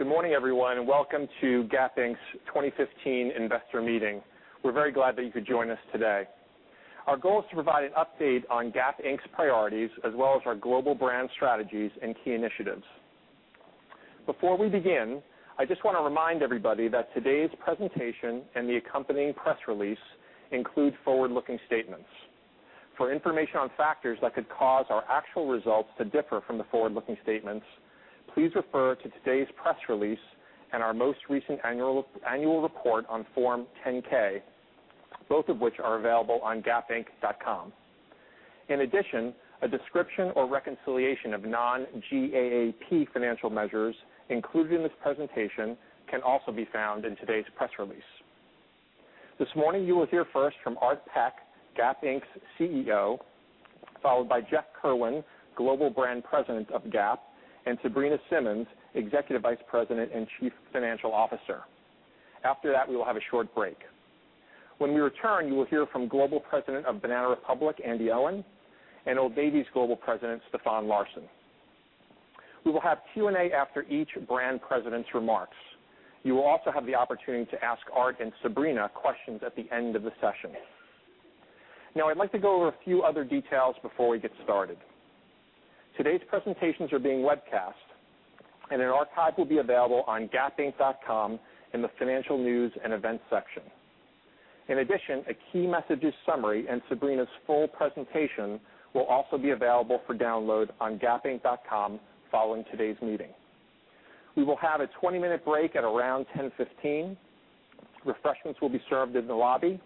Well, good morning, everyone, and welcome to Gap Inc.'s 2015 investor meeting. We are very glad that you could join us today. Our goal is to provide an update on Gap Inc.'s priorities, as well as our global brand strategies and key initiatives. Before we begin, I just want to remind everybody that today's presentation and the accompanying press release include forward-looking statements. For information on factors that could cause our actual results to differ from the forward-looking statements, please refer to today's press release and our most recent annual report on Form 10-K, both of which are available on gapinc.com. In addition, a description or reconciliation of non-GAAP financial measures included in this presentation can also be found in today's press release. This morning, you will hear first from Art Peck, Gap Inc.'s CEO, followed by Jeff Kirwan, Global Brand President of Gap, and Sabrina Simmons, Executive Vice President and Chief Financial Officer. After that, we will have a short break. When we return, you will hear from Global President of Banana Republic, Andi Owen, and Old Navy's Global President, Stefan Larsson. We will have Q&A after each brand president's remarks. You will also have the opportunity to ask Art and Sabrina questions at the end of the session. I'd like to go over a few other details before we get started. Today's presentations are being webcast, and an archive will be available on gapinc.com in the Financial News and Events section. In addition, a key messages summary and Sabrina's full presentation will also be available for download on gapinc.com following today's meeting. We will have a 20-minute break at around 10:15. Refreshments will be served in the lobby.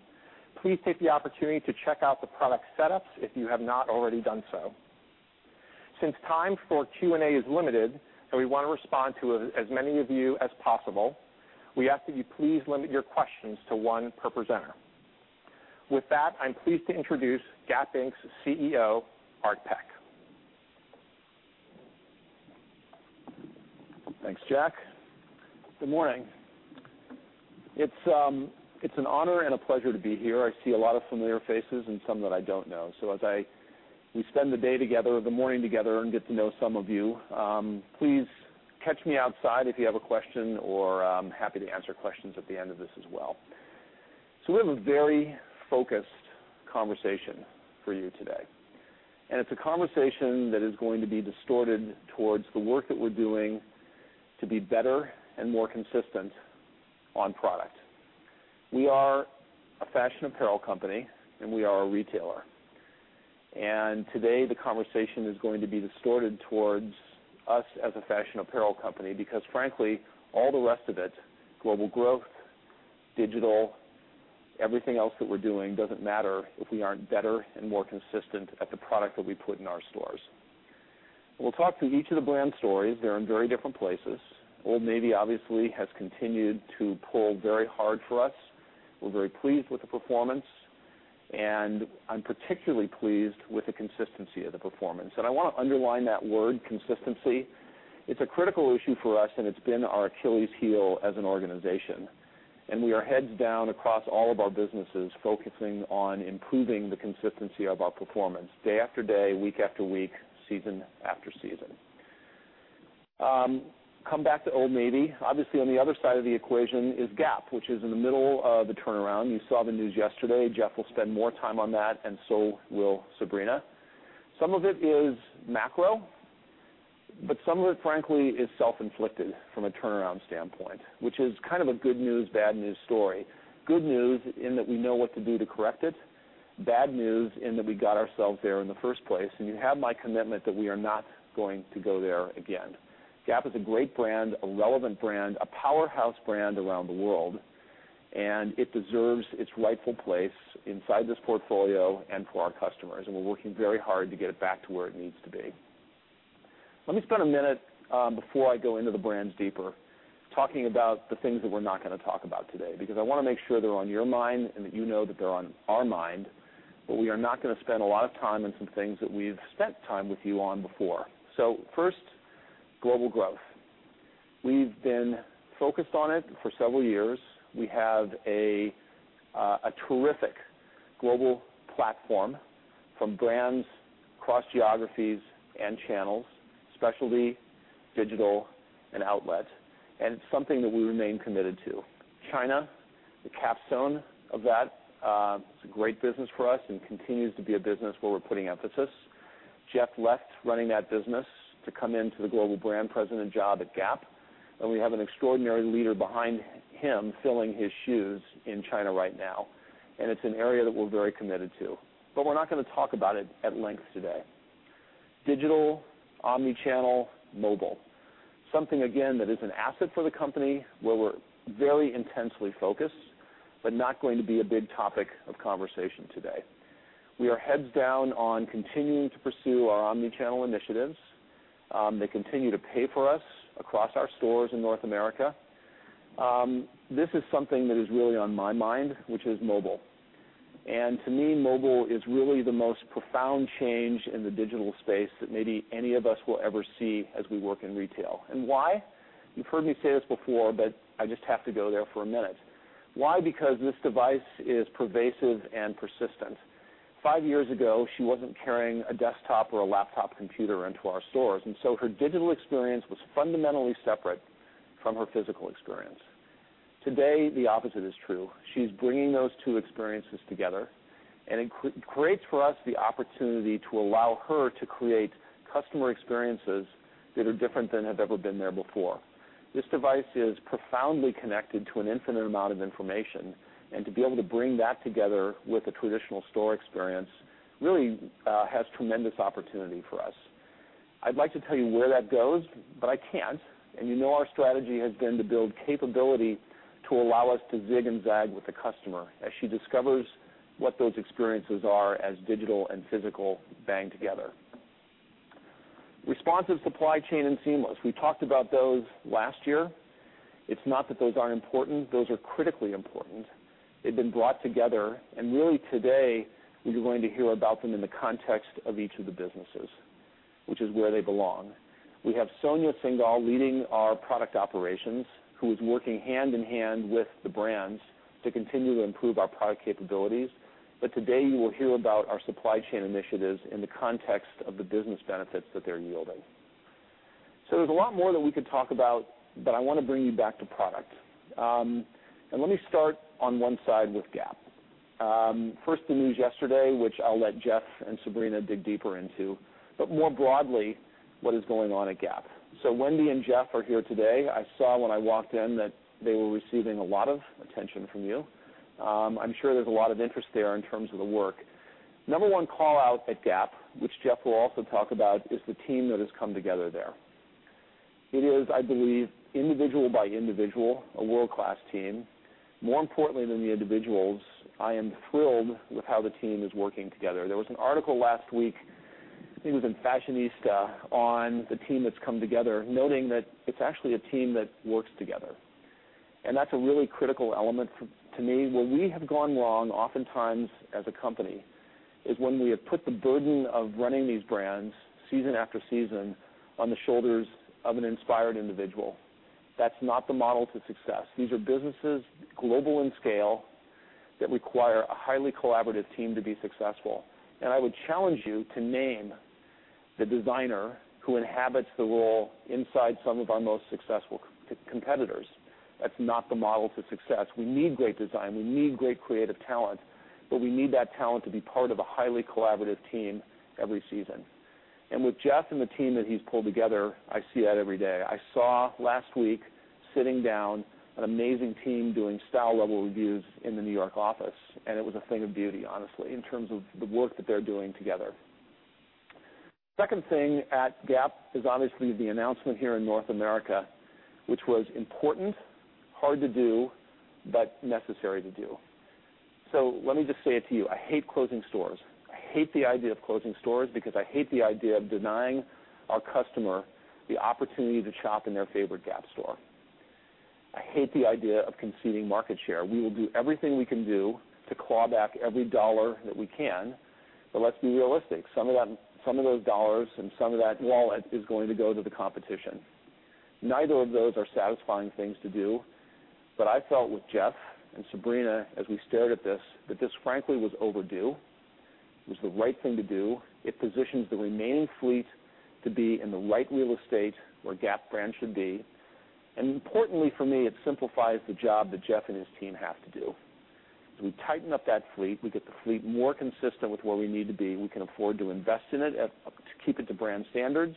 Please take the opportunity to check out the product setups if you have not already done so. Since time for Q&A is limited, and we want to respond to as many of you as possible, we ask that you please limit your questions to one per presenter. With that, I am pleased to introduce Gap Inc.'s CEO, Art Peck. Thanks, Jack. Good morning. It is an honor and a pleasure to be here. I see a lot of familiar faces and some that I do not know. As we spend the day together, the morning together, and get to know some of you, please catch me outside if you have a question, or I am happy to answer questions at the end of this as well. We have a very focused conversation for you today, and it is a conversation that is going to be distorted towards the work that we are doing to be better and more consistent on product. We are a fashion apparel company, and we are a retailer. Today the conversation is going to be distorted towards us as a fashion apparel company because frankly, all the rest of it, global growth, digital, everything else that we're doing doesn't matter if we aren't better and more consistent at the product that we put in our stores. We'll talk to each of the brand stories. They're in very different places. Old Navy obviously has continued to pull very hard for us. We're very pleased with the performance, and I'm particularly pleased with the consistency of the performance. I want to underline that word consistency. It's a critical issue for us, and it's been our Achilles' heel as an organization. We are heads down across all of our businesses, focusing on improving the consistency of our performance day after day, week after week, season after season. Come back to Old Navy. Obviously, on the other side of the equation is Gap, which is in the middle of the turnaround. You saw the news yesterday. Jeff will spend more time on that, and so will Sabrina. Some of it is macro, but some of it, frankly, is self-inflicted from a turnaround standpoint, which is kind of a good news, bad news story. Good news in that we know what to do to correct it. Bad news in that we got ourselves there in the first place. You have my commitment that we are not going to go there again. Gap is a great brand, a relevant brand, a powerhouse brand around the world, and it deserves its rightful place inside this portfolio and for our customers, and we're working very hard to get it back to where it needs to be. Let me spend a minute, before I go into the brands deeper, talking about the things that we're not going to talk about today, because I want to make sure they're on your mind and that you know that they're on our mind, but we are not going to spend a lot of time on some things that we've spent time with you on before. First, global growth. We've been focused on it for several years. We have a terrific global platform from brands across geographies and channels, specialty, digital, and outlet. It's something that we remain committed to. China, the capstone of that. It's a great business for us and continues to be a business where we're putting emphasis. Jeff left running that business to come into the Global Brand President job at Gap, and we have an extraordinary leader behind him filling his shoes in China right now, and it's an area that we're very committed to. We're not going to talk about it at length today. Digital, omni-channel, mobile. Something, again, that is an asset for the company, where we're very intensely focused, but not going to be a big topic of conversation today. We are heads down on continuing to pursue our omni-channel initiatives. They continue to pay for us across our stores in North America. This is something that is really on my mind, which is mobile. To me, mobile is really the most profound change in the digital space that maybe any of us will ever see as we work in retail. Why? You've heard me say this before, I just have to go there for a minute. Why? Because this device is pervasive and persistent. Five years ago, she wasn't carrying a desktop or a laptop computer into our stores. So her digital experience was fundamentally separate from her physical experience. Today, the opposite is true. She's bringing those two experiences together, and it creates for us the opportunity to allow her to create customer experiences that are different than have ever been there before. This device is profoundly connected to an infinite amount of information, and to be able to bring that together with a traditional store experience really has tremendous opportunity for us. I'd like to tell you where that goes, I can't, you know our strategy has been to build capability to allow us to zig and zag with the customer as she discovers what those experiences are as digital and physical bang together. Responsive supply chain and seamless. We talked about those last year. It's not that those aren't important. Those are critically important. They've been brought together, and really today, you're going to hear about them in the context of each of the businesses, which is where they belong. We have Sonia Syngal leading our product operations, who is working hand in hand with the brands to continue to improve our product capabilities. Today, you will hear about our supply chain initiatives in the context of the business benefits that they're yielding. There's a lot more that we could talk about, I want to bring you back to product. Let me start on one side with Gap. First, the news yesterday, which I'll let Jeff and Sabrina dig deeper into, more broadly, what is going on at Gap. Wendy and Jeff are here today. I saw when I walked in that they were receiving a lot of attention from you. I'm sure there's a lot of interest there in terms of the work. Number one call-out at Gap, which Jeff will also talk about, is the team that has come together there. It is, I believe, individual by individual, a world-class team. More importantly than the individuals, I am thrilled with how the team is working together. There was an article last week, I think it was in Fashionista, on the team that's come together, noting that it's actually a team that works together. That's a really critical element for me. Where we have gone wrong oftentimes as a company is when we have put the burden of running these brands season after season on the shoulders of an inspired individual. That's not the model to success. These are businesses, global in scale, that require a highly collaborative team to be successful. I would challenge you to name the designer who inhabits the role inside some of our most successful competitors. That's not the model to success. We need great design. We need great creative talent. We need that talent to be part of a highly collaborative team every season. With Jeff and the team that he's pulled together, I see that every day. I saw last week, sitting down, an amazing team doing style level reviews in the New York office. It was a thing of beauty, honestly, in terms of the work that they're doing together. Second thing at Gap is obviously the announcement here in North America, which was important, hard to do, but necessary to do. Let me just say it to you. I hate closing stores. I hate the idea of closing stores because I hate the idea of denying our customer the opportunity to shop in their favorite Gap store. I hate the idea of conceding market share. We will do everything we can do to claw back every dollar that we can. Let's be realistic. Some of those dollars and some of that wallet is going to go to the competition. Neither of those are satisfying things to do. I felt with Jeff and Sabrina, as we stared at this, that this frankly was overdue. It was the right thing to do. It positions the remaining fleet to be in the right real estate where Gap brand should be. Importantly for me, it simplifies the job that Jeff and his team have to do. As we tighten up that fleet, we get the fleet more consistent with where we need to be. We can afford to invest in it to keep it to brand standards,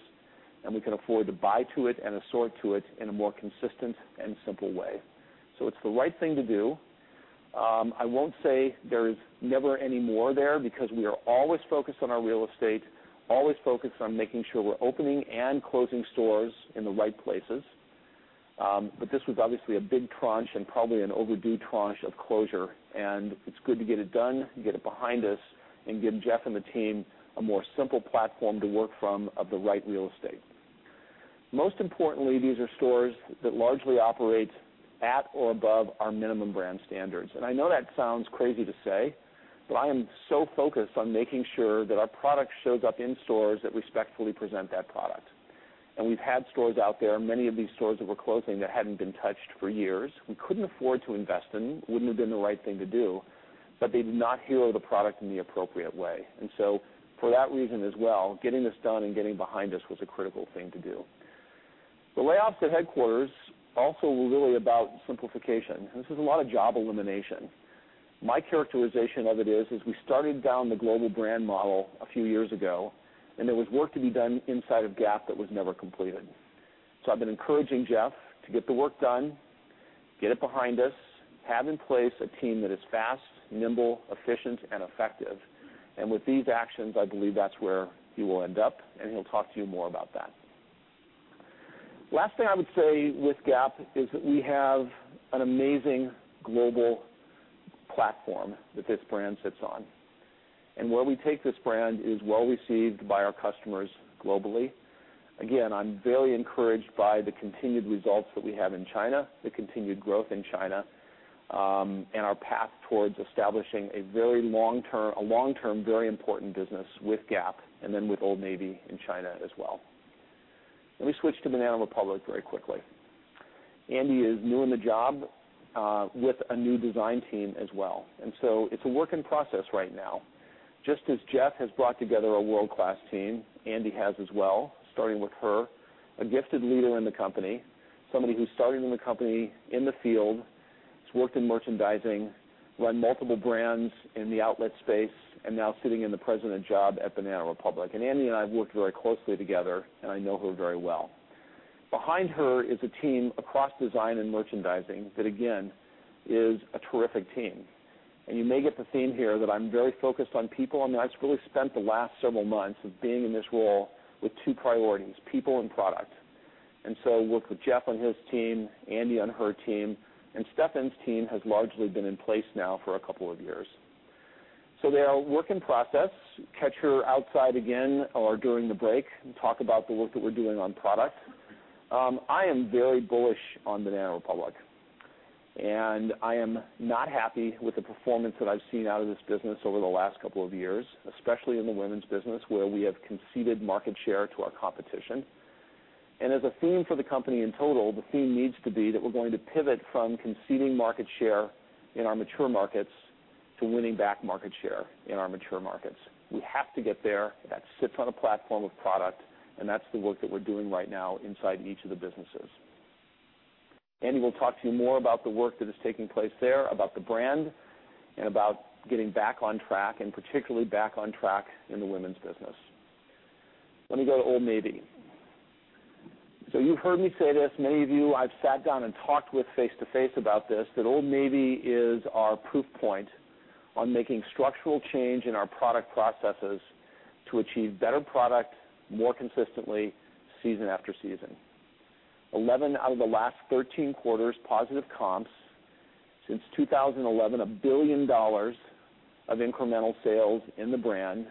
and we can afford to buy to it and assort to it in a more consistent and simple way. It's the right thing to do. I won't say there's never any more there because we are always focused on our real estate, always focused on making sure we're opening and closing stores in the right places. This was obviously a big tranche and probably an overdue tranche of closure, and it's good to get it done and get it behind us and give Jeff and the team a more simple platform to work from of the right real estate. Most importantly, these are stores that largely operate at or above our minimum brand standards. I know that sounds crazy to say, but I am so focused on making sure that our product shows up in stores that respectfully present that product. We've had stores out there, many of these stores that we're closing, that hadn't been touched for years. We couldn't afford to invest in them. Wouldn't have been the right thing to do. They did not hero the product in the appropriate way. For that reason as well, getting this done and getting behind this was a critical thing to do. The layoffs at headquarters also were really about simplification. This is a lot of job elimination. My characterization of it is, we started down the global brand model a few years ago, there was work to be done inside of Gap that was never completed. I've been encouraging Jeff to get the work done, get it behind us, have in place a team that is fast, nimble, efficient and effective. With these actions, I believe that's where he will end up, and he'll talk to you more about that. Last thing I would say with Gap is that we have an amazing global platform that this brand sits on. Where we take this brand is well received by our customers globally. I'm very encouraged by the continued results that we have in China, the continued growth in China, and our path towards establishing a very long-term, very important business with Gap and then with Old Navy in China as well. Let me switch to Banana Republic very quickly. Andy is new in the job with a new design team as well. It's a work in process right now. Just as Jeff has brought together a world-class team, Andy has as well, starting with her, a gifted leader in the company, somebody who started in the company in the field, has worked in merchandising, run multiple brands in the outlet space, and now sitting in the president job at Banana Republic. Andy and I have worked very closely together, and I know her very well. Behind her is a team across design and merchandising that, again, is a terrific team. You may get the theme here that I mean, I just really spent the last several months of being in this role with two priorities: people and product. I worked with Jeff on his team, Andy on her team, and Stefan's team has largely been in place now for a couple of years. They are a work in process. Catch her outside again or during the break and talk about the work that we're doing on product. I am very bullish on Banana Republic. I am not happy with the performance that I've seen out of this business over the last couple of years, especially in the women's business, where we have conceded market share to our competition. As a theme for the company in total, the theme needs to be that we're going to pivot from conceding market share in our mature markets to winning back market share in our mature markets. We have to get there. That sits on a platform of product, and that's the work that we're doing right now inside each of the businesses. Andy will talk to you more about the work that is taking place there, about the brand, and about getting back on track and particularly back on track in the women's business. Let me go to Old Navy. You've heard me say this. Many of you, I've sat down and talked with face-to-face about this, that Old Navy is our proof point on making structural change in our product processes to achieve better product more consistently season after season. 11 out of the last 13 quarters positive comps. Since 2011, $1 billion of incremental sales in the brand.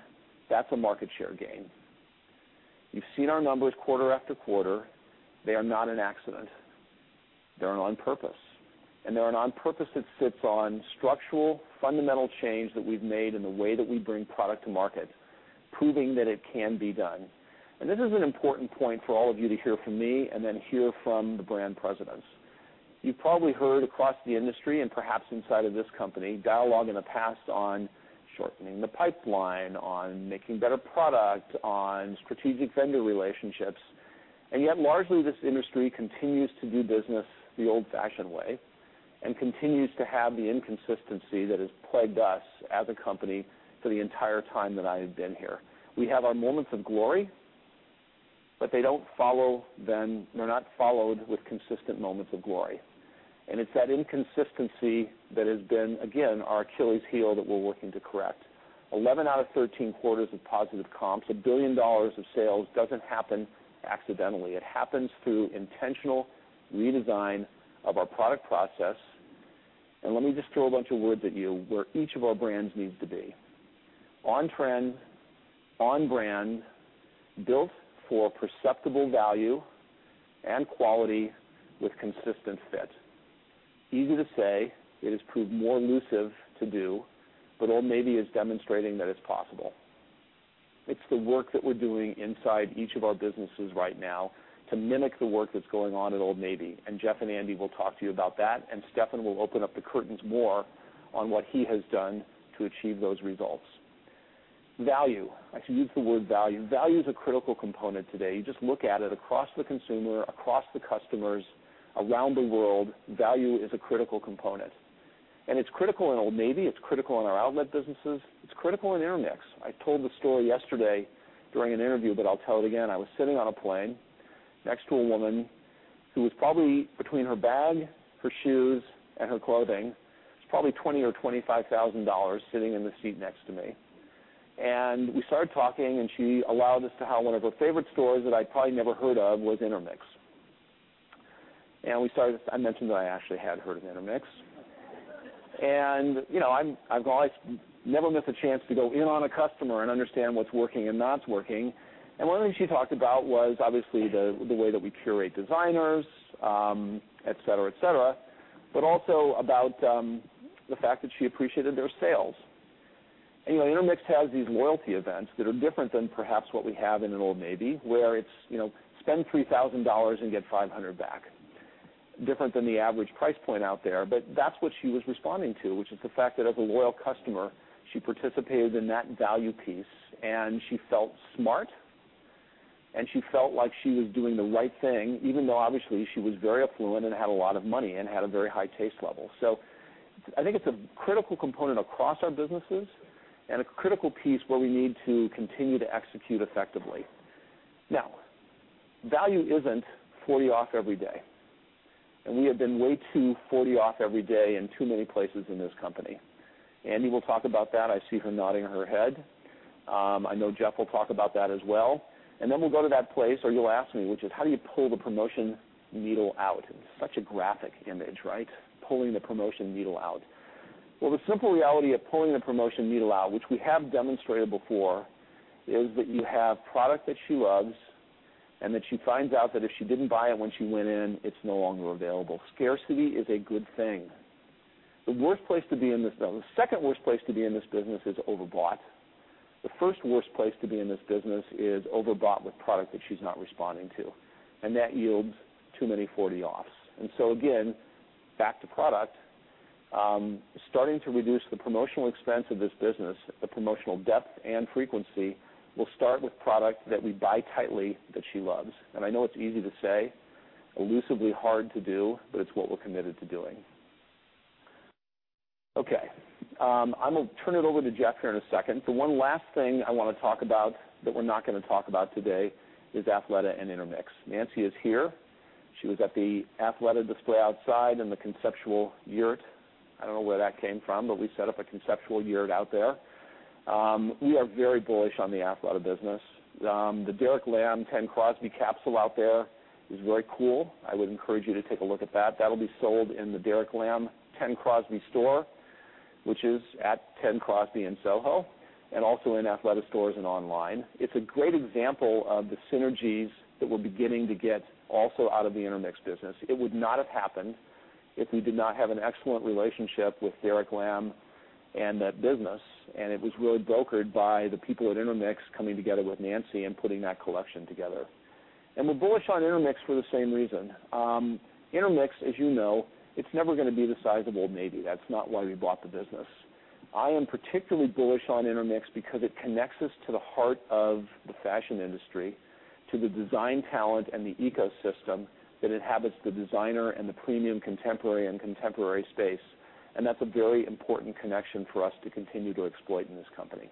That's a market share gain. You've seen our numbers quarter after quarter. They are not an accident. They're on purpose, and they're an on-purpose that sits on structural, fundamental change that we've made in the way that we bring product to market, proving that it can be done. This is an important point for all of you to hear from me and then hear from the brand presidents. You've probably heard across the industry, and perhaps inside of this company, dialogue in the past on shortening the pipeline, on making better product, on strategic vendor relationships, yet largely this industry continues to do business the old-fashioned way and continues to have the inconsistency that has plagued us as a company for the entire time that I have been here. We have our moments of glory, but they're not followed with consistent moments of glory. It's that inconsistency that has been, again, our Achilles' heel that we're working to correct. 11 out of 13 quarters of positive comps, $1 billion of sales doesn't happen accidentally. It happens through intentional redesign of our product process. Let me just throw a bunch of words at you where each of our brands needs to be. On trend, on brand, built for perceptible value and quality with consistent fit. Easy to say. It has proved more elusive to do, but Old Navy is demonstrating that it's possible. It's the work that we're doing inside each of our businesses right now to mimic the work that's going on at Old Navy. Jeff and Andy will talk to you about that, Stefan will open up the curtains more on what he has done to achieve those results. Value. I should use the word value. Value is a critical component today. You just look at it across the consumer, across the customers, around the world. Value is a critical component. It's critical in Old Navy. It's critical in our outlet businesses. It's critical in Intermix. I told the story yesterday during an interview, but I'll tell it again. I was sitting on a plane next to a woman who was probably, between her bag, her shoes, and her clothing, was probably $20,000 or $25,000 sitting in the seat next to me. We started talking, she allowed us to how one of her favorite stores that I'd probably never heard of was Intermix. I mentioned that I actually had heard of Intermix. I never miss a chance to go in on a customer and understand what's working and not working. One of the things she talked about was obviously the way that we curate designers, et cetera, but also about the fact that she appreciated their sales. Anyway, Intermix has these loyalty events that are different than perhaps what we have in an Old Navy, where it's spend $3,000 and get $500 back. Different than the average price point out there, but that's what she was responding to, which is the fact that as a loyal customer, she participated in that value piece, and she felt smart, and she felt like she was doing the right thing, even though obviously she was very affluent and had a lot of money and had a very high taste level. I think it's a critical component across our businesses and a critical piece where we need to continue to execute effectively. Now, value isn't 40 off every day, and we have been way too 40 off every day in too many places in this company. Andy will talk about that. I see her nodding her head. I know Jeff will talk about that as well. Then we'll go to that place or you'll ask me, which is how do you pull the promotion needle out? Such a graphic image, right? Pulling the promotion needle out. The simple reality of pulling the promotion needle out, which we have demonstrated before, is that you have product that she loves and that she finds out that if she didn't buy it when she went in, it's no longer available. Scarcity is a good thing. The second worst place to be in this business is overbought. The first worst place to be in this business is overbought with product that she's not responding to, and that yields too many 40-offs. Again, back to product. Starting to reduce the promotional expense of this business, the promotional depth and frequency, we'll start with product that we buy tightly that she loves. I know it's easy to say, elusively hard to do, but it's what we're committed to doing. Okay. I'm going to turn it over to Jeff here in a second. The one last thing I want to talk about, that we're not going to talk about today, is Athleta and Intermix. Nancy is here. She was at the Athleta display outside in the conceptual yurt. I don't know where that came from, but we set up a conceptual yurt out there. We are very bullish on the Athleta business. The Derek Lam x 10 Crosby capsule out there is very cool. I would encourage you to take a look at that. That'll be sold in the Derek Lam x 10 Crosby store, which is at 10 Crosby in Soho, and also in Athleta stores and online. It's a great example of the synergies that we're beginning to get also out of the Intermix business. It would not have happened if we did not have an excellent relationship with Derek Lam and that business, and it was really brokered by the people at Intermix coming together with Nancy and putting that collection together. We're bullish on Intermix for the same reason. Intermix, as you know, it's never going to be the size of Old Navy. That's not why we bought the business. I am particularly bullish on Intermix because it connects us to the heart of the fashion industry, to the design talent and the ecosystem that inhabits the designer and the premium contemporary and contemporary space. That's a very important connection for us to continue to exploit in this company.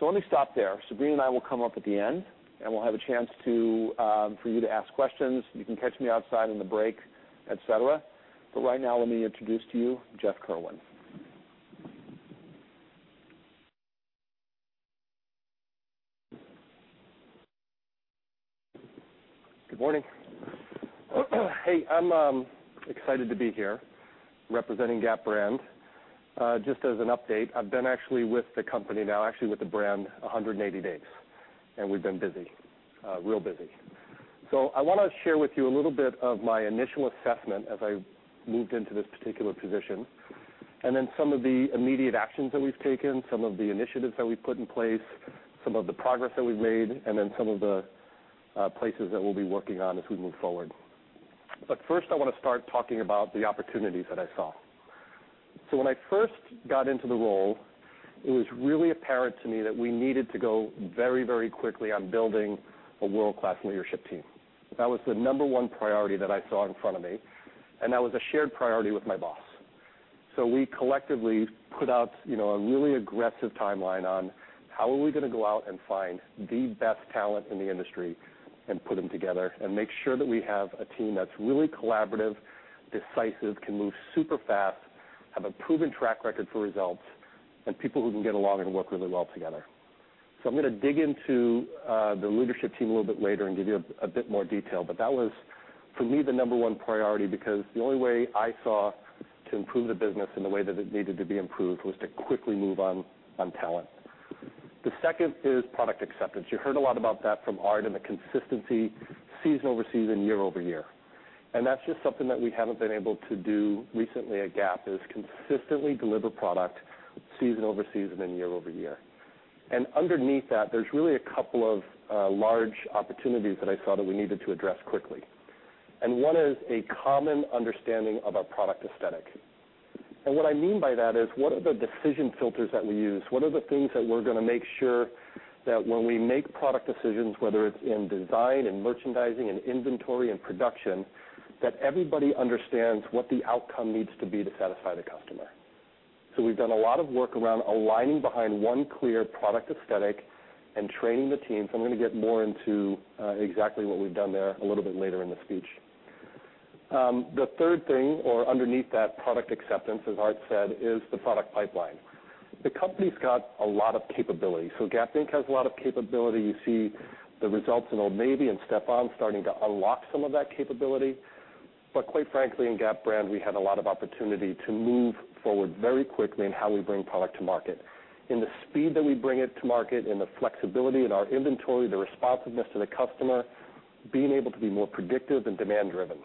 Let me stop there. Sabrina and I will come up at the end, and we'll have a chance for you to ask questions. You can catch me outside on the break, et cetera. Right now, let me introduce to you Jeff Kirwan. Good morning. Hey, I'm excited to be here representing Gap Brand. Just as an update, I've been actually with the company now, actually with the brand, 180 days. We've been busy. Real busy. I want to share with you a little bit of my initial assessment as I moved into this particular position, then some of the immediate actions that we've taken, some of the initiatives that we've put in place, some of the progress that we've made, and then some of the places that we'll be working on as we move forward. First, I want to start talking about the opportunities that I saw. When I first got into the role, it was really apparent to me that we needed to go very quickly on building a world-class leadership team. That was the number one priority that I saw in front of me, and that was a shared priority with my boss. We collectively put out a really aggressive timeline on how are we going to go out and find the best talent in the industry and put them together and make sure that we have a team that's really collaborative, decisive, can move super fast, have a proven track record for results, and people who can get along and work really well together. I'm going to dig into the leadership team a little bit later and give you a bit more detail. That was, for me, the number one priority because the only way I saw to improve the business in the way that it needed to be improved was to quickly move on talent. The second is product acceptance. You heard a lot about that from Art and the consistency season over season, year over year. That's just something that we haven't been able to do recently at Gap is consistently deliver product season over season and year over year. Underneath that, there's really a couple of large opportunities that I saw that we needed to address quickly. One is a common understanding of our product aesthetic. What I mean by that is what are the decision filters that we use? What are the things that we're going to make sure that when we make product decisions, whether it's in design, in merchandising, in inventory and production, that everybody understands what the outcome needs to be to satisfy the customer. We've done a lot of work around aligning behind one clear product aesthetic and training the team. I'm going to get more into exactly what we've done there a little bit later in the speech. The third thing, or underneath that product acceptance, as Art said, is the product pipeline. The company's got a lot of capability. Gap Inc. has a lot of capability. You see the results in Old Navy and Stefan starting to unlock some of that capability. Quite frankly, in Gap Brand, we had a lot of opportunity to move forward very quickly in how we bring product to market. In the speed that we bring it to market, in the flexibility in our inventory, the responsiveness to the customer, being able to be more predictive and demand driven.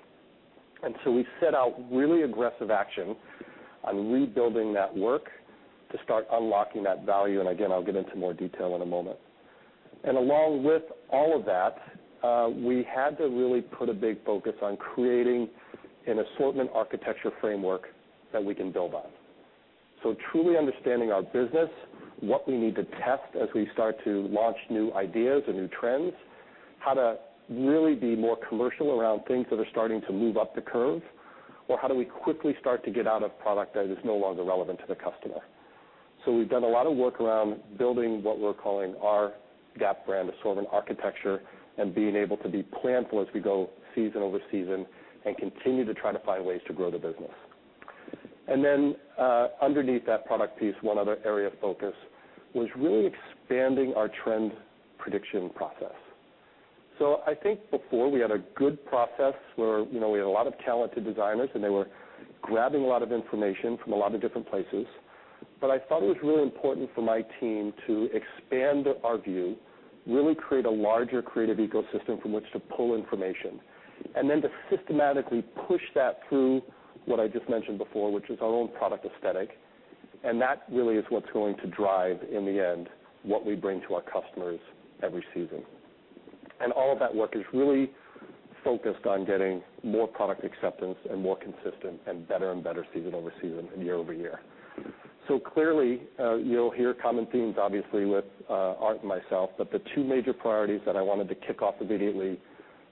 We set out really aggressive action on rebuilding that work to start unlocking that value. Again, I'll get into more detail in a moment. Along with all of that, we had to really put a big focus on creating an assortment architecture framework that we can build on. Truly understanding our business, what we need to test as we start to launch new ideas and new trends, how to really be more commercial around things that are starting to move up the curve, or how do we quickly start to get out of product that is no longer relevant to the customer. We've done a lot of work around building what we're calling our Gap brand assortment architecture and being able to be planful as we go season over season and continue to try to find ways to grow the business. Underneath that product piece, one other area of focus was really expanding our trend prediction process. I think before we had a good process where we had a lot of talented designers, and they were grabbing a lot of information from a lot of different places. I thought it was really important for my team to expand our view, really create a larger creative ecosystem from which to pull information, then to systematically push that through what I just mentioned before, which is our own product aesthetic. That really is what's going to drive, in the end, what we bring to our customers every season. All of that work is really focused on getting more product acceptance and more consistent and better and better season over season and year over year. Clearly, you'll hear common themes, obviously, with Art and myself. The two major priorities that I wanted to kick off immediately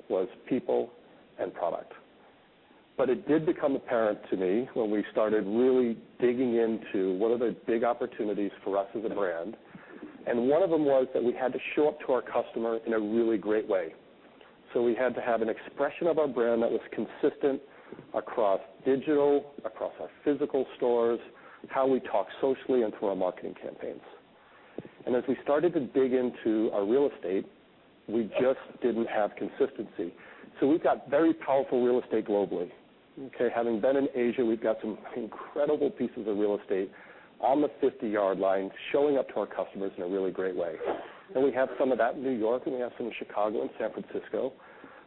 was people and product. It did become apparent to me when we started really digging into what are the big opportunities for us as a brand, one of them was that we had to show up to our customer in a really great way. We had to have an expression of our brand that was consistent across digital, across our physical stores, how we talk socially, and through our marketing campaigns. As we started to dig into our real estate, we just didn't have consistency. We've got very powerful real estate globally. Okay? Having been in Asia, we've got some incredible pieces of real estate on the 50-yard line showing up to our customers in a really great way. We have some of that in New York, and we have some in Chicago and San Francisco.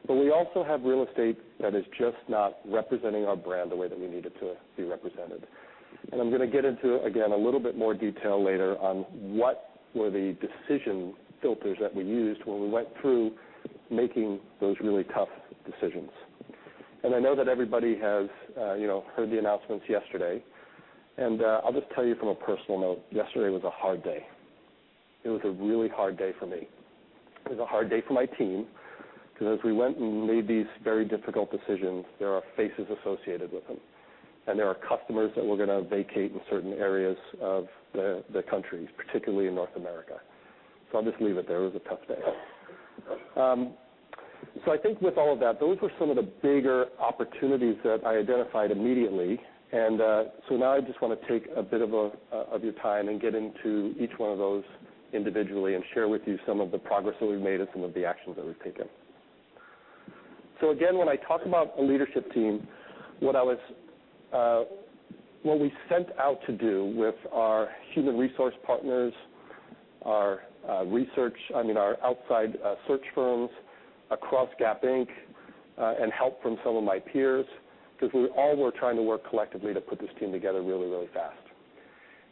We also have real estate that is just not representing our brand the way that we need it to be represented. I'm going to get into, again, a little bit more detail later on what were the decision filters that we used when we went through making those really tough decisions. I know that everybody has heard the announcements yesterday. I'll just tell you from a personal note, yesterday was a hard day. It was a really hard day for me. It was a hard day for my team because as we went and made these very difficult decisions, there are faces associated with them. There are customers that we're going to vacate in certain areas of the country, particularly in North America. I'll just leave it there. It was a tough day. I think with all of that, those were some of the bigger opportunities that I identified immediately. Now I just want to take a bit of your time and get into each one of those individually and share with you some of the progress that we've made and some of the actions that we've taken. Again, when I talk about a leadership team, what we set out to do with our human resource partners, our outside search firms across Gap Inc, and help from some of my peers, because we all were trying to work collectively to put this team together really, really fast.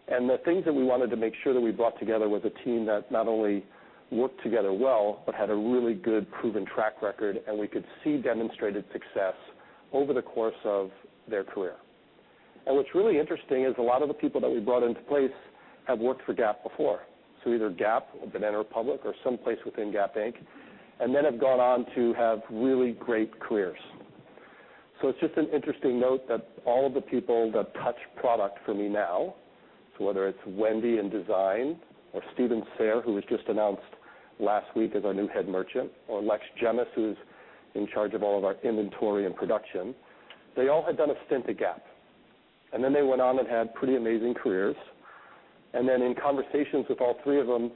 The things that we wanted to make sure that we brought together was a team that not only worked together well but had a really good proven track record, and we could see demonstrated success over the course of their career. What's really interesting is a lot of the people that we brought into place have worked for Gap before. Either Gap or Banana Republic or someplace within Gap Inc, and then have gone on to have really great careers. It's just an interesting note that all of the people that touch product for me now, whether it's Wendy in design or Stephen Sayer, who was just announced last week as our new head merchant, or Lex Jemison, who's in charge of all of our inventory and production, they all had done a stint at Gap. They went on and had pretty amazing careers. In conversations with all three of them,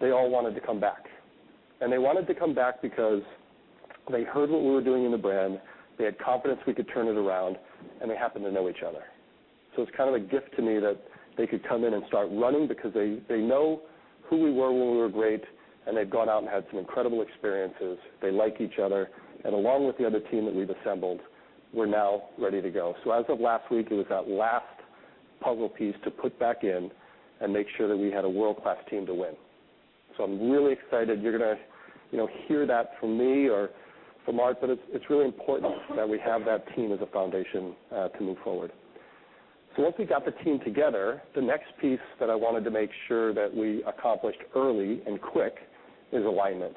they all wanted to come back. They wanted to come back because they heard what we were doing in the brand, they had confidence we could turn it around, and they happened to know each other. It's kind of a gift to me that they could come in and start running because they know who we were when we were great, and they've gone out and had some incredible experiences. They like each other. Along with the other team that we've assembled, we're now ready to go. As of last week, it was that last puzzle piece to put back in and make sure that we had a world-class team to win. I'm really excited. You're going to hear that from me or from Art, but it's really important that we have that team as a foundation to move forward. Once we got the team together, the next piece that I wanted to make sure that we accomplished early and quick is alignment.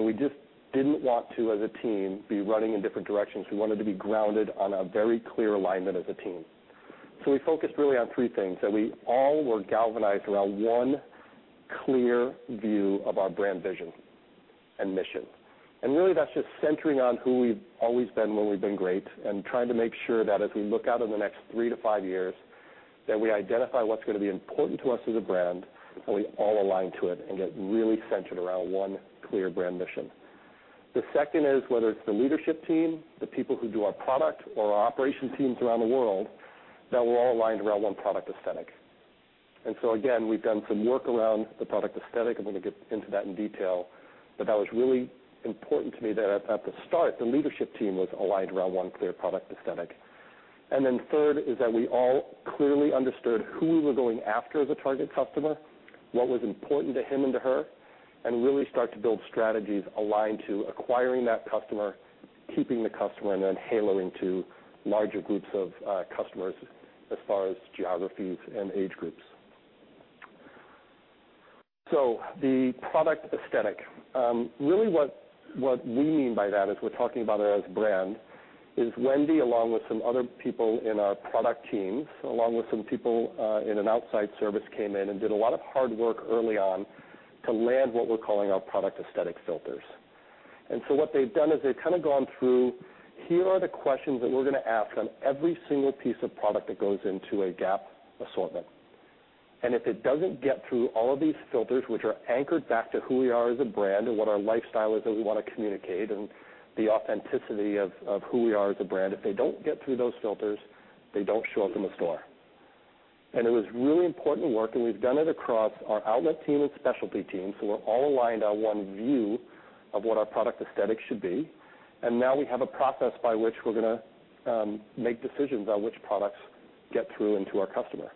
We just didn't want to, as a team, be running in different directions. We wanted to be grounded on a very clear alignment as a team. We focused really on three things, that we all were galvanized around one clear view of our brand vision and mission. That's just centering on who we've always been when we've been great and trying to make sure that as we look out in the next 3 to 5 years, that we identify what's going to be important to us as a brand, and we all align to it and get really centered around one clear brand mission. The second is whether it's the leadership team, the people who do our product or our operation teams around the world, that we're all aligned around one product aesthetic. Again, we've done some work around the product aesthetic. I'm going to get into that in detail. That was really important to me that at the start, the leadership team was aligned around one clear product aesthetic. Third is that we all clearly understood who we were going after as a target customer, what was important to him and to her, and really start to build strategies aligned to acquiring that customer, keeping the customer, and then haloing to larger groups of customers as far as geographies and age groups. The product aesthetic. Really what we mean by that is we're talking about it as a brand, is Wendy, along with some other people in our product teams, along with some people in an outside service, came in and did a lot of hard work early on to land what we're calling our product aesthetic filters. What they've done is they've kind of gone through, here are the questions that we're going to ask on every single piece of product that goes into a Gap assortment. If it doesn't get through all of these filters, which are anchored back to who we are as a brand and what our lifestyle is that we want to communicate, and the authenticity of who we are as a brand. If they don't get through those filters, they don't show up in the store. It was really important work, and we've done it across our outlet team and specialty team, so we're all aligned on one view of what our product aesthetic should be. Now we have a process by which we're going to make decisions on which products get through into our customer.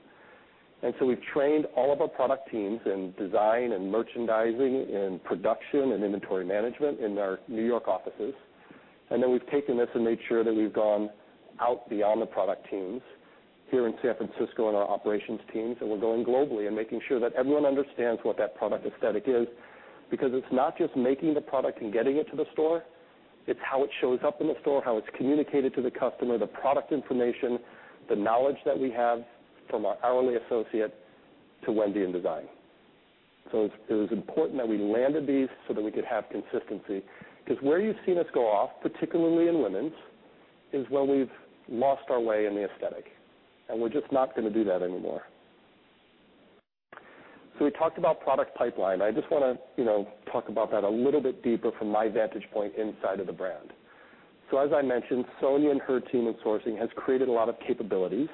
We've trained all of our product teams in design, and merchandising, in production, and inventory management in our New York offices. We've taken this and made sure that we've gone out beyond the product teams here in San Francisco and our operations teams. We're going globally and making sure that everyone understands what that product aesthetic is, because it's not just making the product and getting it to the store. It's how it shows up in the store, how it's communicated to the customer, the product information, the knowledge that we have from our hourly associate to Wendy in design. It was important that we landed these so that we could have consistency. Because where you've seen us go off, particularly in women's, is where we've lost our way in the aesthetic. We're just not going to do that anymore. We talked about product pipeline. I just want to talk about that a little bit deeper from my vantage point inside of the brand. As I mentioned, Sonia and her team in sourcing has created a lot of capabilities.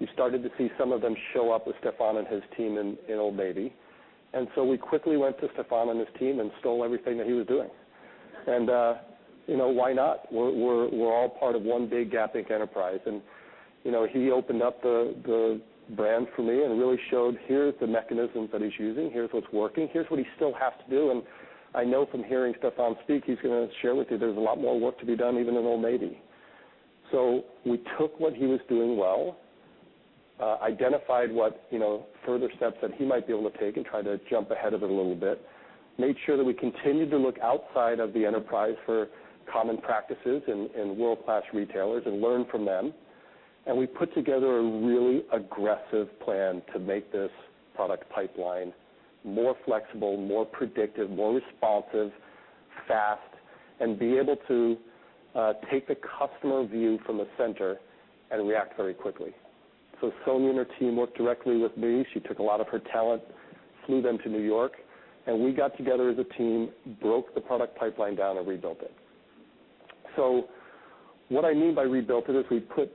You started to see some of them show up with Stefan and his team in Old Navy. We quickly went to Stefan and his team and stole everything that he was doing. Why not? We're all part of one big Gap Inc. enterprise. He opened up the brand for me and really showed, here's the mechanism that he's using. Here's what's working. Here's what he still has to do. I know from hearing Stefan speak, he's going to share with you there's a lot more work to be done, even in Old Navy. We took what he was doing well, identified what further steps that he might be able to take and try to jump ahead of it a little bit. Made sure that we continued to look outside of the enterprise for common practices in world-class retailers and learn from them. We put together a really aggressive plan to make this product pipeline more flexible, more predictive, more responsive, fast, and be able to take the customer view from the center and react very quickly. Sonia and her team worked directly with me. She took a lot of her talent, flew them to New York, and we got together as a team, broke the product pipeline down, and rebuilt it. What I mean by rebuilt it is we put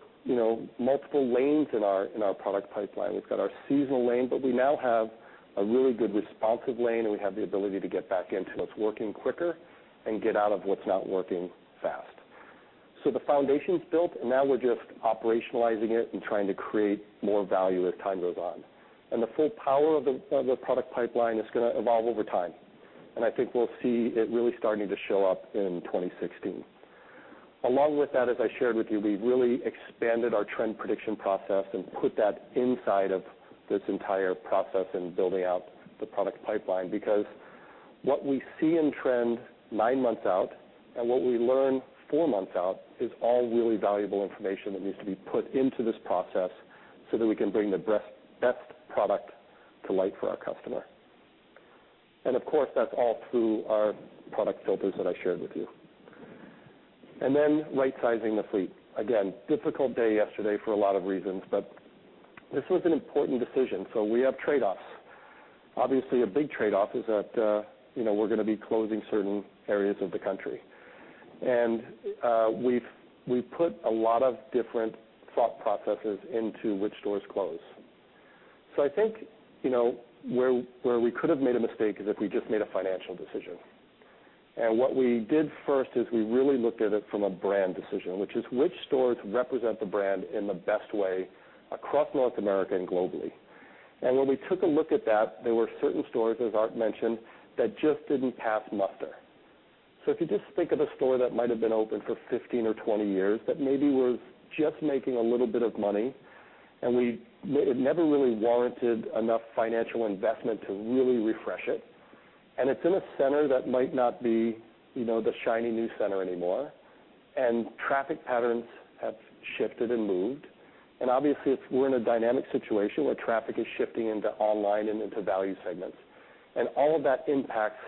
multiple lanes in our product pipeline. We've got our seasonal lane, but we now have a really good responsive lane, and we have the ability to get back into what's working quicker and get out of what's not working fast. The foundation's built, and now we're just operationalizing it and trying to create more value as time goes on. The full power of the product pipeline is going to evolve over time. I think we'll see it really starting to show up in 2016. Along with that, as I shared with you, we've really expanded our trend prediction process and put that inside of this entire process in building out the product pipeline. Because what we see in trend nine months out and what we learn four months out is all really valuable information that needs to be put into this process so that we can bring the best product to life for our customer. Of course, that's all through our product filters that I shared with you. Rightsizing the fleet. Again, difficult day yesterday for a lot of reasons, but this was an important decision. We have trade-offs. Obviously, a big trade-off is that we're going to be closing certain areas of the country. We've put a lot of different thought processes into which stores close. I think where we could've made a mistake is if we just made a financial decision. What we did first is we really looked at it from a brand decision, which is which stores represent the brand in the best way across North America and globally. When we took a look at that, there were certain stores, as Art mentioned, that just didn't pass muster. If you just think of a store that might've been open for 15 or 20 years, that maybe was just making a little bit of money, it never really warranted enough financial investment to really refresh it. It's in a center that might not be the shiny new center anymore, traffic patterns have shifted and moved. Obviously, we're in a dynamic situation where traffic is shifting into online and into value segments. All of that impacts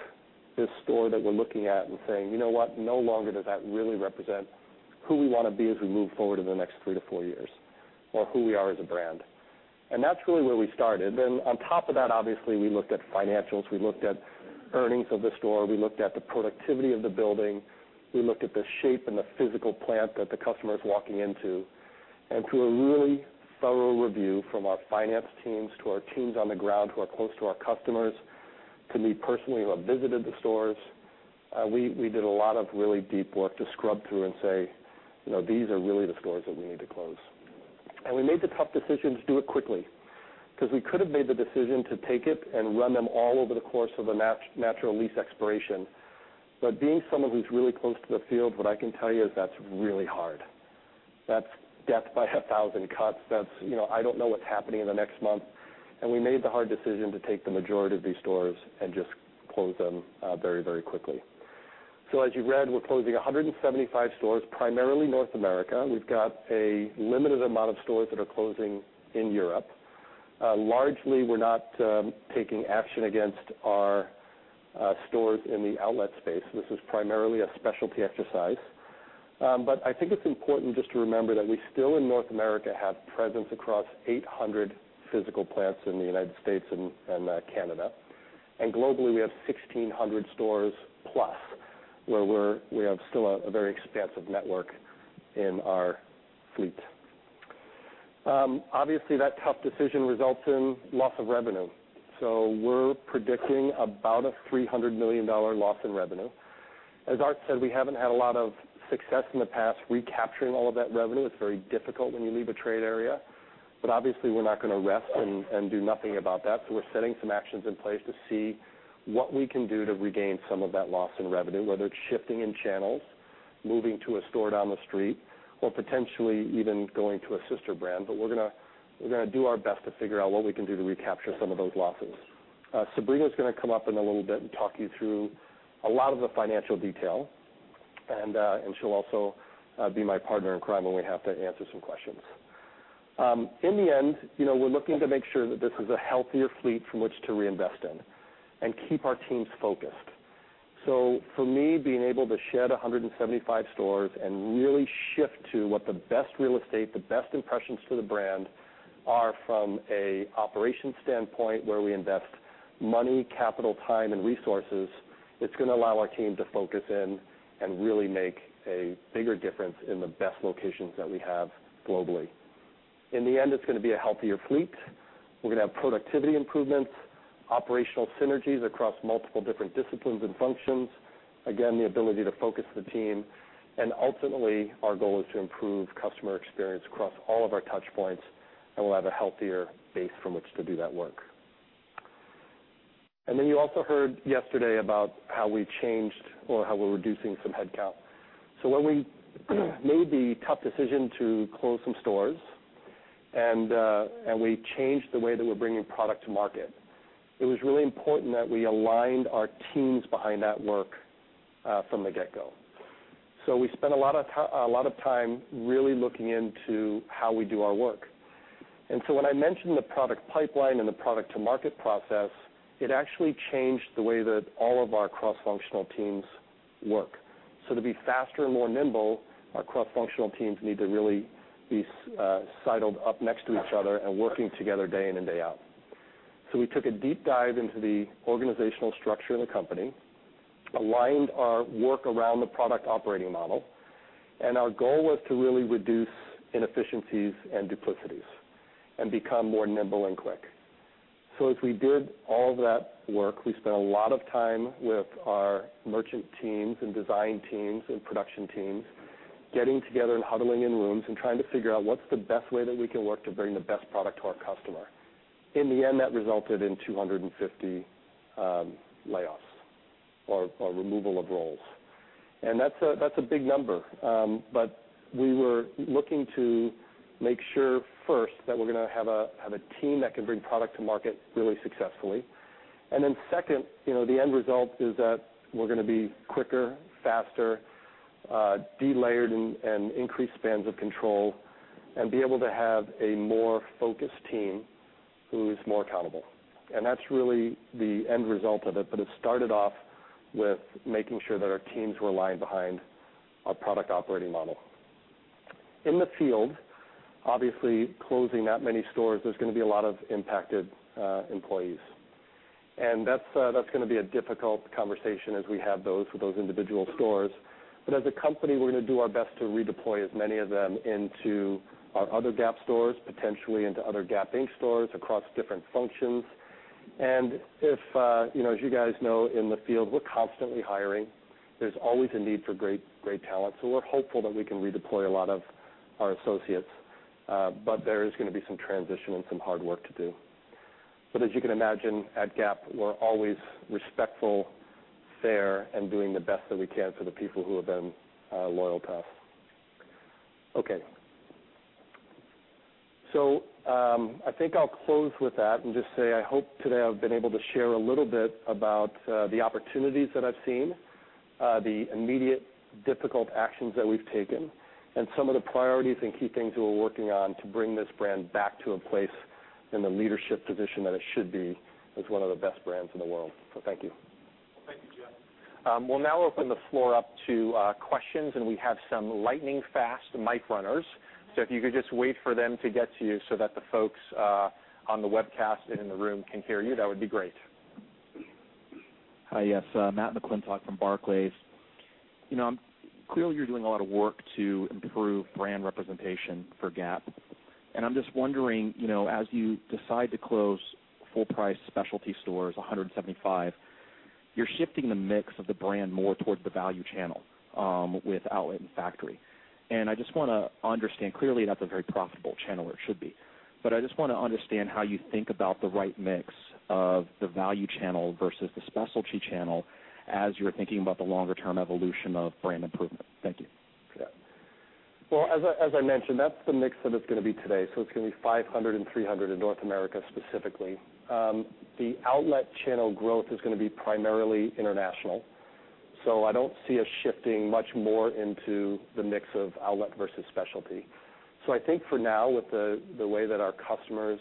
this store that we're looking at and saying, "You know what? No longer does that really represent who we want to be as we move forward in the next three to four years, or who we are as a brand." That's really where we started. On top of that, obviously, we looked at financials, we looked at earnings of the store, we looked at the productivity of the building. We looked at the shape and the physical plant that the customer is walking into. Through a really thorough review from our finance teams to our teams on the ground who are close to our customers, to me personally, who have visited the stores. We did a lot of really deep work to scrub through and say, "These are really the stores that we need to close." We made the tough decision to do it quickly. We could have made the decision to take it and run them all over the course of a natural lease expiration. Being someone who's really close to the field, what I can tell you is that's really hard. That's death by a 1,000 cuts. That's I don't know what's happening in the next month. We made the hard decision to take the majority of these stores and just close them very quickly. As you read, we're closing 175 stores, primarily North America. We've got a limited amount of stores that are closing in Europe. Largely, we're not taking action against our stores in the outlet space. This is primarily a specialty exercise. I think it's important just to remember that we still, in North America, have presence across 800 physical plants in the U.S. and Canada. Globally, we have 1,600 stores plus, where we have still a very expansive network in our fleet. Obviously, that tough decision results in loss of revenue. We're predicting about a $300 million loss in revenue. As Art said, we haven't had a lot of success in the past recapturing all of that revenue. It's very difficult when you leave a trade area. Obviously, we're not going to rest and do nothing about that. We're setting some actions in place to see what we can do to regain some of that loss in revenue, whether it's shifting in channels, moving to a store down the street, or potentially even going to a sister brand. We're going to do our best to figure out what we can do to recapture some of those losses. Sabrina is going to come up in a little bit and talk you through a lot of the financial detail. She'll also be my partner in crime when we have to answer some questions. In the end, we're looking to make sure that this is a healthier fleet from which to reinvest in and keep our teams focused. For me, being able to shed 175 stores and really shift to what the best real estate, the best impressions for the brand are from an operations standpoint, where we invest money, capital, time, and resources, it's going to allow our team to focus in and really make a bigger difference in the best locations that we have globally. In the end, it's going to be a healthier fleet. We're going to have productivity improvements, operational synergies across multiple different disciplines and functions. Again, the ability to focus the team. Ultimately, our goal is to improve customer experience across all of our touch points, and we'll have a healthier base from which to do that work. You also heard yesterday about how we changed or how we're reducing some headcount. When we made the tough decision to close some stores, and we changed the way that we're bringing product to market, it was really important that we aligned our teams behind that work from the get-go. We spent a lot of time really looking into how we do our work. When I mention the product pipeline and the product to market process, it actually changed the way that all of our cross-functional teams work. To be faster and more nimble, our cross-functional teams need to really be sidled up next to each other and working together day in and day out. We took a deep dive into the organizational structure of the company, aligned our work around the product operating model, and our goal was to really reduce inefficiencies and duplicities and become more nimble and quick. As we did all that work, we spent a lot of time with our merchant teams and design teams and production teams getting together and huddling in rooms and trying to figure out what's the best way that we can work to bring the best product to our customer. In the end, that resulted in 250 layoffs or removal of roles. That's a big number. We were looking to make sure first that we're going to have a team that can bring product to market really successfully. Second, the end result is that we're going to be quicker, faster, delayered, and increase spans of control and be able to have a more focused team who is more accountable. That's really the end result of it. It started off with making sure that our teams were aligned behind our product operating model. In the field, obviously, closing that many stores, there's going to be a lot of impacted employees. That's going to be a difficult conversation as we have those with those individual stores. As a company, we're going to do our best to redeploy as many of them into our other Gap stores, potentially into other Gap Inc. stores across different functions. As you guys know, in the field, we're constantly hiring. There's always a need for great talent. We're hopeful that we can redeploy a lot of our associates. There is going to be some transition and some hard work to do. As you can imagine, at Gap, we're always respectful, fair, and doing the best that we can for the people who have been loyal to us. Okay. I think I'll close with that and just say I hope today I've been able to share a little bit about the opportunities that I've seen, the immediate difficult actions that we've taken, and some of the priorities and key things that we're working on to bring this brand back to a place in the leadership position that it should be as one of the best brands in the world. Thank you. Well, thank you, Jeff. We'll now open the floor up to questions, and we have some lightning-fast mic runners. If you could just wait for them to get to you so that the folks on the webcast and in the room can hear you, that would be great. Hi. Yes. Matthew McClintock from Barclays. Clearly, you're doing a lot of work to improve brand representation for Gap. I'm just wondering, as you decide to close full-price specialty stores, 175, you're shifting the mix of the brand more towards the value channel with outlet and factory. I just want to understand. Clearly, that's a very profitable channel, or it should be. I just want to understand how you think about the right mix of the value channel versus the specialty channel as you're thinking about the longer-term evolution of brand improvement. Thank you. Well, as I mentioned, that's the mix that it's going to be today. It's going to be 500 and 300 in North America specifically. The outlet channel growth is going to be primarily international. I don't see us shifting much more into the mix of outlet versus specialty. I think for now, with the way that our customers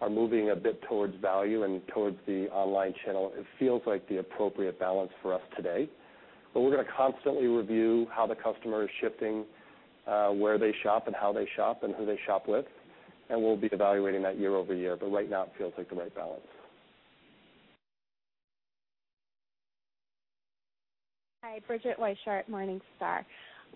are moving a bit towards value and towards the online channel, it feels like the appropriate balance for us today. We're going to constantly review how the customer is shifting, where they shop and how they shop and who they shop with, and we'll be evaluating that year-over-year. Right now it feels like the right balance. Hi, Bridget Weishaar, Morningstar.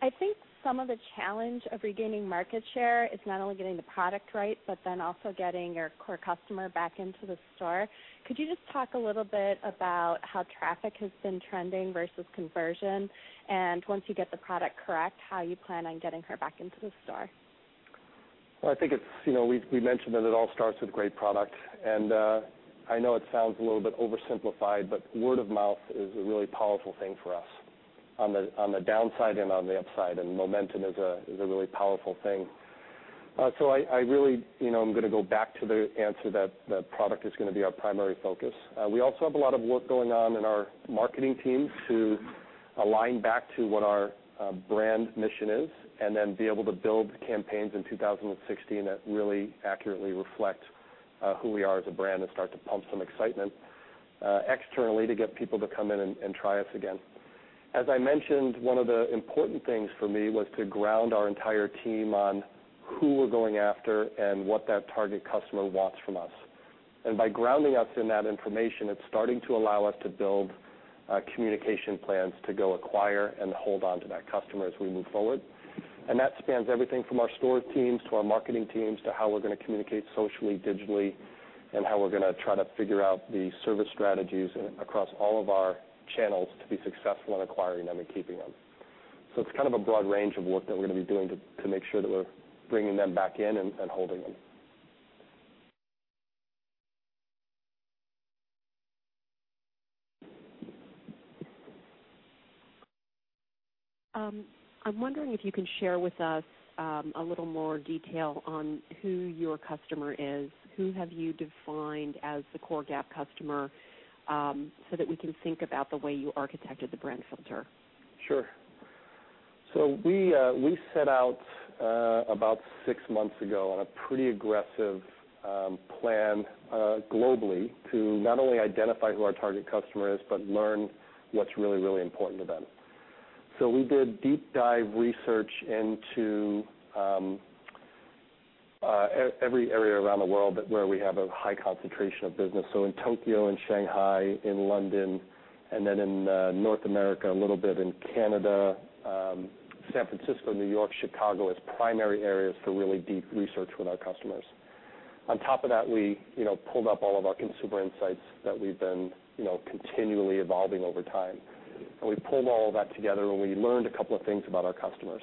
I think some of the challenge of regaining market share is not only getting the product right, also getting your core customer back into the store. Could you just talk a little bit about how traffic has been trending versus conversion? Once you get the product correct, how you plan on getting her back into the store? Well, I think we mentioned that it all starts with great product, I know it sounds a little bit oversimplified, word of mouth is a really powerful thing for us on the downside and on the upside, momentum is a really powerful thing. I really am going to go back to the answer that product is going to be our primary focus. We also have a lot of work going on in our marketing team to align back to what our brand mission is, be able to build campaigns in 2016 that really accurately reflect who we are as a brand and start to pump some excitement externally to get people to come in and try us again. As I mentioned, one of the important things for me was to ground our entire team on who we're going after and what that target customer wants from us. By grounding us in that information, it's starting to allow us to build communication plans to go acquire and hold onto that customer as we move forward. That spans everything from our store teams to our marketing teams, to how we're going to communicate socially, digitally, and how we're going to try to figure out the service strategies across all of our channels to be successful in acquiring them and keeping them. It's kind of a broad range of work that we're going to be doing to make sure that we're bringing them back in and holding them. I'm wondering if you can share with us a little more detail on who your customer is. Who have you defined as the core Gap customer, so that we can think about the way you architected the brand filter? Sure. We set out about 6 months ago on a pretty aggressive plan globally to not only identify who our target customer is, but learn what's really, really important to them. We did deep dive research into every area around the world where we have a high concentration of business. In Tokyo and Shanghai, in London, and then in North America, a little bit in Canada, San Francisco, New York, Chicago as primary areas for really deep research with our customers. On top of that, we pulled up all of our consumer insights that we've been continually evolving over time. We pulled all of that together, and we learned a couple of things about our customers.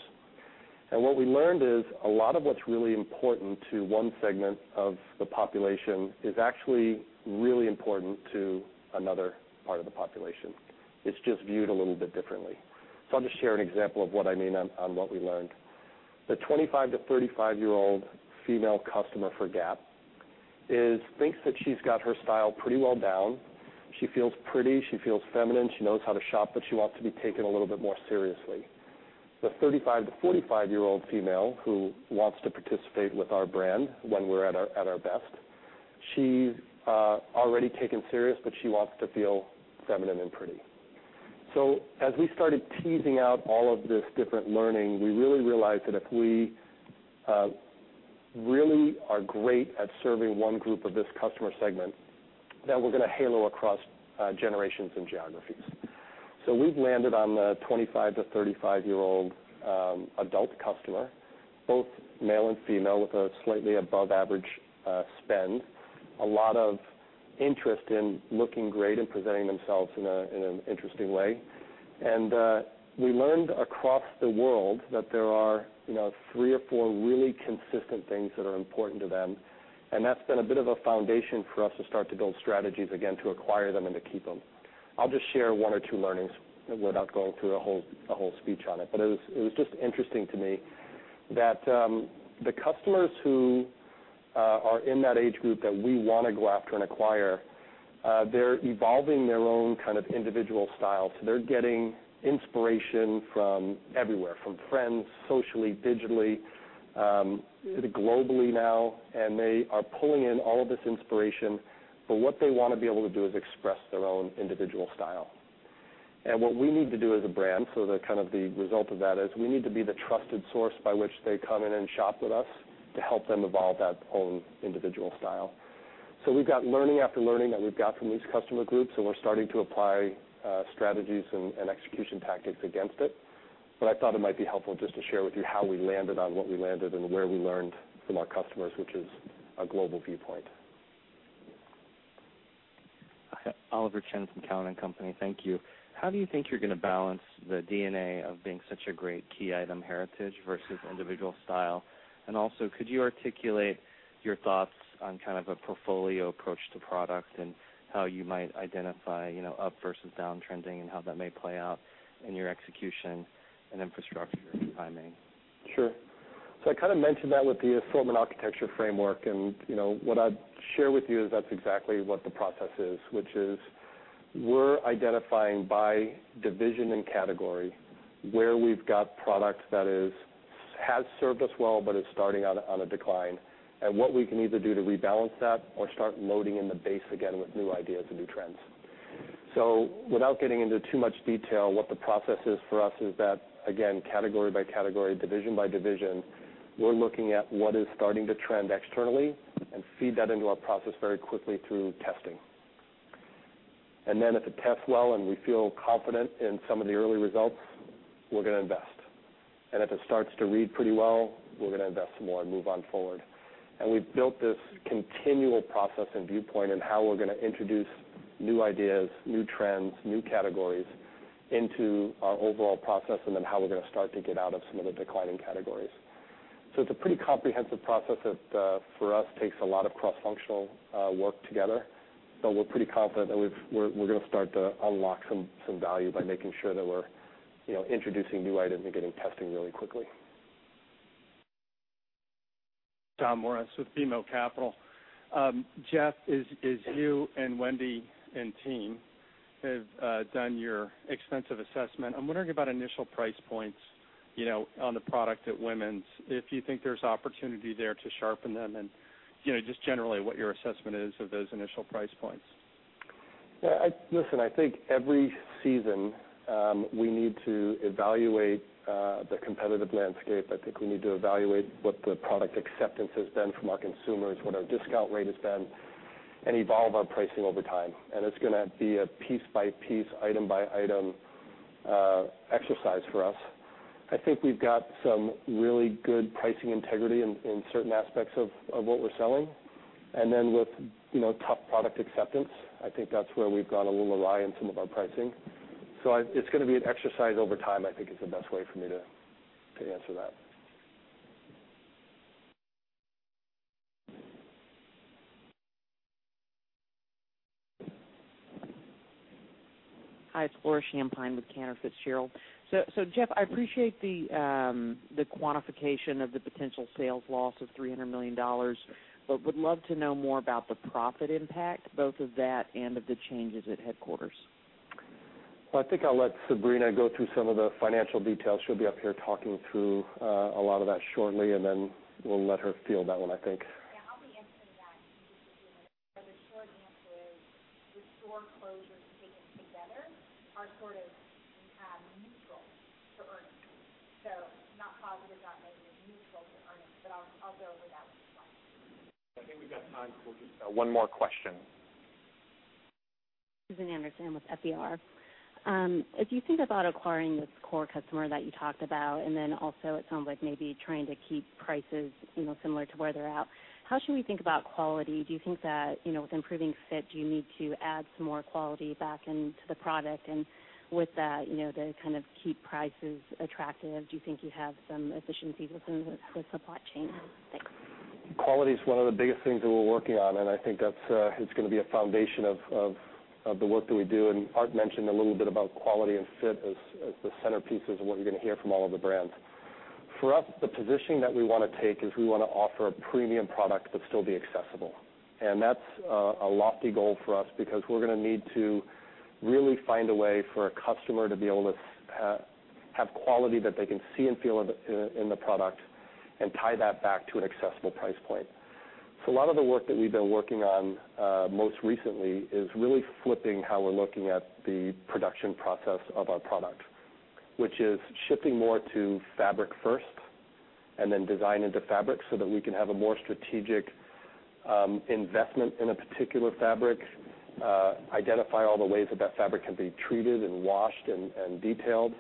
What we learned is a lot of what's really important to one segment of the population is actually really important to another part of the population. It's just viewed a little bit differently. I'll just share an example of what I mean on what we learned. The 25 to 35-year-old female customer for Gap thinks that she's got her style pretty well down. She feels pretty, she feels feminine, she knows how to shop, but she wants to be taken a little bit more seriously. The 35 to 45-year-old female who wants to participate with our brand when we're at our best, she's already taken serious, but she wants to feel feminine and pretty. As we started teasing out all of this different learning, we really realized that if we really are great at serving one group of this customer segment, that we're going to halo across generations and geographies. We've landed on the 25 to 35-year-old adult customer, both male and female, with a slightly above average spend, a lot of interest in looking great and presenting themselves in an interesting way. We learned across the world that there are three or four really consistent things that are important to them, and that's been a bit of a foundation for us to start to build strategies again, to acquire them and to keep them. I'll just share one or two learnings without going through a whole speech on it. It was just interesting to me that the customers who are in that age group that we want to go after and acquire, they're evolving their own kind of individual style. They're getting inspiration from everywhere, from friends, socially, digitally, globally now, and they are pulling in all of this inspiration. What they want to be able to do is express their own individual style. What we need to do as a brand, the result of that is we need to be the trusted source by which they come in and shop with us to help them evolve that own individual style. We've got learning after learning that we've got from these customer groups, and we're starting to apply strategies and execution tactics against it. I thought it might be helpful just to share with you how we landed on what we landed and where we learned from our customers, which is a global viewpoint. Oliver Chen from Cowen and Company. Thank you. How do you think you're going to balance the DNA of being such a great key item heritage versus individual style? Could you articulate your thoughts on kind of a portfolio approach to product and how you might identify up versus down trending and how that may play out in your execution and infrastructure and timing? Sure. I kind of mentioned that with the assortment architecture framework. What I'd share with you is that's exactly what the process is, which is we're identifying by division and category where we've got products that has served us well, but is starting out on a decline, and what we can either do to rebalance that or start loading in the base again with new ideas and new trends. Without getting into too much detail, what the process is for us is that, again, category by category, division by division, we're looking at what is starting to trend externally and feed that into our process very quickly through testing. Then if it tests well and we feel confident in some of the early results, we're going to invest. If it starts to read pretty well, we're going to invest more and move on forward. We've built this continual process and viewpoint in how we're going to introduce new ideas, new trends, new categories into our overall process, and then how we're going to start to get out of some of the declining categories. It's a pretty comprehensive process that, for us, takes a lot of cross-functional work together. We're pretty confident that we're going to start to unlock some value by making sure that we're introducing new items and getting testing really quickly. Simeon Siegel with BMO Capital Markets. Jeff, as you and Wendy and team have done your extensive assessment, I'm wondering about initial price points on the product at Women's, if you think there's opportunity there to sharpen them, and just generally what your assessment is of those initial price points. Listen, I think every season, we need to evaluate the competitive landscape. I think we need to evaluate what the product acceptance has been from our consumers, what our discount rate has been, and evolve our pricing over time. It's going to be a piece-by-piece, item-by-item exercise for us. I think we've got some really good pricing integrity in certain aspects of what we're selling. Then with top product acceptance, I think that's where we've gone a little awry in some of our pricing. It's going to be an exercise over time, I think is the best way for me to answer that. Hi, it's Laura Champine with Cantor Fitzgerald. Jeff, I appreciate the quantification of the potential sales loss of $300 million, would love to know more about the profit impact, both of that and of the changes at headquarters. Well, I think I'll let Sabrina go through some of the financial details. She'll be up here talking through a lot of that shortly, then we'll let her field that one, I think. Yeah, I'll be answering that in just a few minutes. The short answer is the store closures taken together are sort of neutral for earnings. Not positive, not negative, neutral for earnings. I'll go over that in just a while. I think we've got time for one more question. Suzanne Anderson with FER. As you think about acquiring this core customer that you talked about, then also it sounds like maybe trying to keep prices similar to where they're at, how should we think about quality? Do you think that with improving fit, do you need to add some more quality back into the product? With that, to kind of keep prices attractive, do you think you have some efficiencies within the supply chain? Thanks. Quality is one of the biggest things that we're working on. I think that's going to be a foundation of the work that we do. Art mentioned a little bit about quality and fit as the centerpieces of what you're going to hear from all of the brands. For us, the positioning that we want to take is we want to offer a premium product still be accessible. That's a lofty goal for us because we're going to need to really find a way for a customer to be able to have quality that they can see and feel in the product and tie that back to an accessible price point. A lot of the work that we've been working on most recently is really flipping how we're looking at the production process of our product, which is shifting more to fabric first then design into fabric so that we can have a more strategic investment in a particular fabric, identify all the ways that that fabric can be treated and washed and detailed,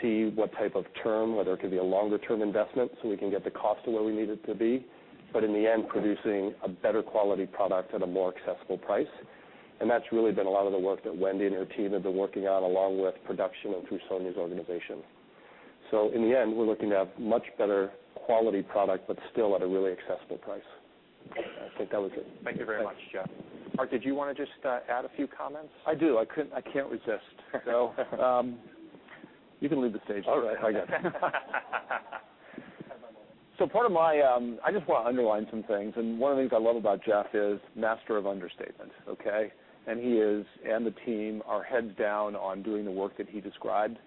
see what type of term, whether it could be a longer-term investment so we can get the cost to where we need it to be. In the end, producing a better quality product at a more accessible price. That's really been a lot of the work that Wendy and her team have been working on, along with production and through Sonia's organization. In the end, we're looking to have much better quality product, still at a really accessible price. I think that was it. Thank you very much, Jeff. Art, did you want to just add a few comments? I do. I can't resist. You can leave the stage. All right. I just want to underline some things, one of the things I love about Jeff is master of understatement, okay? He is, and the team are heads down on doing the work that he described.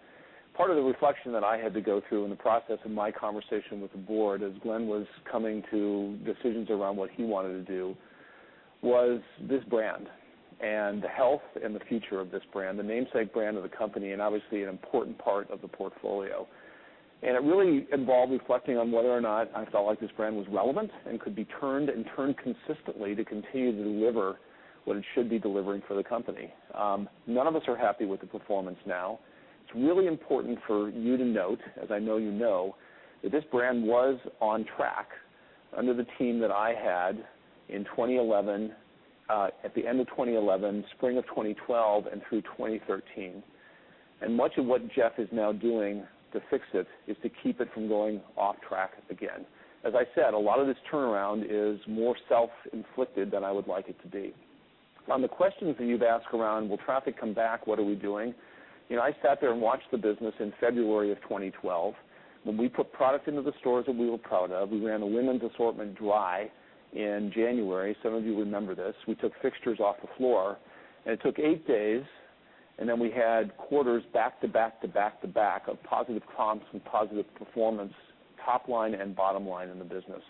Part of the reflection that I had to go through in the process of my conversation with the board, as Glenn was coming to decisions around what he wanted to do, was this brand and the health and the future of this brand, the namesake brand of the company, and obviously an important part of the portfolio. It really involved reflecting on whether or not I felt like this brand was relevant and could be turned, and turned consistently to continue to deliver what it should be delivering for the company. None of us are happy with the performance now. It's really important for you to note, as I know you know, that this brand was on track under the team that I had in 2011, at the end of 2011, spring of 2012, and through 2013. Much of what Jeff is now doing to fix it is to keep it from going off track again. As I said, a lot of this turnaround is more self-inflicted than I would like it to be. On the questions that you've asked around will traffic come back, what are we doing? I sat there and watched the business in February of 2012, when we put product into the stores that we were proud of. We ran the women's assortment dry in January. Some of you remember this. We took fixtures off the floor, and it took eight days, and then we had quarters back, to back, to back, to back of positive comps and positive performance, top line and bottom line in the business.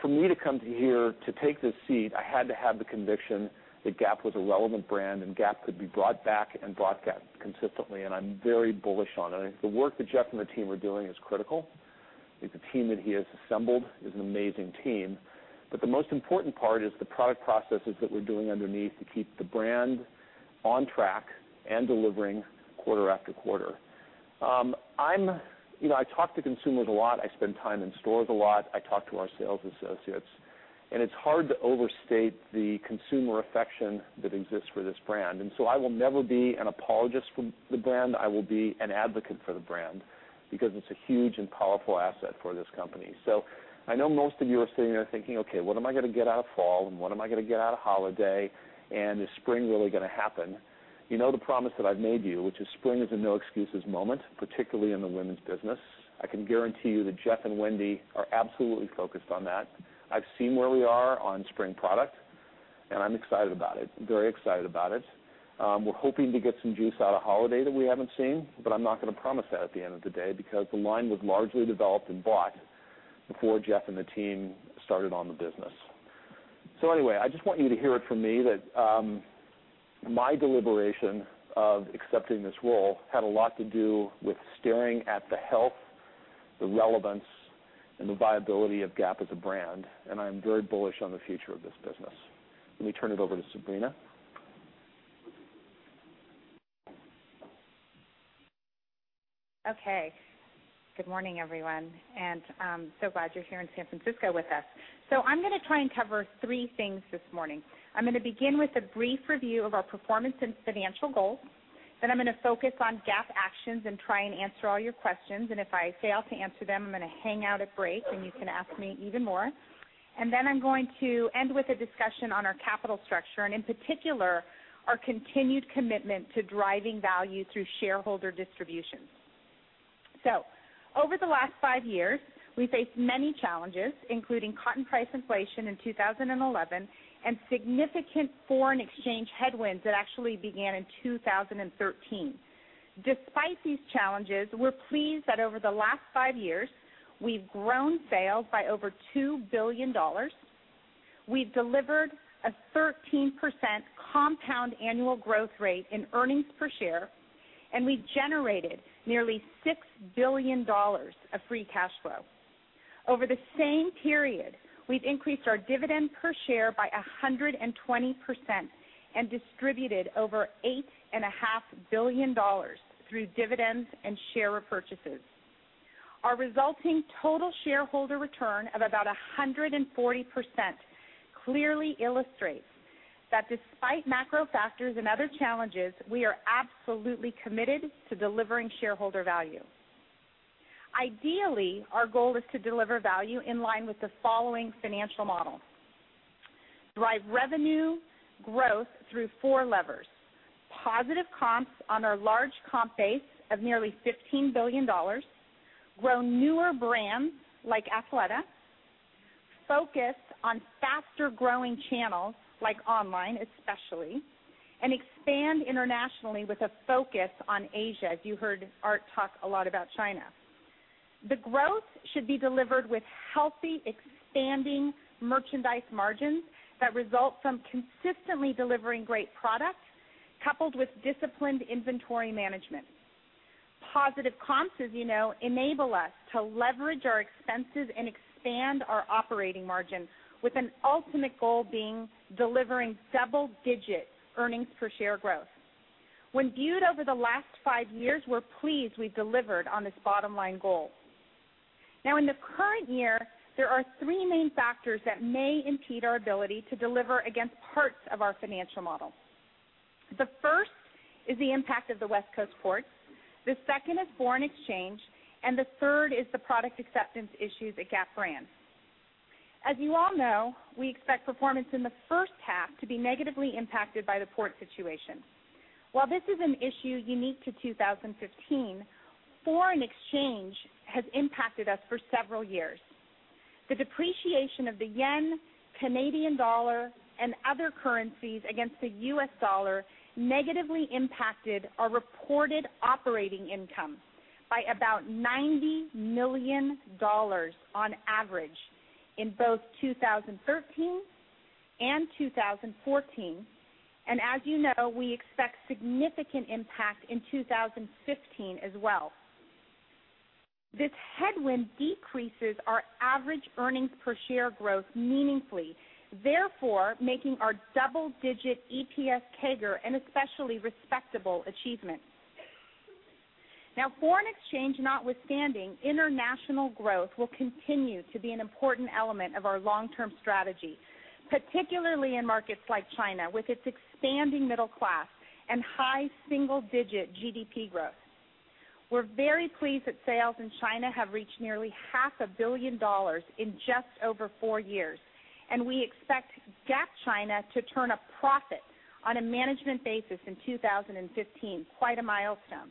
For me to come here to take this seat, I had to have the conviction that Gap was a relevant brand and Gap could be brought back and brought back consistently, and I'm very bullish on it. I think the work that Jeff and the team are doing is critical. I think the team that he has assembled is an amazing team. The most important part is the product processes that we're doing underneath to keep the brand on track and delivering quarter after quarter. I talk to consumers a lot. I spend time in stores a lot. I talk to our sales associates, and it's hard to overstate the consumer affection that exists for this brand. I will never be an apologist for the brand. I will be an advocate for the brand because it's a huge and powerful asset for this company. I know most of you are sitting there thinking, "Okay, what am I going to get out of fall and what am I going to get out of holiday? Is spring really going to happen?" You know the promise that I've made you, which is spring is a no excuses moment, particularly in the women's business. I can guarantee you that Jeff and Wendy are absolutely focused on that. I've seen where we are on spring product, and I'm excited about it, very excited about it. We're hoping to get some juice out of holiday that we haven't seen, I'm not going to promise that at the end of the day because the line was largely developed and bought before Jeff and the team started on the business. Anyway, I just want you to hear it from me that my deliberation of accepting this role had a lot to do with staring at the health, the relevance, and the viability of Gap as a brand, and I am very bullish on the future of this business. Let me turn it over to Sabrina. Good morning, everyone. So glad you're here in San Francisco with us. I'm going to try and cover three things this morning. I'm going to begin with a brief review of our performance and financial goals. I'm going to focus on Gap actions and try and answer all your questions. If I fail to answer them, I'm going to hang out at break and you can ask me even more. I'm going to end with a discussion on our capital structure, and in particular, our continued commitment to driving value through shareholder distributions. Over the last five years, we faced many challenges, including cotton price inflation in 2011 and significant foreign exchange headwinds that actually began in 2013. Despite these challenges, we're pleased that over the last five years, we've grown sales by over $2 billion. We've delivered a 13% compound annual growth rate in earnings per share, and we generated nearly $6 billion of free cash flow. Over the same period, we've increased our dividend per share by 120% and distributed over $8.5 billion through dividends and share repurchases. Our resulting total shareholder return of about 140% clearly illustrates that despite macro factors and other challenges, we are absolutely committed to delivering shareholder value. Ideally, our goal is to deliver value in line with the following financial model. Drive revenue growth through four levers. Positive comps on our large comp base of nearly $15 billion. Grow newer brands like Athleta. Focus on faster-growing channels like online, especially, and expand internationally with a focus on Asia. You heard Art talk a lot about China. The growth should be delivered with healthy, expanding merchandise margins that result from consistently delivering great product, coupled with disciplined inventory management. Positive comps, as you know, enable us to leverage our expenses and expand our operating margin with an ultimate goal being delivering double-digit earnings per share growth. When viewed over the last five years, we're pleased we've delivered on this bottom-line goal. Now in the current year, there are three main factors that may impede our ability to deliver against parts of our financial model. The first is the impact of the West Coast port. The second is foreign exchange, and the third is the product acceptance issues at Gap brand. As you all know, we expect performance in the first half to be negatively impacted by the port situation. While this is an issue unique to 2015, foreign exchange has impacted us for several years. The depreciation of the yen, Canadian dollar, and other currencies against the U.S. dollar negatively impacted our reported operating income by about $90 million on average in both 2013 and 2014. As you know, we expect significant impact in 2015 as well. This headwind decreases our average earnings per share growth meaningfully, therefore, making our double-digit EPS CAGR an especially respectable achievement. Now, foreign exchange notwithstanding, international growth will continue to be an important element of our long-term strategy, particularly in markets like China, with its expanding middle class and high single-digit GDP growth. We're very pleased that sales in China have reached nearly half a billion dollars in just over four years, and we expect Gap China to turn a profit on a management basis in 2015. Quite a milestone.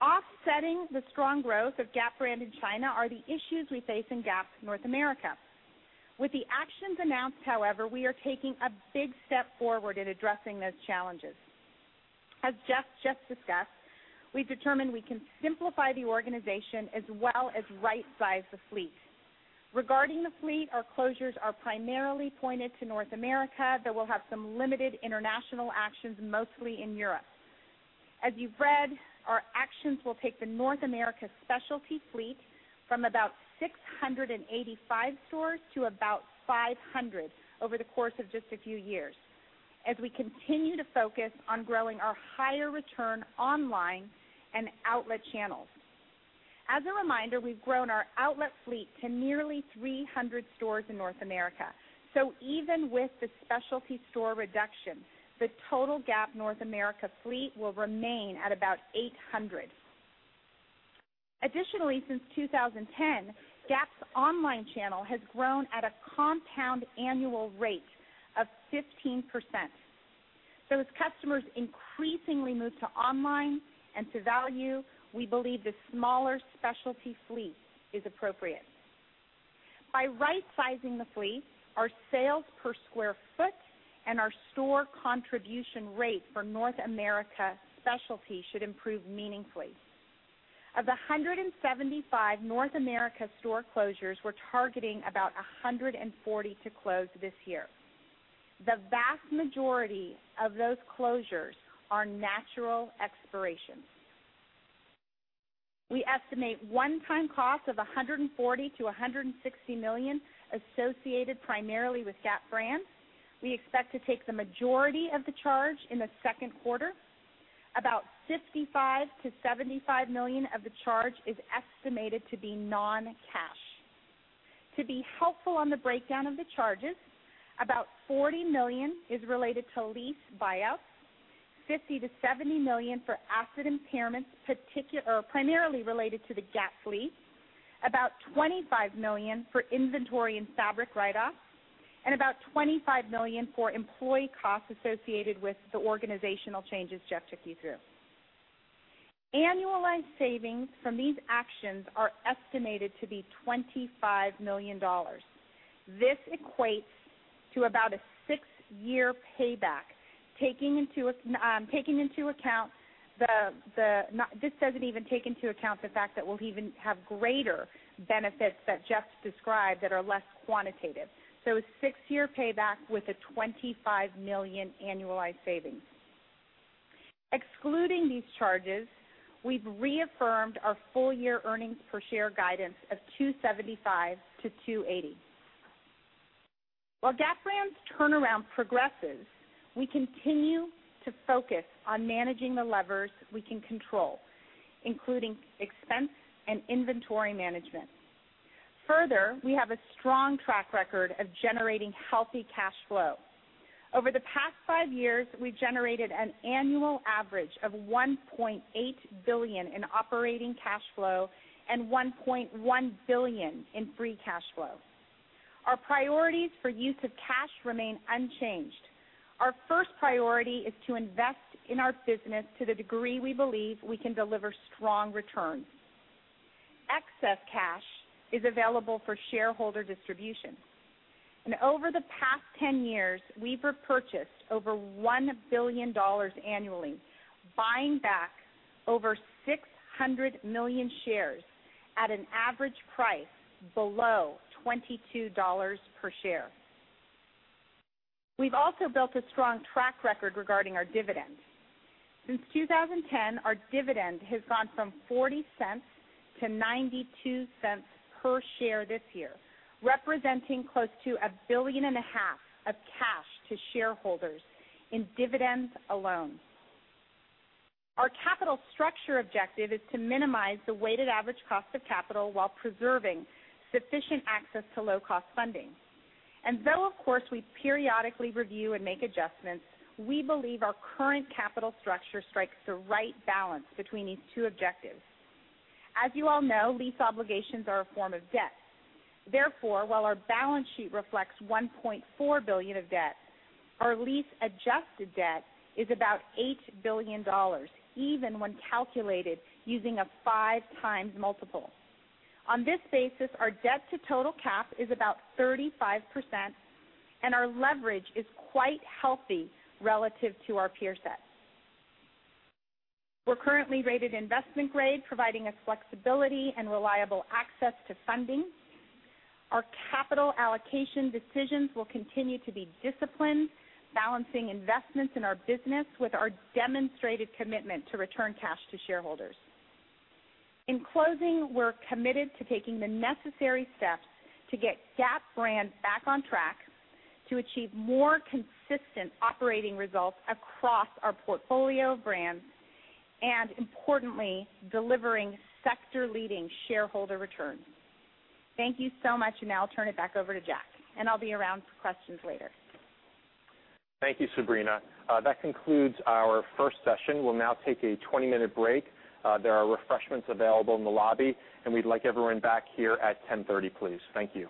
Offsetting the strong growth of Gap brand in China are the issues we face in Gap North America. With the actions announced, however, we are taking a big step forward in addressing those challenges. As Jeff just discussed, we have determined we can simplify the organization as well as rightsize the fleet. Regarding the fleet, our closures are primarily pointed to North America, though we will have some limited international actions, mostly in Europe. As you have read, our actions will take the North America specialty fleet from about 685 stores to about 500 over the course of just a few years as we continue to focus on growing our higher return online and outlet channels. As a reminder, we have grown our outlet fleet to nearly 300 stores in North America. So even with the specialty store reduction, the total Gap North America fleet will remain at about 800. Additionally, since 2010, Gap's online channel has grown at a compound annual rate of 15%. As customers increasingly move to online and to value, we believe the smaller specialty fleet is appropriate. By rightsizing the fleet, our sales per square foot and our store contribution rate for North America specialty should improve meaningfully. Of the 175 North America store closures, we are targeting about 140 to close this year. The vast majority of those closures are natural expirations. We estimate one-time cost of $140 million to $160 million associated primarily with Gap Brand. We expect to take the majority of the charge in the second quarter. About $55 million to $75 million of the charge is estimated to be non-cash. To be helpful on the breakdown of the charges, about $40 million is related to lease buyouts, $50 million to $70 million for asset impairments, primarily related to the Gap fleet, about $25 million for inventory and fabric write-offs, and about $25 million for employee costs associated with the organizational changes Jeff took you through. Annualized savings from these actions are estimated to be $25 million. This equates to about a six-year payback. This does not even take into account the fact that we will even have greater benefits that Jeff described that are less quantitative. So a six-year payback with a $25 million annualized savings. Excluding these charges, we have reaffirmed our full-year earnings per share guidance of $2.75 to $2.80. While Gap Brand's turnaround progresses, we continue to focus on managing the levers we can control, including expense and inventory management. Further, we have a strong track record of generating healthy cash flow. Over the past five years, we have generated an annual average of $1.8 billion in operating cash flow and $1.1 billion in free cash flow. Our priorities for use of cash remain unchanged. Our first priority is to invest in our business to the degree we believe we can deliver strong returns. Excess cash is available for shareholder distribution. And over the past 10 years, we have repurchased over $1 billion annually, buying back over 600 million shares at an average price below $22 per share. We have also built a strong track record regarding our dividend. Since 2010, our dividend has gone from $0.40 to $0.92 per share this year, representing close to a billion and a half of cash to shareholders in dividends alone. Our capital structure objective is to minimize the weighted average cost of capital while preserving sufficient access to low-cost funding. Though, of course, we periodically review and make adjustments, we believe our current capital structure strikes the right balance between these two objectives. As you all know, lease obligations are a form of debt. Therefore, while our balance sheet reflects $1.4 billion of debt, our lease-adjusted debt is about $8 billion, even when calculated using a 5x multiple. On this basis, our debt to total cap is about 35%, and our leverage is quite healthy relative to our peer set. We're currently rated investment grade, providing us flexibility and reliable access to funding. Our capital allocation decisions will continue to be disciplined, balancing investments in our business with our demonstrated commitment to return cash to shareholders. In closing, we're committed to taking the necessary steps to get Gap Brand back on track to achieve more consistent operating results across our portfolio of brands and importantly, delivering sector-leading shareholder returns. Thank you so much. Now I'll turn it back over to Jack, and I'll be around for questions later. Thank you, Sabrina. That concludes our first session. We'll now take a 20-minute break. There are refreshments available in the lobby, and we'd like everyone back here at 10:30 A.M., please. Thank you.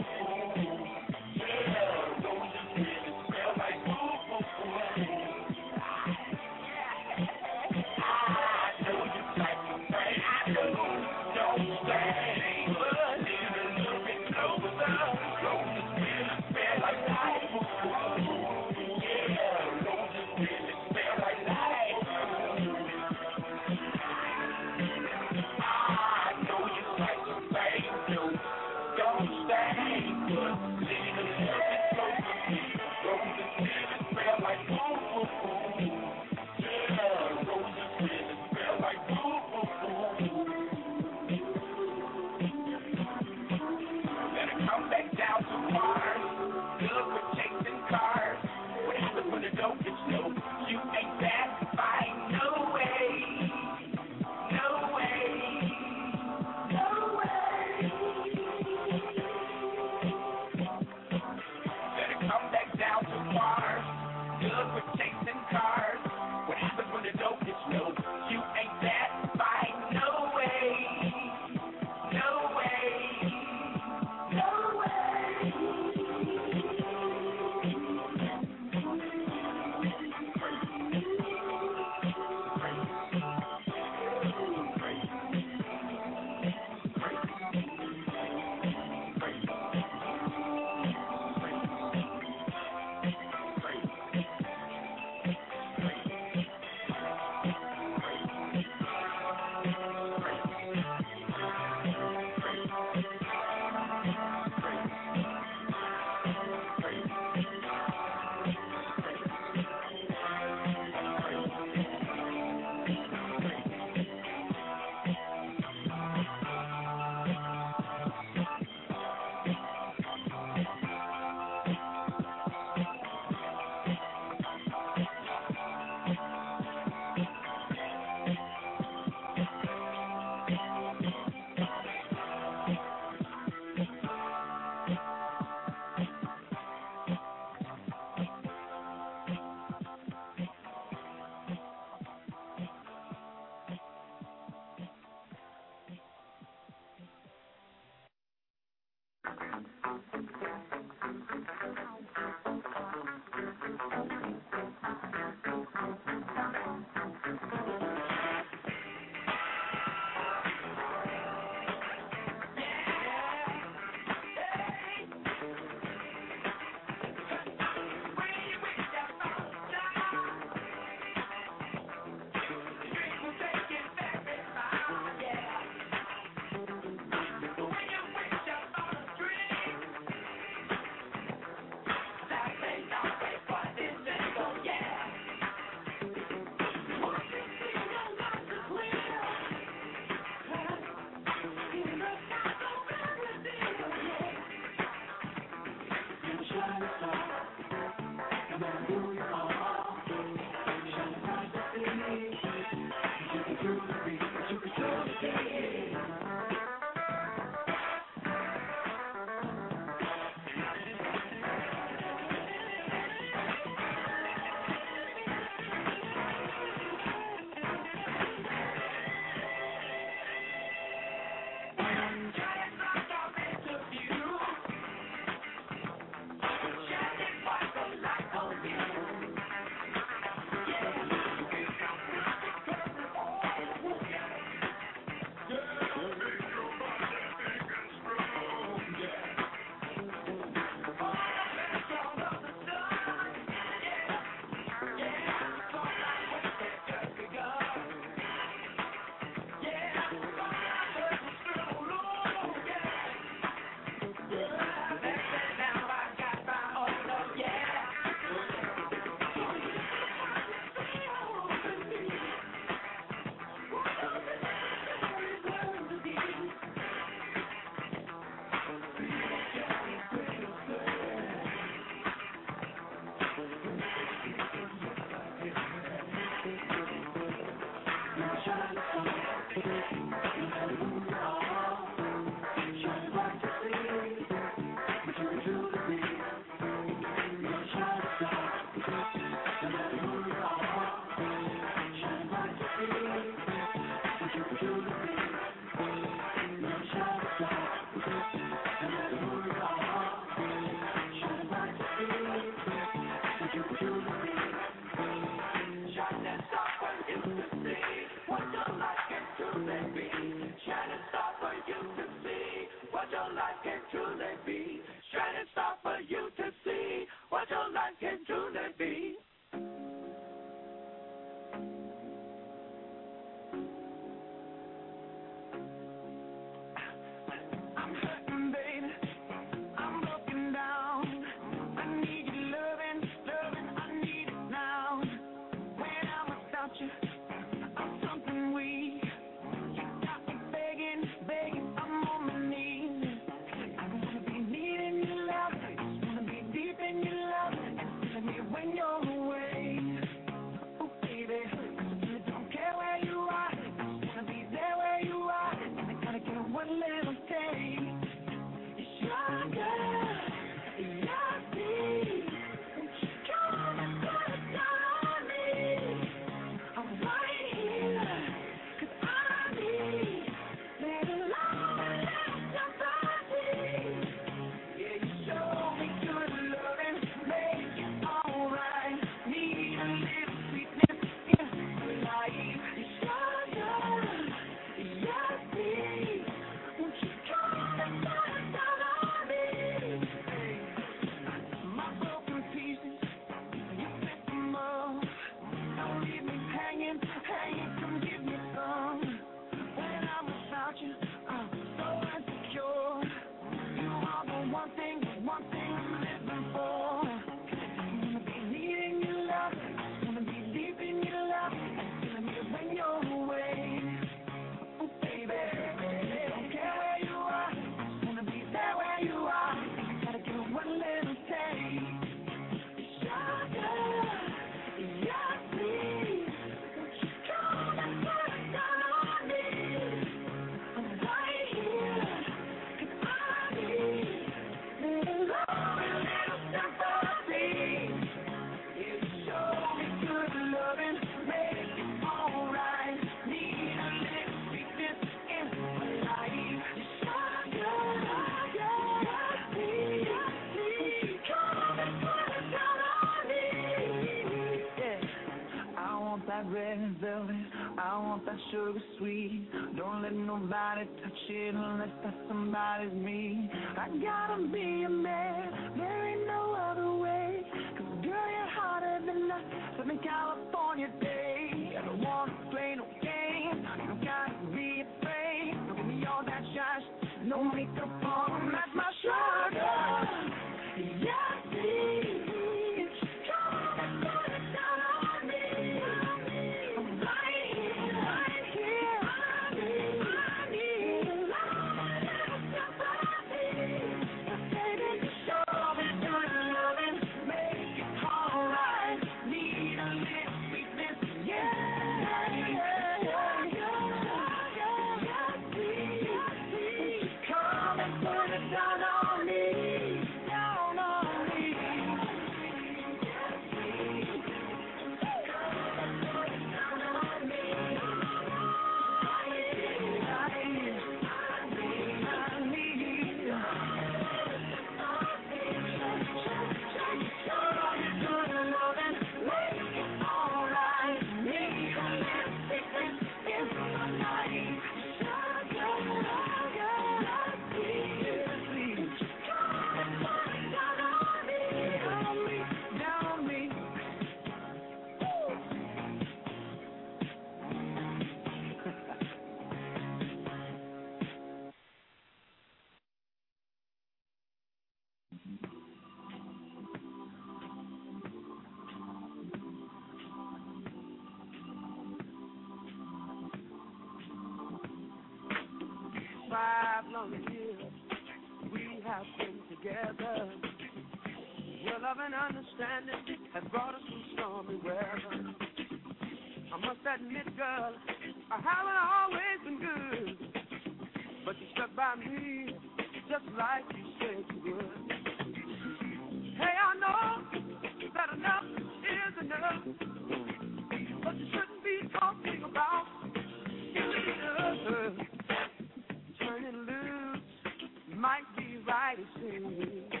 Ladies and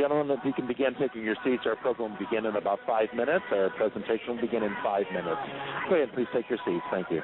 gentlemen, if you can begin taking your seats, our program will begin in about five minutes. Our presentation will begin in five minutes. Go ahead, please take your seats. Thank you.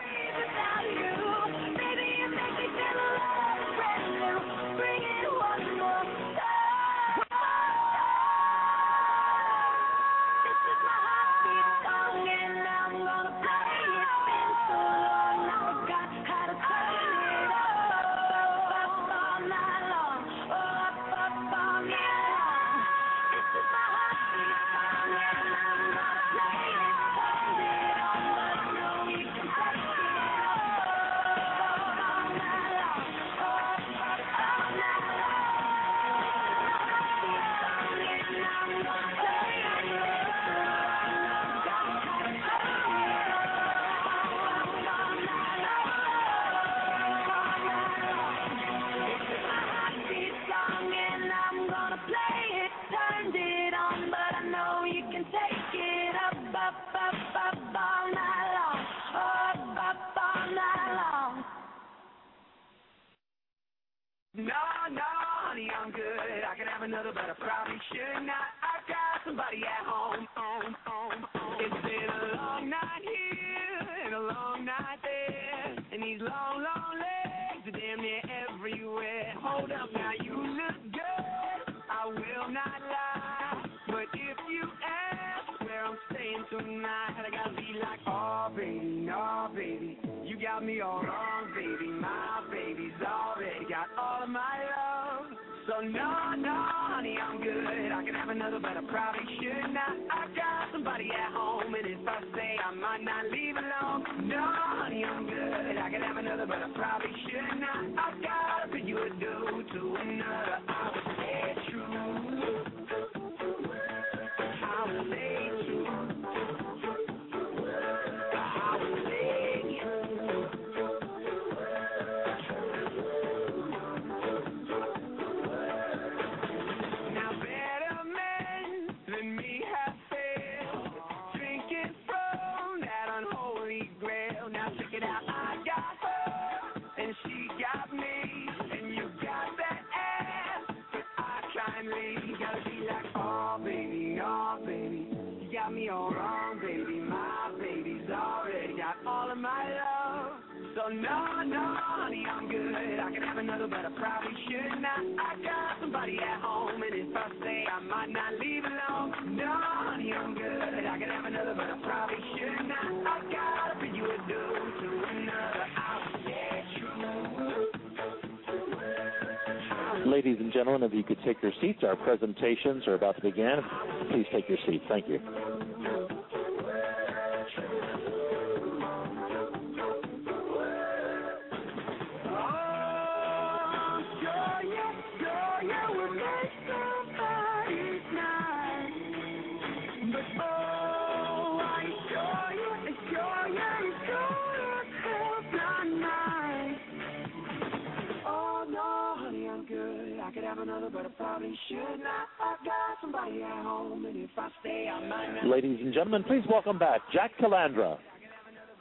Oh, I'm sure you will make somebody's night. Oh, I assure you you're gonna hell tonight. Oh no, honey, I'm good. I could have another but I probably should not. I've got somebody at home. If I stay, I might not leave alone. Ladies and gentlemen, please welcome back Jack Calandra.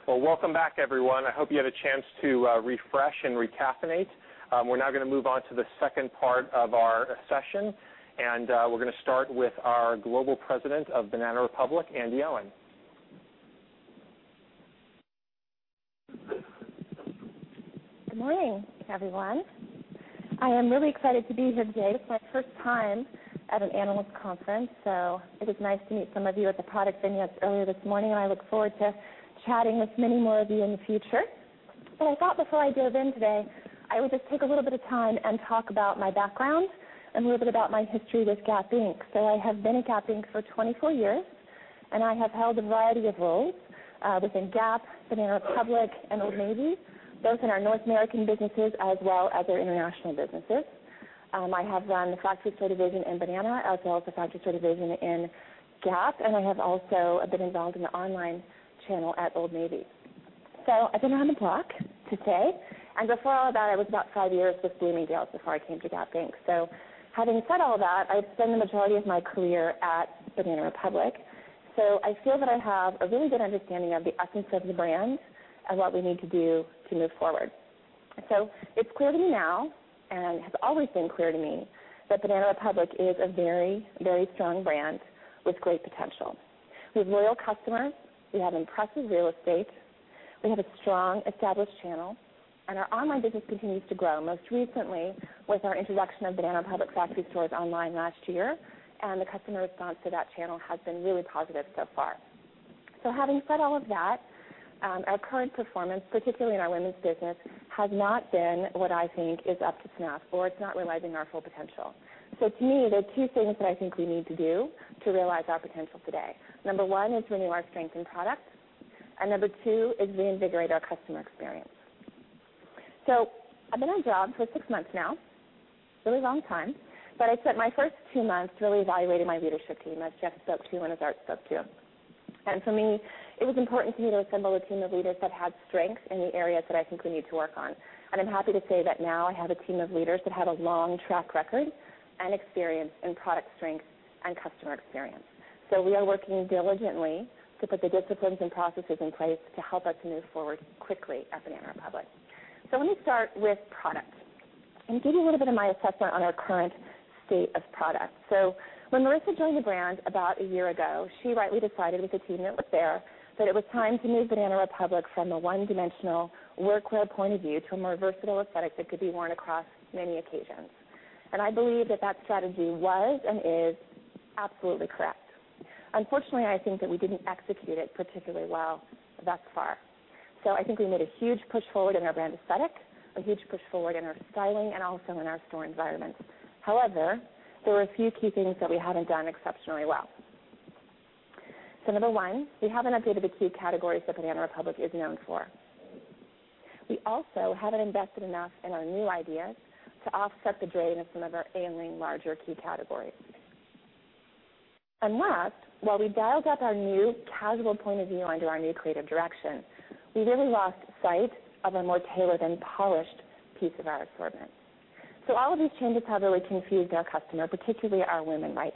Well, welcome back, everyone. I hope you had a chance to refresh and recaffeinate. We're now going to move on to the second part of our session, and we're going to start with our Global President of Banana Republic, Andy Allen. Good morning, everyone. I am really excited to be here today. This is my first time at an analyst conference, so it was nice to meet some of you at the product vignettes earlier this morning, and I look forward to chatting with many more of you in the future. I thought before I dove in today, I would just take a little bit of time and talk about my background and a little bit about my history with Gap Inc. I have been at Gap Inc. for 24 years, and I have held a variety of roles, within Gap, Banana Republic, and Old Navy, both in our North American businesses as well as our international businesses. I have run the factory division in Banana, as well as the factory division in Gap, and I have also been involved in the online channel at Old Navy. I've been around the block today, and before all that, I was about five years with Bloomingdale's before I came to Gap Inc. Having said all that, I've spent the majority of my career at Banana Republic, so I feel that I have a really good understanding of the essence of the brand and what we need to do to move forward. It's clear to me now, and has always been clear to me, that Banana Republic is a very, very strong brand with great potential. We have loyal customers, we have impressive real estate, we have a strong established channel, and our online business continues to grow, most recently with our introduction of Banana Republic factory stores online last year, and the customer response to that channel has been really positive so far. Having said all of that, our current performance, particularly in our women's business, has not been what I think is up to snuff, or it's not realizing our full potential. To me, there are two things that I think we need to do to realize our potential today. Number one is renew our strength in product, and number two is reinvigorate our customer experience. I've been on the job for six months now, really long time, but I spent my first two months really evaluating my leadership team, as Jeff spoke to and as Art spoke to. For me, it was important to me to assemble a team of leaders that had strength in the areas that I think we need to work on. I'm happy to say that now I have a team of leaders that have a long track record and experience in product strength and customer experience. We are working diligently to put the disciplines and processes in place to help us move forward quickly at Banana Republic. Let me start with product and give you a little bit of my assessment on our current state of product. When Marissa joined the brand about a year ago, she rightly decided with the team that was there that it was time to move Banana Republic from a one-dimensional workwear point of view to a more versatile aesthetic that could be worn across many occasions. I believe that strategy was and is absolutely correct. Unfortunately, I think that we didn't execute it particularly well thus far. I think we made a huge push forward in our brand aesthetic, a huge push forward in our styling, and also in our store environments. However, there were a few key things that we haven't done exceptionally well. Number one, we haven't updated the key categories that Banana Republic is known for. We also haven't invested enough in our new ideas to offset the drain of some of our ailing larger key categories. Last, while we dialed up our new casual point of view under our new creative direction, we really lost sight of a more tailored and polished piece of our assortment. All of these changes have really confused our customer, particularly our women right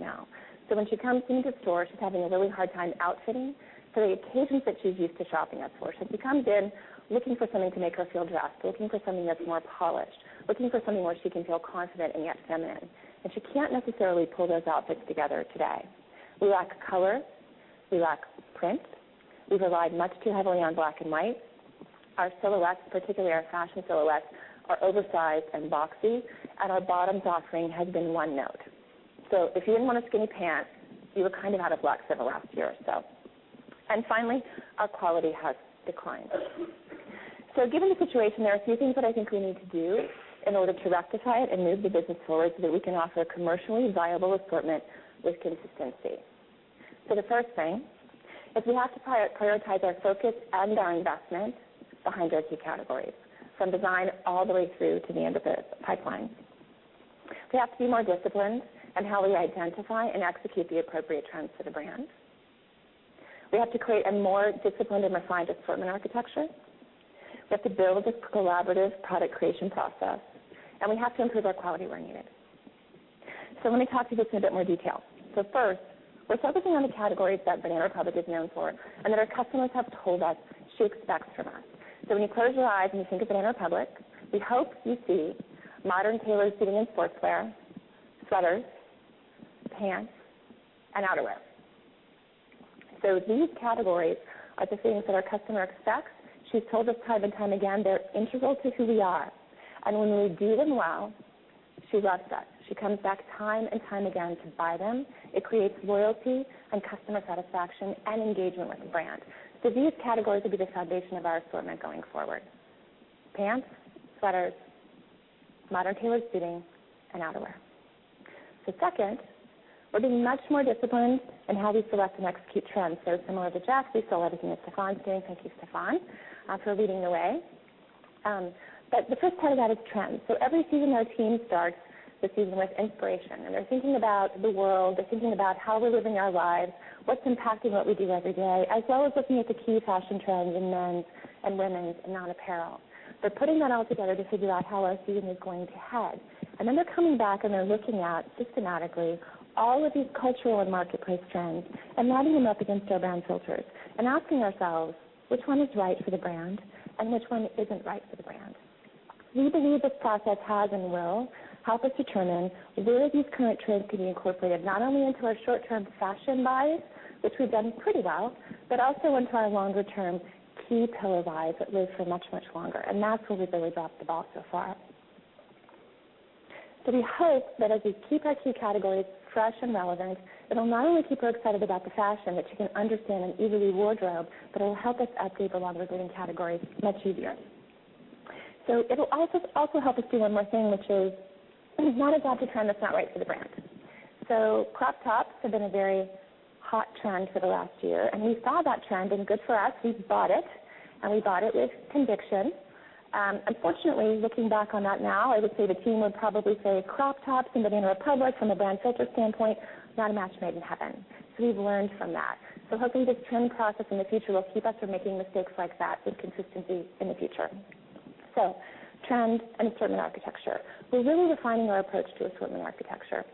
now. When she comes into the store, she's having a really hard time outfitting for the occasions that she's used to shopping us for. She comes in looking for something to make her feel dressed, looking for something that's more polished, looking for something where she can feel confident and yet feminine, and she can't necessarily pull those outfits together today. We lack color, we lack print. We've relied much too heavily on black and white. Our silhouettes, particularly our fashion silhouettes, are oversized and boxy, and our bottoms offering has been one note. If you didn't want a skinny pant, you were out of luck for the last year or so. Finally, our quality has declined. Given the situation, there are a few things that I think we need to do in order to rectify it and move the business forward so that we can offer a commercially viable assortment with consistency. The first thing is we have to prioritize our focus and our investment behind our key categories, from design all the way through to the end of the pipeline. We have to be more disciplined in how we identify and execute the appropriate trends for the brand. We have to create a more disciplined and refined assortment architecture. We have to build a collaborative product creation process, and we have to improve our quality where needed. Let me talk to you just in a bit more detail. First, we're focusing on the categories that Banana Republic is known for and that our customers have told us she expects from us. When you close your eyes and you think of Banana Republic, we hope you see modern tailored suiting and sportswear, sweaters, pants, and outerwear. These categories are the things that our customer expects. She's told us time and time again they're integral to who we are. When we do them well, she loves us. She comes back time and time again to buy them. It creates loyalty and customer satisfaction and engagement with the brand. These categories will be the foundation of our assortment going forward: pants, sweaters, modern tailored suiting, and outerwear. Second, we're being much more disciplined in how we select and execute trends. Similar to Jeff, we still have everything that Stefan's doing. Thank you, Stefan, for leading the way. The first part of that is trends. Every season, our team starts the season with inspiration, and they're thinking about the world. They're thinking about how we're living our lives, what's impacting what we do every day, as well as looking at the key fashion trends in men's and women's and non-apparel. They're putting that all together to figure out how our season is going to head. They're coming back, and they're looking at, systematically, all of these cultural and marketplace trends and matching them up against our brand filters and asking ourselves which one is right for the brand and which one isn't right for the brand. We believe this process has and will help us determine where these current trends can be incorporated, not only into our short-term fashion buys, which we've done pretty well, but also into our longer-term key pillar buys that live for much, much longer. That's where we've really dropped the ball so far. We hope that as we keep our key categories fresh and relevant, it'll not only keep her excited about the fashion that she can understand and easily wardrobe, but it'll help us update the longer-living categories much easier. It'll also help us do one more thing, which is not adopt a trend that's not right for the brand. Crop tops have been a very hot trend for the last year, and we saw that trend, and good for us, we bought it, and we bought it with conviction. Unfortunately, looking back on that now, I would say the team would probably say crop tops and Banana Republic from a brand filter standpoint, not a match made in heaven. We've learned from that. Hoping this trend process in the future will keep us from making mistakes like that with consistency in the future. Trend and assortment architecture. We're really refining our approach to assortment architecture.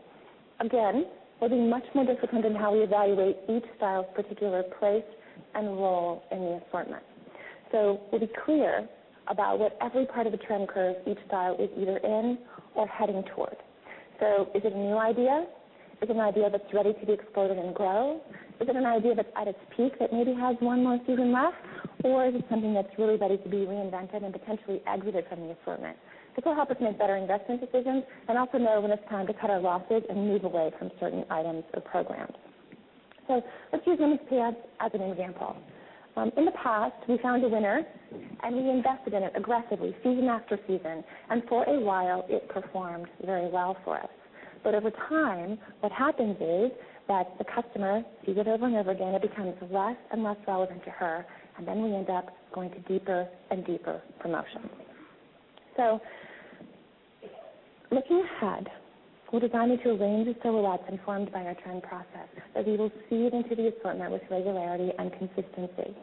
Again, we're being much more disciplined in how we evaluate each style's particular place and role in the assortment. We'll be clear about what every part of the trend curve each style is either in or heading toward. Is it a new idea? Is it an idea that's ready to be exploded and grow? Is it an idea that's at its peak that maybe has one more season left? Is it something that's really ready to be reinvented and potentially exited from the assortment? This will help us make better investment decisions and also know when it's time to cut our losses and move away from certain items or programs. Let's use women's pants as an example. In the past, we found a winner, and we invested in it aggressively season after season, and for a while, it performed very well for us. Over time, what happens is that the customer sees it over and over again, it becomes less and less relevant to her. We end up going to deeper and deeper promotions. Looking ahead, we're designing to a range of silhouettes informed by our trend process that we will feed into the assortment with regularity and consistency.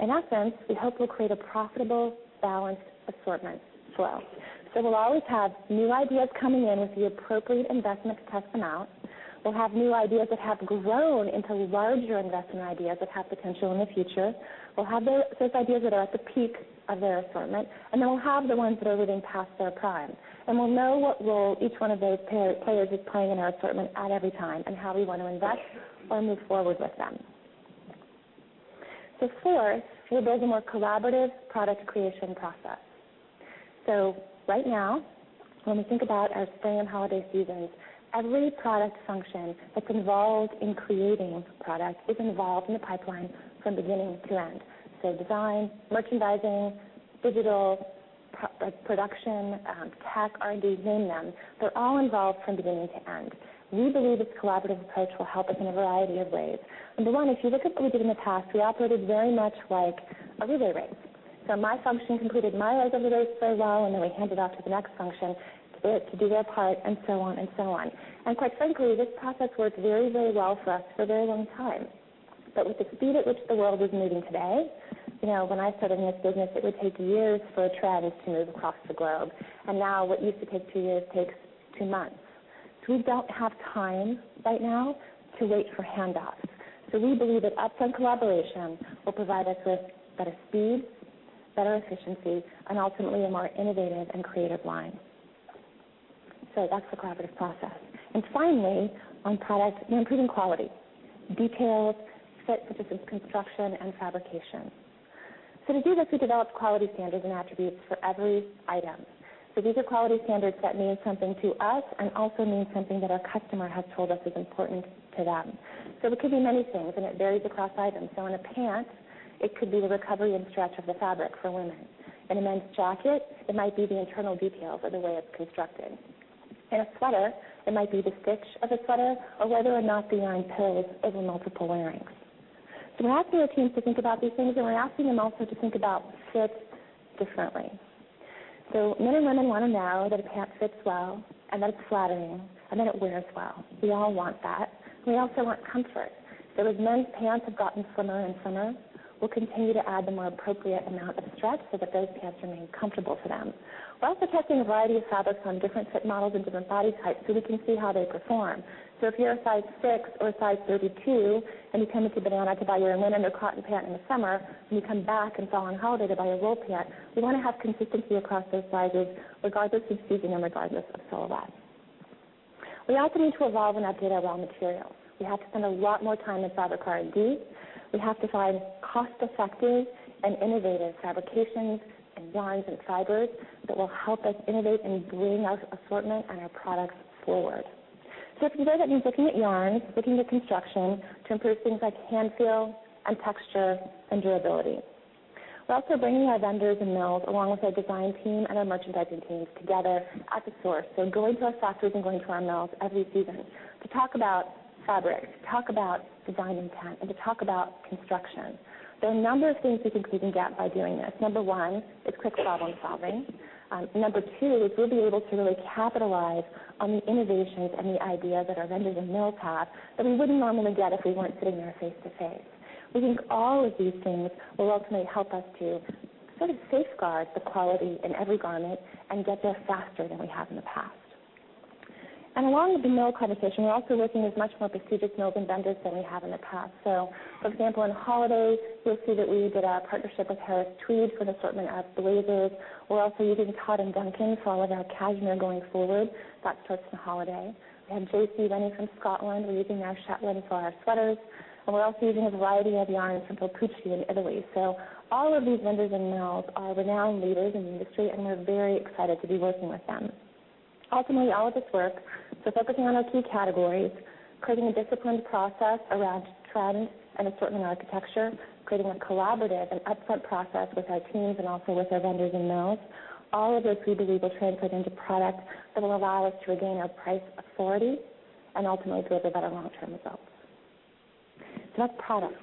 In that sense, we hope we'll create a profitable, balanced assortment flow. We'll always have new ideas coming in with the appropriate investment to test them out. We'll have new ideas that have grown into larger investment ideas that have potential in the future. We'll have those ideas that are at the peak of their assortment. We'll have the ones that are living past their prime. We'll know what role each one of those players is playing in our assortment at every time and how we want to invest or move forward with them. Fourth, we'll build a more collaborative product creation process. Right now, when we think about our spring and holiday seasons, every product function that's involved in creating product is involved in the pipeline from beginning to end. Design, merchandising, digital, production, tech, R&D, name them, they're all involved from beginning to end. We believe this collaborative approach will help us in a variety of ways. Number one, if you look at what we did in the past, we operated very much like a relay race. My function completed my leg of the race for a while, and then we hand it off to the next function to do their part, and so on. Quite frankly, this process worked very well for us for a very long time. With the speed at which the world is moving today, when I started in this business, it would take years for trends to move across the globe, and now what used to take two years takes two months. We don't have time right now to wait for handoffs. We believe that upfront collaboration will provide us with better speed, better efficiency, and ultimately, a more innovative and creative line. That's the collaborative process. Finally, on product, we're improving quality, details, fit, such as construction, and fabrication. To do this, we developed quality standards and attributes for every item. These are quality standards that mean something to us and also mean something that our customer has told us is important to them. It could be many things, and it varies across items. In a pant, it could be the recovery and stretch of the fabric for women. In a men's jacket, it might be the internal details or the way it's constructed. In a sweater, it might be the stitch of the sweater or whether or not the yarn pills over multiple wearings. We're asking our teams to think about these things, and we're asking them also to think about fit differently. Men and women want to know that a pant fits well and that it's flattering and that it wears well. We all want that. We also want comfort. As men's pants have gotten slimmer and slimmer, we'll continue to add the more appropriate amount of stretch so that those pants remain comfortable for them. We're also testing a variety of fabrics on different fit models and different body types so we can see how they perform. If you're a size 6 or a size 32 and you come into Banana to buy your linen or cotton pant in the summer, and you come back in fall and holiday to buy a wool pant, we want to have consistency across those sizes, regardless of season and regardless of silhouette. We also need to evolve and update our raw materials. We have to spend a lot more time in fabric R&D. We have to find cost-effective and innovative fabrications and yarns and fibers that will help us innovate and bring our assortment and our products forward. If you go, that means looking at yarns, looking at construction to improve things like hand-feel and texture and durability. We're also bringing our vendors and mills, along with our design team and our merchandising teams, together at the source. Going to our factories and going to our mills every season to talk about fabrics, talk about design intent, and to talk about construction. There are a number of things we think we can get by doing this. Number one is quick problem-solving. Number two is we'll be able to really capitalize on the innovations and the ideas that our vendors and mills have that we wouldn't normally get if we weren't sitting there face to face. We think all of these things will ultimately help us to sort of safeguard the quality in every garment and get there faster than we have in the past. Along with the mill conversation, we're also working with much more prestigious mills and vendors than we have in the past. For example, on holidays, you'll see that we did a partnership with Harris Tweed for an assortment of blazers. We're also using Todd & Duncan for all of our cashmere going forward. That starts in holiday. We have J.C. Rennie from Scotland. We're using their Shetland for our sweaters, and we're also using a variety of yarns from Tollegno in Italy. All of these vendors and mills are renowned leaders in the industry, and we're very excited to be working with them. Ultimately, all of this work, focusing on our key categories, creating a disciplined process around trend and assortment architecture, creating a collaborative and upfront process with our teams and also with our vendors and mills, all of those we believe will translate into products that will allow us to regain our price authority and ultimately deliver better long-term results. It's about product.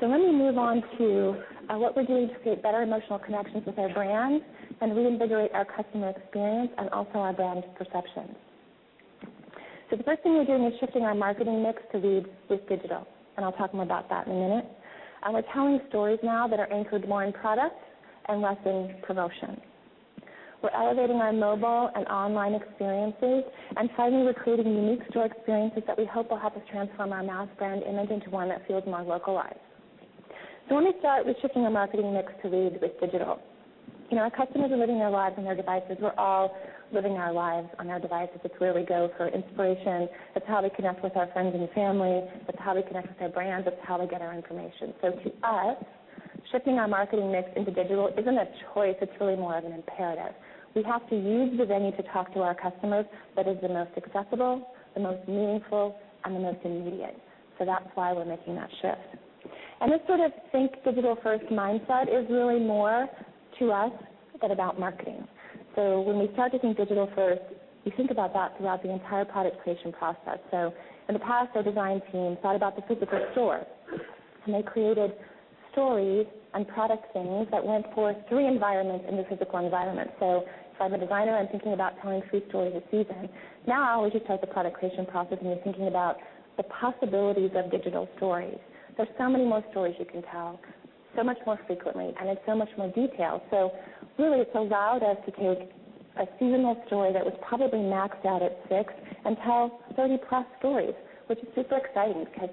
Let me move on to what we're doing to create better emotional connections with our brand and reinvigorate our customer experience and also our brand's perception. The first thing we're doing is shifting our marketing mix to lead with digital, and I'll talk more about that in a minute. We're telling stories now that are anchored more in product and less in promotion. We're elevating our mobile and online experiences, finally, we're creating unique store experiences that we hope will help us transform our mass brand image into one that feels more localized. Let me start with shifting our marketing mix to lead with digital. Our customers are living their lives on their devices. We're all living our lives on our devices. It's where we go for inspiration. It's how we connect with our friends and family. It's how we connect with our brands. It's how we get our information. To us, shifting our marketing mix into digital isn't a choice. It's really more of an imperative. We have to use the venue to talk to our customers that is the most accessible, the most meaningful, and the most immediate. That's why we're making that shift. This sort of think digital first mindset is really more, to us, than about marketing. When we start to think digital first, we think about that throughout the entire product creation process. In the past, our design team thought about the physical store, and they created stories and product themes that lent for three environments in the physical environment. If I'm a designer, I'm thinking about telling three stories a season. Now we just start the product creation process and are thinking about the possibilities of digital stories. There's so many more stories you can tell so much more frequently, and in so much more detail. Really, it's allowed us to take a seasonal story that was probably maxed out at six and tell 30-plus stories, which is super exciting because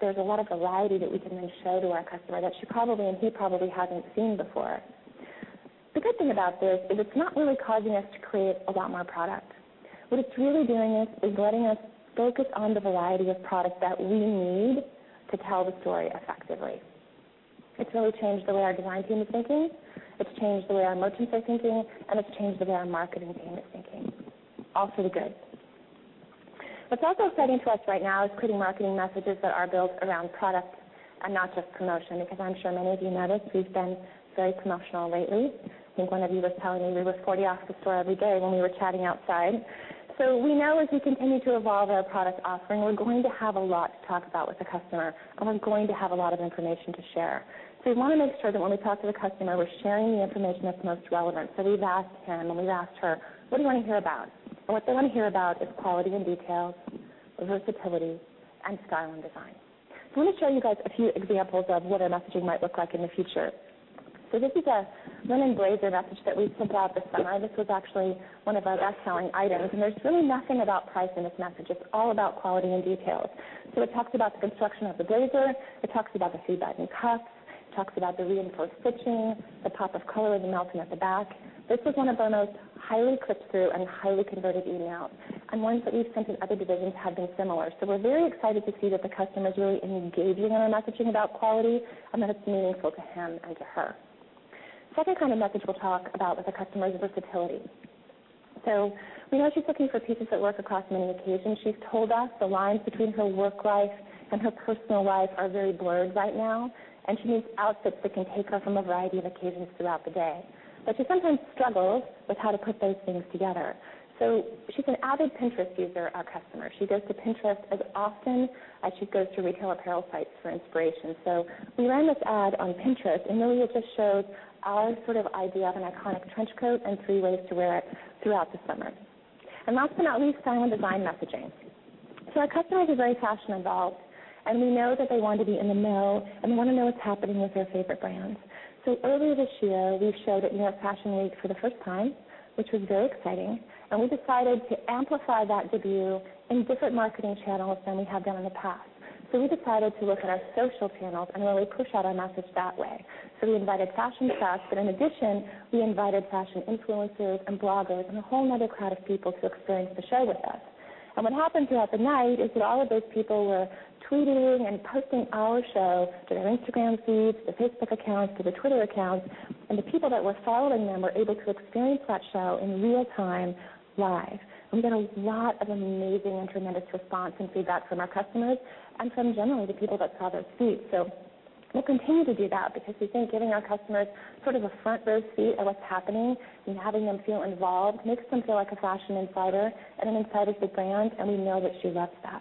there's a lot of variety that we can then show to our customer that she probably, and he probably, haven't seen before. The good thing about this is it's not really causing us to create a lot more product. What it's really doing is letting us focus on the variety of product that we need to tell the story effectively. It's really changed the way our design team is thinking, it's changed the way our merchants are thinking, and it's changed the way our marketing team is thinking. All for the good. What's also exciting to us right now is creating marketing messages that are built around product and not just promotion, because I'm sure many of you noticed we've been very promotional lately. I think one of you was telling me we were 40% off the store every day when we were chatting outside. We know as we continue to evolve our product offering, we're going to have a lot to talk about with the customer, and we're going to have a lot of information to share. We want to make sure that when we talk to the customer, we're sharing the information that's most relevant. We've asked him and we've asked her, "What do you want to hear about?" What they want to hear about is quality and details, versatility, and style and design. Let me show you guys a few examples of what our messaging might look like in the future. This is a linen blazer message that we sent out this summer. This was actually one of our best-selling items, and there's really nothing about price in this message. It's all about quality and details. It talks about the construction of the blazer, it talks about the seam back and cuffs, it talks about the reinforced stitching, the pop of color with the melton at the back. This was one of our most highly clicked-through and highly converted emails, and ones that we've sent in other divisions have been similar. We're very excited to see that the customer's really engaging in our messaging about quality and that it's meaningful to him and to her. Second kind of message we'll talk about with the customer is versatility. We know she's looking for pieces that work across many occasions. She's told us the lines between her work life and her personal life are very blurred right now, and she needs outfits that can take her from a variety of occasions throughout the day. She sometimes struggles with how to put those things together. She's an avid Pinterest user, our customer. She goes to Pinterest as often as she goes to retail apparel sites for inspiration. We ran this ad on Pinterest, and really it just shows our sort of idea of an iconic trench coat and three ways to wear it throughout the summer. Last but not least, style and design messaging. Our customers are very fashion involved, and we know that they want to be in the know, and they want to know what's happening with their favorite brands. Earlier this year, we showed at New York Fashion Week for the first time, which was very exciting. We decided to amplify that debut in different marketing channels than we have done in the past. We decided to look at our social channels and really push out our message that way. We invited fashion press, but in addition, we invited fashion influencers and bloggers, and a whole another crowd of people to experience the show with us. What happened throughout the night is that all of those people were tweeting and posting our show to their Instagram feeds, their Facebook accounts, to their Twitter accounts, and the people that were following them were able to experience that show in real time, live. We've gotten a lot of amazing and tremendous response and feedback from our customers and from generally the people that saw those feeds. We'll continue to do that because we think giving our customers sort of a front-row seat at what's happening and having them feel involved makes them feel like a fashion insider and an insider to the brand, and we know that she loves that.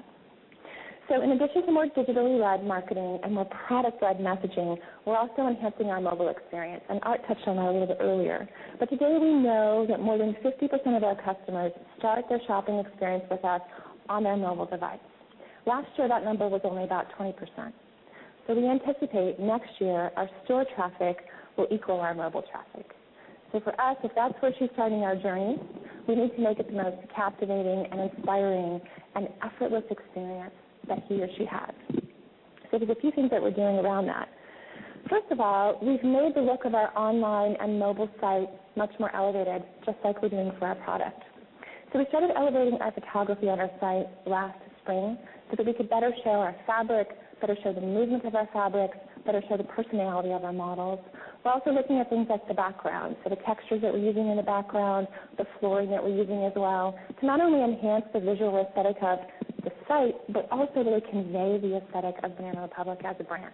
In addition to more digitally led marketing and more product-led messaging, we're also enhancing our mobile experience, and Art touched on that a little bit earlier. Today we know that more than 50% of our customers start their shopping experience with us on their mobile device. Last year, that number was only about 20%. We anticipate next year our store traffic will equal our mobile traffic. For us, if that's where she's starting our journey, we need to make it the most captivating and inspiring and effortless experience that he or she has. There's a few things that we're doing around that. First of all, we've made the look of our online and mobile site much more elevated, just like we're doing for our product. We started elevating our photography on our site last spring so that we could better show our fabric, better show the movement of our fabrics, better show the personality of our models. We're also looking at things like the background, so the textures that we're using in the background, the flooring that we're using as well, to not only enhance the visual aesthetic of the site, but also to convey the aesthetic of Banana Republic as a brand.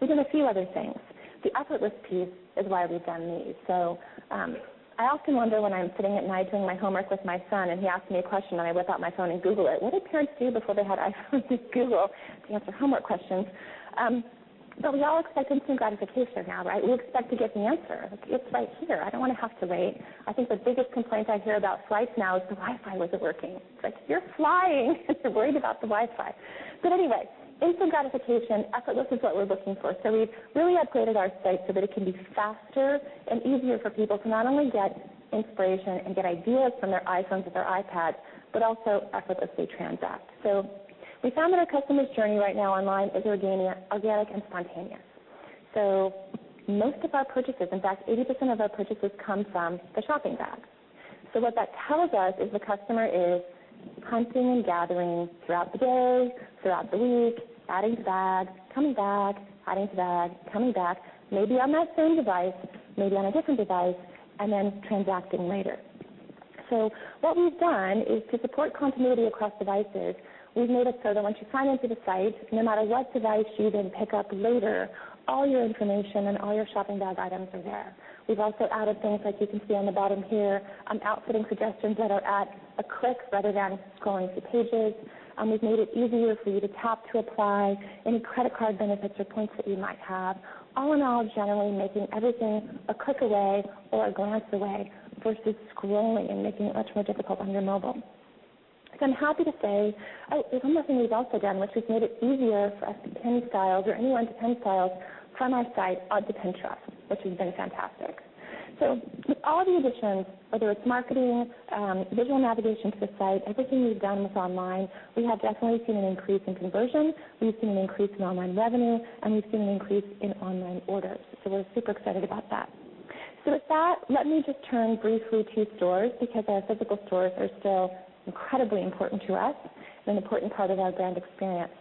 We've done a few other things. The effortless piece is why we've done these. I often wonder when I'm sitting at night doing my homework with my son, and he asks me a question, and I whip out my phone and Google it, what did parents do before they had iPhones and Google to answer homework questions? We all expect instant gratification now, right? We expect to get the answer. It's right here. I don't want to have to wait. I think the biggest complaint I hear about flights now is, "The Wi-Fi wasn't working." It's like, you're flying, and you're worried about the Wi-Fi. Anyway, instant gratification, effortless is what we're looking for. We've really upgraded our site so that it can be faster and easier for people to not only get inspiration and get ideas from their iPhones or their iPads, but also effortlessly transact. We found that our customers' journey right now online is organic and spontaneous. Most of our purchases, in fact, 80% of our purchases come from the shopping bag. What that tells us is the customer is hunting and gathering throughout the day, throughout the week, adding to bag, coming back, adding to bag, coming back, maybe on that same device, maybe on a different device, and then transacting later. What we've done is to support continuity across devices, we've made it so that once you sign on to the site, no matter what device you then pick up later, all your information and all your shopping bag items are there. We've also added things like you can see on the bottom here, outfitting suggestions that are at a click rather than scrolling through pages. We've made it easier for you to tap to apply any credit card benefits or points that you might have. All in all, generally making everything a click away or a glance away versus scrolling and making it much more difficult on your mobile. I'm happy to say there's one more thing we've also done, which we've made it easier for us to pin styles or anyone to pin styles from our site onto Pinterest, which has been fantastic. With all the additions, whether it's marketing, visual navigation to the site, everything we've done with online, we have definitely seen an increase in conversion, we've seen an increase in online revenue, and we've seen an increase in online orders. We're super excited about that. With that, let me just turn briefly to stores, because our physical stores are still incredibly important to us and an important part of our brand experience.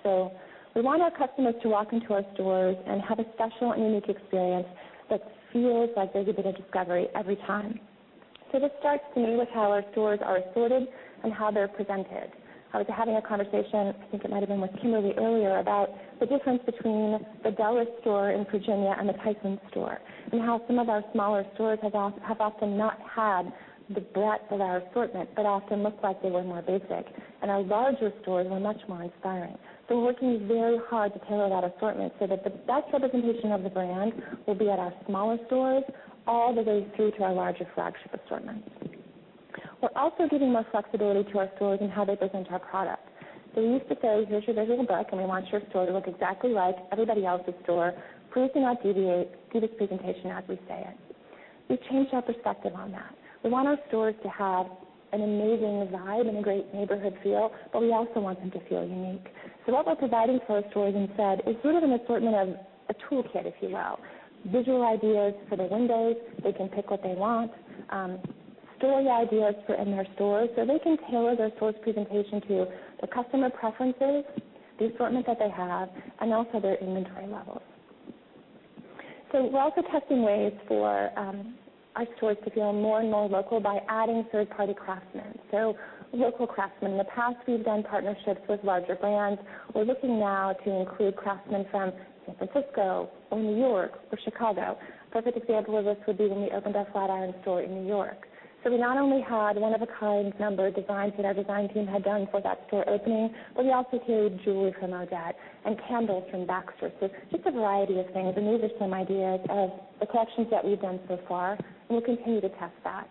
We want our customers to walk into our stores and have a special and unique experience that feels like there's a bit of discovery every time. This starts, to me, with how our stores are assorted and how they're presented. I was having a conversation, I think it might've been with Kimberly earlier, about the difference between the Dulles store in Virginia and the Tysons store, and how some of our smaller stores have often not had the breadth of our assortment, but often looked like they were more basic. And our larger stores were much more inspiring. We're working very hard to tailor that assortment so that the best representation of the brand will be at our smaller stores all the way through to our larger flagship assortment. We're also giving more flexibility to our stores in how they present our product. We used to say, "Here's your visual book, and we want your store to look exactly like everybody else's store. Please do not deviate. Do this presentation as we say it." We've changed our perspective on that. We want our stores to have an amazing vibe and a great neighborhood feel, but we also want them to feel unique. What we're providing to our stores instead is sort of an assortment of a toolkit, if you will. Visual ideas for their windows, they can pick what they want, story ideas for in their stores, so they can tailor their store's presentation to the customer preferences, the assortment that they have, and also their inventory levels. We're also testing ways for our stores to feel more and more local by adding third-party craftsmen, local craftsmen. In the past, we've done partnerships with larger brands. We're looking now to include craftsmen from San Francisco or New York or Chicago. Perfect example of this would be when we opened our Flatiron store in New York. We not only had one-of-a-kind numbered designs that our design team had done for that store opening, but we also carried jewelry from Odette and candles from Baxter. Just a variety of things, and these are some ideas of the collections that we've done so far, and we'll continue to test that.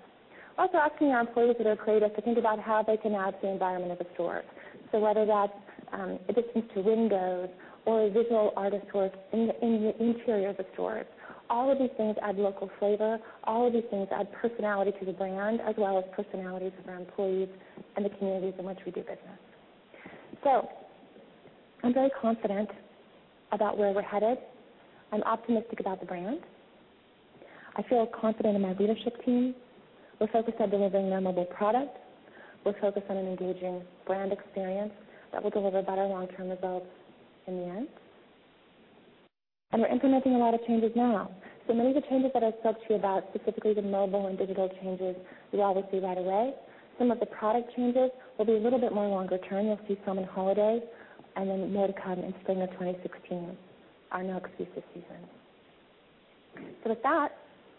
We're also asking our employees that are creative to think about how they can add to the environment of the store. Whether that's additions to windows or a visual artist's work in the interiors of stores, all of these things add local flavor. All of these things add personality to the brand, as well as personalities of our employees and the communities in which we do business. I'm very confident about where we're headed. I'm optimistic about the brand. I feel confident in my leadership team. We're focused on delivering our mobile product. We're focused on an engaging brand experience that will deliver better long-term results in the end. We're implementing a lot of changes now. Many of the changes that I've spoke to you about, specifically the mobile and digital changes, you'll obviously see right away. Some of the product changes will be a little bit more longer term. You'll see some in holidays, and then more to come in spring of 2016, our next fiscal season. With that,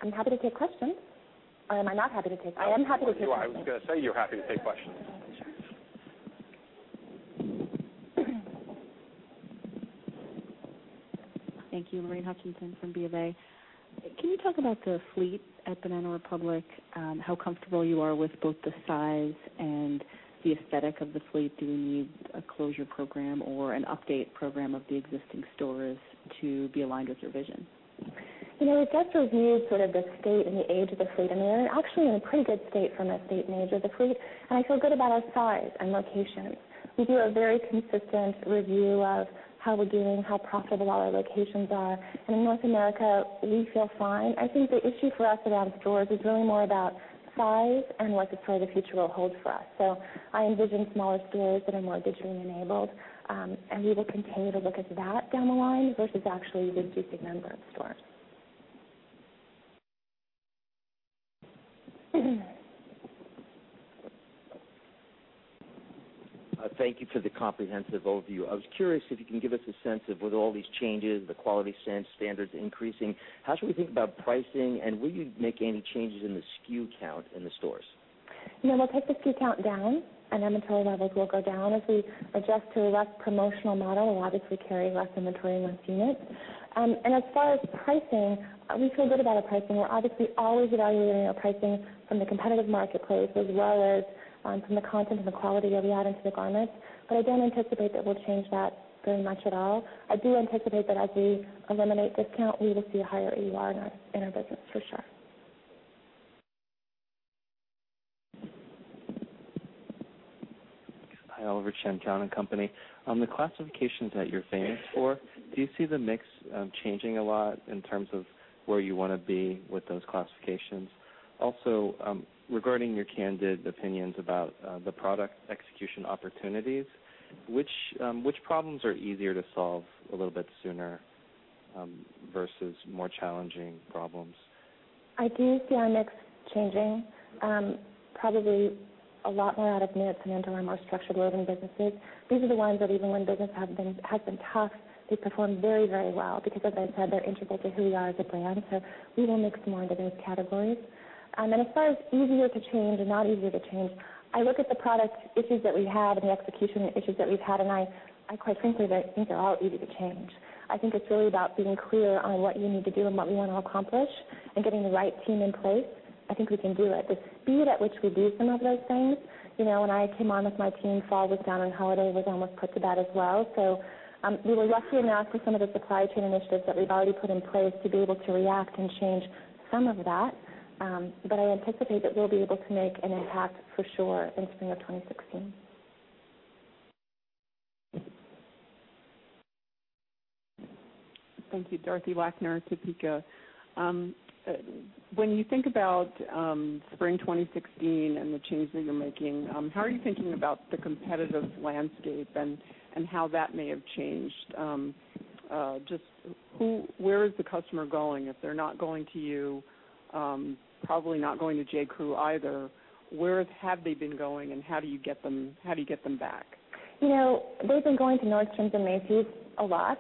I am happy to take questions. I was going to say you're happy to take questions. Sure. Thank you. Lorraine Hutchinson from BofA. Can you talk about the fleet at Banana Republic, how comfortable you are with both the size and the aesthetic of the fleet? Do we need a closure program or an update program of the existing stores to be aligned with your vision? We just reviewed sort of the state and the age of the fleet, and they're actually in a pretty good state from a state and age of the fleet, and I feel good about our size and locations. We do a very consistent review of how we're doing, how profitable our locations are. In North America, we feel fine. I think the issue for us around stores is really more about size and what the future will hold for us. I envision smaller stores that are more digitally enabled, and we will continue to look at that down the line versus actually reducing the number of stores. Thank you for the comprehensive overview. I was curious if you can give us a sense of with all these changes, the quality standards increasing, how should we think about pricing, and will you make any changes in the SKU count in the stores? Yeah. We'll take the SKU count down, and inventory levels will go down as we adjust to a less promotional model. We'll obviously carry less inventory and less units. As far as pricing, we feel good about our pricing. We're obviously always evaluating our pricing from the competitive marketplace as well as from the content and the quality that we add into the garments. I don't anticipate that we'll change that very much at all. I do anticipate that as we eliminate discount, we will see a higher AUR in our business, for sure. Hi, Oliver Chen, Cowen and Company. On the classifications that you're famous for, do you see the mix changing a lot in terms of where you want to be with those classifications? Also, regarding your candid opinions about the product execution opportunities, which problems are easier to solve a little bit sooner versus more challenging problems? I do see our mix changing probably a lot more out of knits and into our more structured woven businesses. These are the ones that even when business has been tough, they perform very well because, as I said, they're integral to who we are as a brand. We will mix more into those categories. As far as easier to change and not easier to change, I look at the product issues that we have and the execution issues that we've had, and quite frankly, I think they're all easy to change. I think it's really about being clear on what you need to do and what we want to accomplish and getting the right team in place. I think we can do it. The speed at which we do some of those things, when I came on with my team, fall was down, and holiday was almost put to bed as well. We were lucky enough with some of the supply chain initiatives that we've already put in place to be able to react and change some of that. I anticipate that we'll be able to make an impact for sure in spring of 2016. Thank you. Dorothy Wagner, Topeka. When you think about spring 2016 and the changes you're making, how are you thinking about the competitive landscape and how that may have changed? Where is the customer going if they're not going to you, probably not going to J.Crew either, where have they been going, and how do you get them back? They've been going to Nordstrom and Macy's a lot.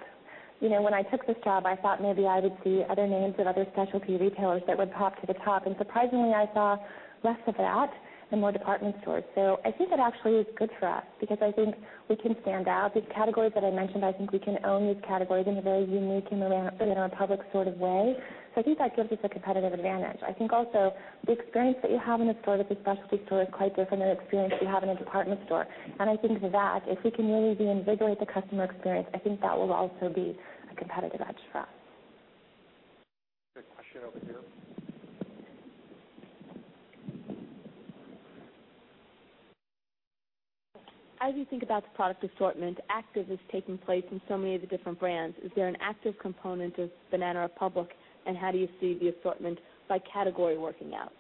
When I took this job, I thought maybe I would see other names at other specialty retailers that would pop to the top, and surprisingly, I saw less of that and more department stores. I think it actually is good for us because I think we can stand out. These categories that I mentioned, I think we can own these categories in a very unique and Banana Republic sort of way. I think that gives us a competitive advantage. I think also the experience that you have in a store that's a specialty store is quite different than the experience you have in a department store. I think that if we can really reinvigorate the customer experience, I think that will also be a competitive edge for us. We have a question over here. As you think about the product assortment, active is taking place in so many of the different brands. Is there an active component of Banana Republic, and how do you see the assortment by category working out?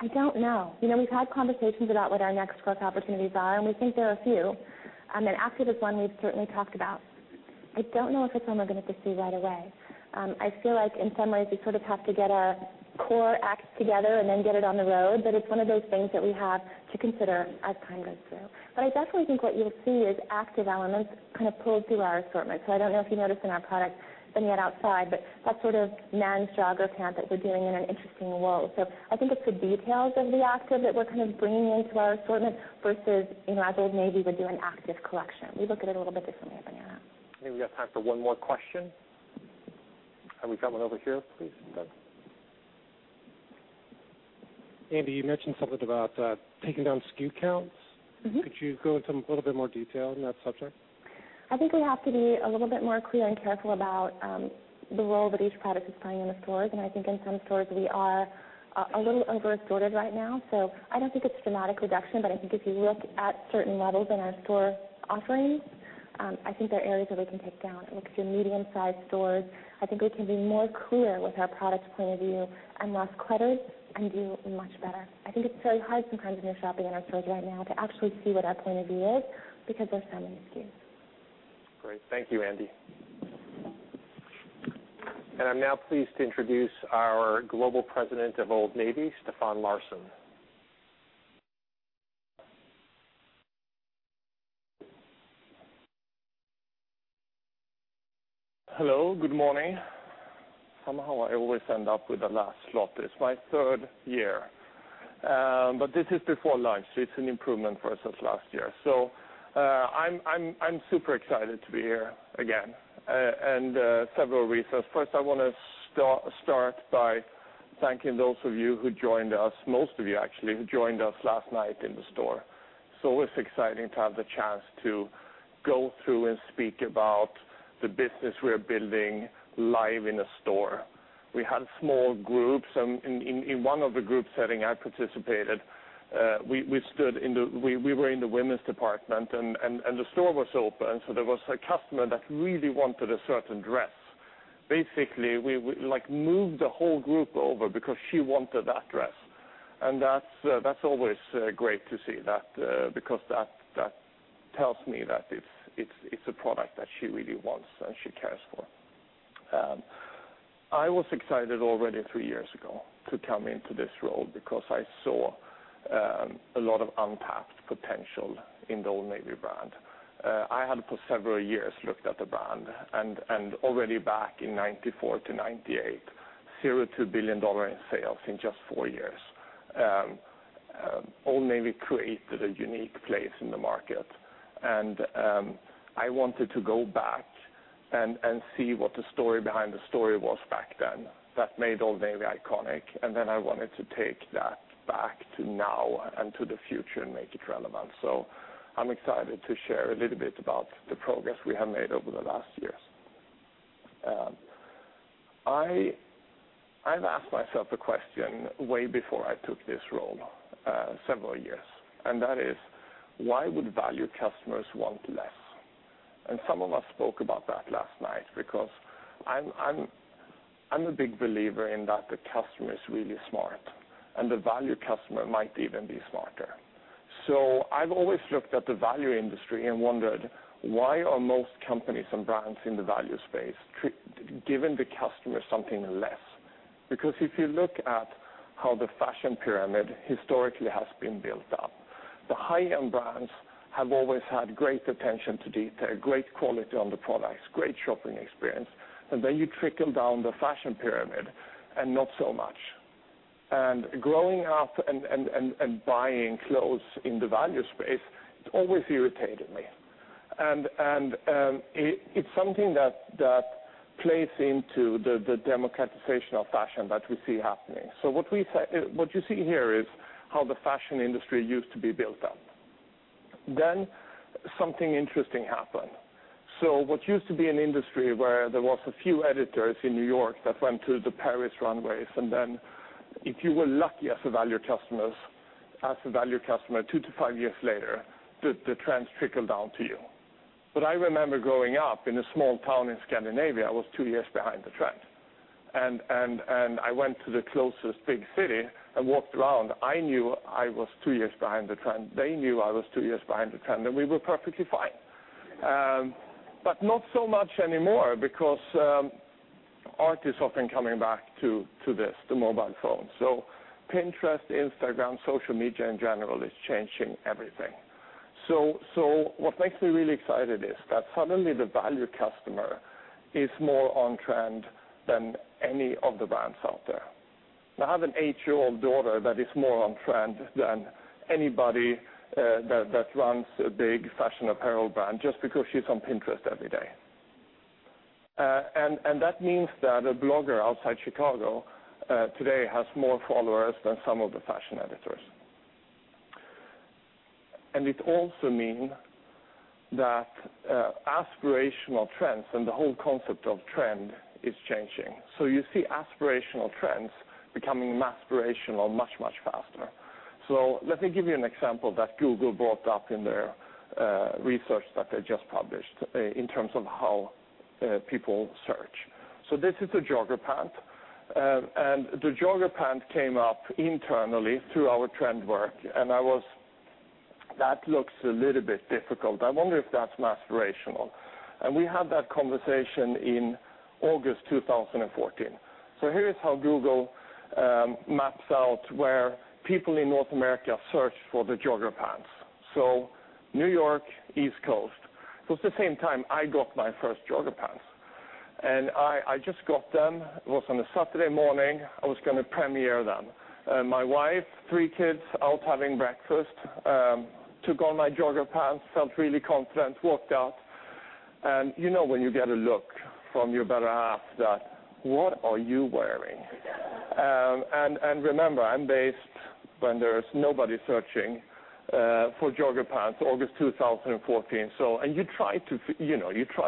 I don't know. We've had conversations about what our next growth opportunities are, and we think there are a few. Active is one we've certainly talked about. I don't know if it's one we're going to pursue right away. I feel like in some ways we sort of have to get our core act together and then get it on the road. It's one of those things that we have to consider as time goes through. I definitely think what you'll see is active elements kind of pulled through our assortment. I don't know if you noticed in our product thing yet outside, but that sort of men's jogger pant that we're doing in an interesting wool. I think it's the details of the active that we're kind of bringing into our assortment versus Old Navy would do an active collection. We look at it a little bit differently at Banana. I think we have time for one more question. Have we got one over here? Please, go ahead. Andy, you mentioned something about taking down SKU counts. Could you go into a little bit more detail on that subject? I think we have to be a little bit more clear and careful about the role that each product is playing in the stores. I think in some stores, we are a little over-assorted right now. I don't think it's dramatic reduction, but I think if you look at certain levels in our store offerings, I think there are areas where we can take down. Look at your medium-sized stores. I think we can be more clear with our product point of view and less cluttered and do much better. I think it's very hard sometimes when you're shopping in our stores right now to actually see what our point of view is because there's so many SKUs. Great. Thank you, Andy Allen. I'm now pleased to introduce our Global President of Old Navy, Stefan Larsson. Hello. Good morning. Somehow I always end up with the last slot. It's my third year. This is before lunch, it's an improvement versus last year. I'm super excited to be here again, and several reasons. First, I want to start by thanking those of you who joined us, most of you, actually, who joined us last night in the store. It's always exciting to have the chance to go through and speak about the business we are building live in a store. We had small groups. In one of the group setting I participated, we were in the women's department, the store was open, there was a customer that really wanted a certain dress. Basically, we moved the whole group over because she wanted that dress. That's always great to see that because that tells me that it's a product that she really wants and she cares for. I was excited already three years ago to come into this role because I saw a lot of untapped potential in the Old Navy brand. I had, for several years, looked at the brand, already back in 1994 to 1998, zero to $1 billion in sales in just four years. Old Navy created a unique place in the market, I wanted to go back and see what the story behind the story was back then that made Old Navy iconic. Then I wanted to take that back to now and to the future and make it relevant. I'm excited to share a little bit about the progress we have made over the last years. I've asked myself a question way before I took this role, several years, that is, why would value customers want less? Some of us spoke about that last night, because I'm a big believer in that the customer is really smart, and the value customer might even be smarter. I've always looked at the value industry and wondered, why are most companies and brands in the value space giving the customer something less? If you look at how the fashion pyramid historically has been built up, the high-end brands have always had great attention to detail, great quality on the products, great shopping experience, then you trickle down the fashion pyramid, and not so much. Growing up and buying clothes in the value space, it always irritated me. It's something that plays into the democratization of fashion that we see happening. What you see here is how the fashion industry used to be built up. Something interesting happened. What used to be an industry where there was a few editors in New York that went to the Paris runways, then if you were lucky as a value customer, two to five years later, the trends trickled down to you. I remember growing up in a small town in Scandinavia, I was two years behind the trend. I went to the closest big city and walked around. I knew I was two years behind the trend. They knew I was two years behind the trend, and we were perfectly fine. Not so much anymore because Art is often coming back to this, the mobile phone. Pinterest, Instagram, social media in general is changing everything. What makes me really excited is that suddenly the value customer is more on-trend than any of the brands out there. I have an eight-year-old daughter that is more on trend than anybody that runs a big fashion apparel brand, just because she's on Pinterest every day. That means that a blogger outside Chicago today has more followers than some of the fashion editors. It also means that aspirational trends and the whole concept of trend is changing. You see aspirational trends becoming mass aspirational much, much faster. Let me give you an example that Google brought up in their research that they just published in terms of how people search. This is a jogger pant, the jogger pant came up internally through our trend work, I was, "That looks a little bit difficult. I wonder if that's mass aspirational." We had that conversation in August 2014. Here is how Google maps out where people in North America search for the jogger pants. New York, East Coast. It was the same time I got my first jogger pants. I just got them. It was on a Saturday morning. I was going to premiere them. My wife, three kids out having breakfast, took on my jogger pants, felt really confident, walked out, you know when you get a look from your better half that, "What are you wearing?" Remember, I'm based when there's nobody searching for jogger pants, August 2014. You try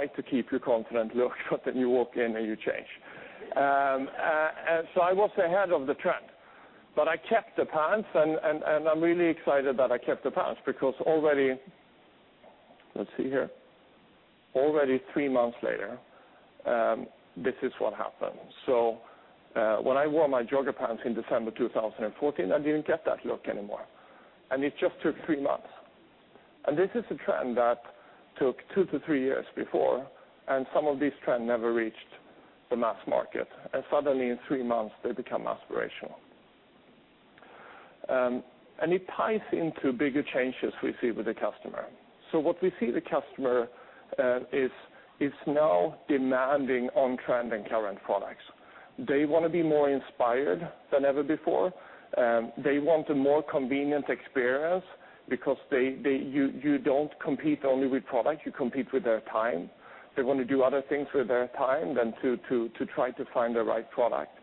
to keep your confident look, then you walk in, you change. I was ahead of the trend, but I kept the pants, I'm really excited that I kept the pants because already, 3 months later, this is what happened. When I wore my jogger pants in December 2014, I didn't get that look anymore. It just took 3 months. This is a trend that took 2 to 3 years before, some of these trends never reached the mass market. Suddenly in 3 months, they become aspirational. It ties into bigger changes we see with the customer. What we see the customer is now demanding on-trend and current products. They want to be more inspired than ever before. They want a more convenient experience because you don't compete only with product, you compete with their time. They want to do other things with their time than to try to find the right product.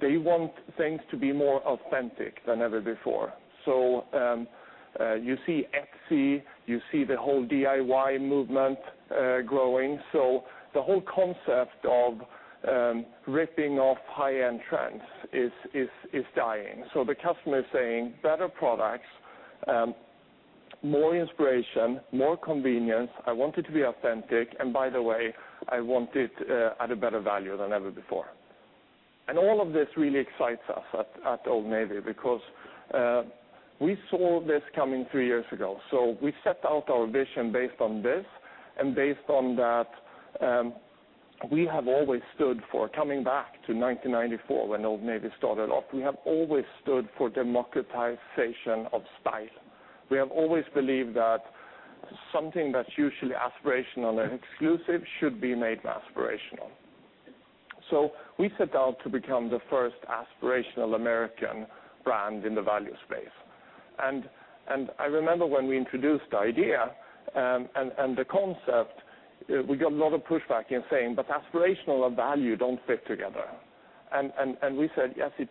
They want things to be more authentic than ever before. You see Etsy, you see the whole DIY movement growing. The whole concept of ripping off high-end trends is dying. The customer is saying, "Better products, more inspiration, more convenience. I want it to be authentic, and by the way, I want it at a better value than ever before." All of this really excites us at Old Navy, because we saw this coming 3 years ago. We set out our vision based on this, based on that, we have always stood for coming back to 1994, when Old Navy started off. We have always stood for democratization of style. We have always believed that something that's usually aspirational and exclusive should be made aspirational. We set out to become the first aspirational American brand in the value space. I remember when we introduced the idea, and the concept, we got a lot of pushback in saying, "Aspirational and value don't fit together." We said, "Yes, it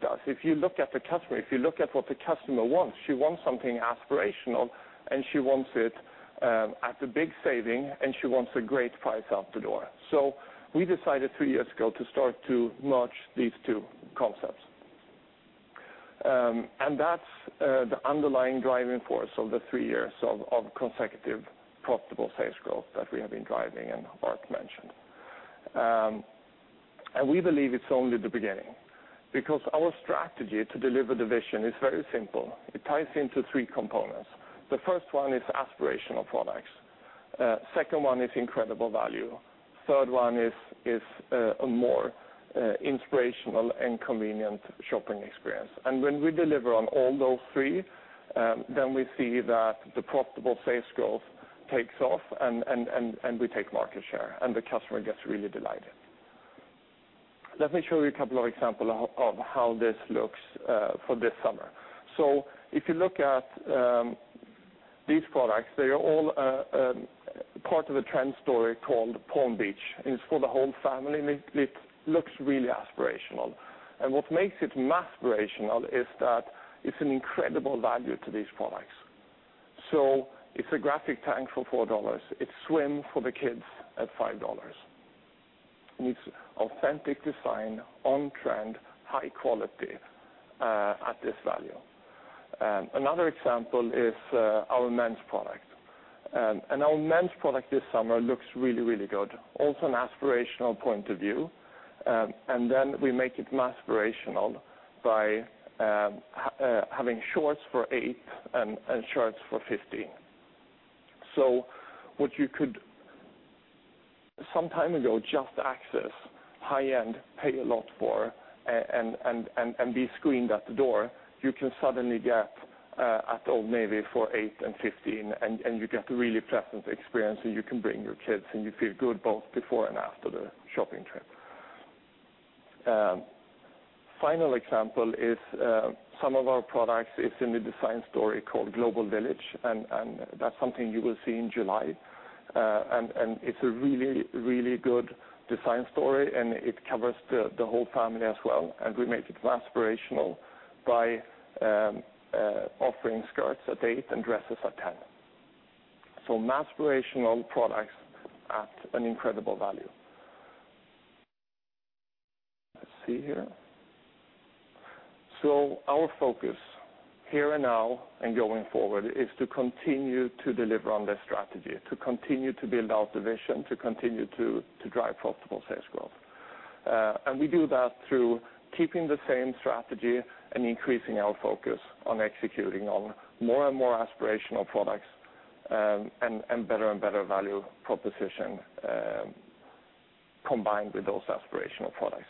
does." If you look at the customer, if you look at what the customer wants, she wants something aspirational, and she wants it at a big saving, and she wants a great price out the door. We decided 3 years ago to start to merge these two concepts. That's the underlying driving force of the 3 years of consecutive profitable sales growth that we have been driving, and Art mentioned. We believe it's only the beginning, because our strategy to deliver the vision is very simple. It ties into 3 components. The first one is aspirational products. Second one is incredible value. Third one is a more inspirational and convenient shopping experience. When we deliver on all those 3, then we see that the profitable sales growth takes off and we take market share, and the customer gets really delighted. Let me show you a couple of example of how this looks for this summer. If you look at these products, they are all part of a trend story called Palm Beach, it's for the whole family, it looks really aspirational. What makes it mass aspirational is that it's an incredible value to these products. It's a graphic tank for $4. It's swim for the kids at $5. It's authentic design, on-trend, high quality, at this value. Another example is our men's product. Our men's product this summer looks really, really good. Also an aspirational point of view. We make it mass aspirational by having shorts for $8 and shirts for $15. What you could sometime ago just access high-end, pay a lot for, and be screened at the door, you can suddenly get at Old Navy for $8 and $15, and you get a really pleasant experience, and you can bring your kids, and you feel good both before and after the shopping trip. Final example is some of our products, it's in the design story called Global Village, and that's something you will see in July. It's a really, really good design story, and it covers the whole family as well, and we make it mass aspirational by offering skirts at $8 and dresses at $10. Mass aspirational products at an incredible value. Let's see here. Our focus here and now and going forward is to continue to deliver on that strategy, to continue to build out the vision, to continue to drive profitable sales growth. We do that through keeping the same strategy and increasing our focus on executing on more and more aspirational products, and better and better value proposition, combined with those aspirational products.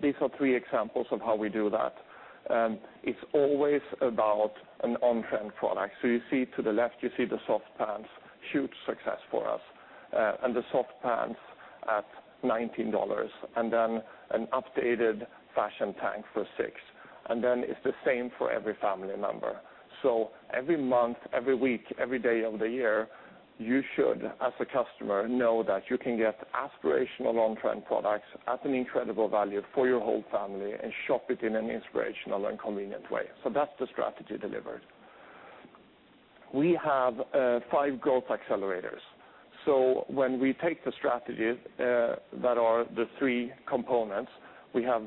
These are three examples of how we do that. It's always about an on-trend product. You see to the left, you see the soft pants, huge success for us. The soft pants at $19, and then an updated fashion tank for $6, and then it's the same for every family member. Every month, every week, every day of the year, you should, as a customer, know that you can get aspirational on-trend products at an incredible value for your whole family and shop it in an inspirational and convenient way. That's the strategy delivered. We have 5 growth accelerators. When we take the strategies that are the 3 components, we have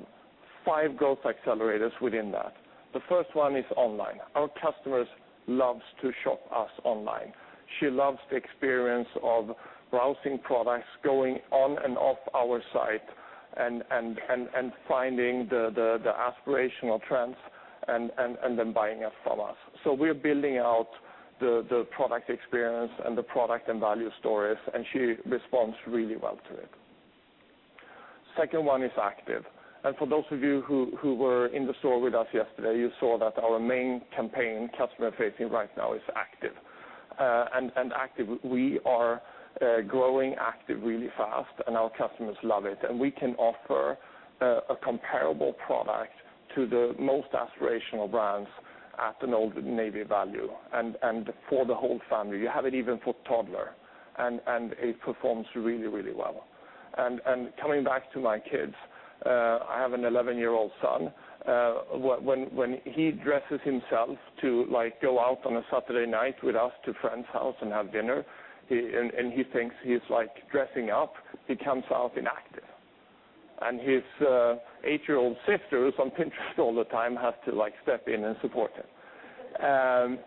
5 growth accelerators within that. The first one is online. Our customers loves to shop us online. She loves the experience of browsing products, going on and off our site, and finding the aspirational trends and then buying it from us. We are building out the product experience and the product and value stories, and she responds really well to it. Second one is active. For those of you who were in the store with us yesterday, you saw that our main campaign customer-facing right now is active. Active, we are growing active really fast, and our customers love it. We can offer a comparable product to the most aspirational brands at an Old Navy value. For the whole family. You have it even for toddler, and it performs really, really well. Coming back to my kids, I have an 11-year-old son. When he dresses himself to go out on a Saturday night with us to friend's house and have dinner, and he thinks he's dressing up, he comes out in active. His 8-year-old sister, who's on Pinterest all the time, has to step in and support him.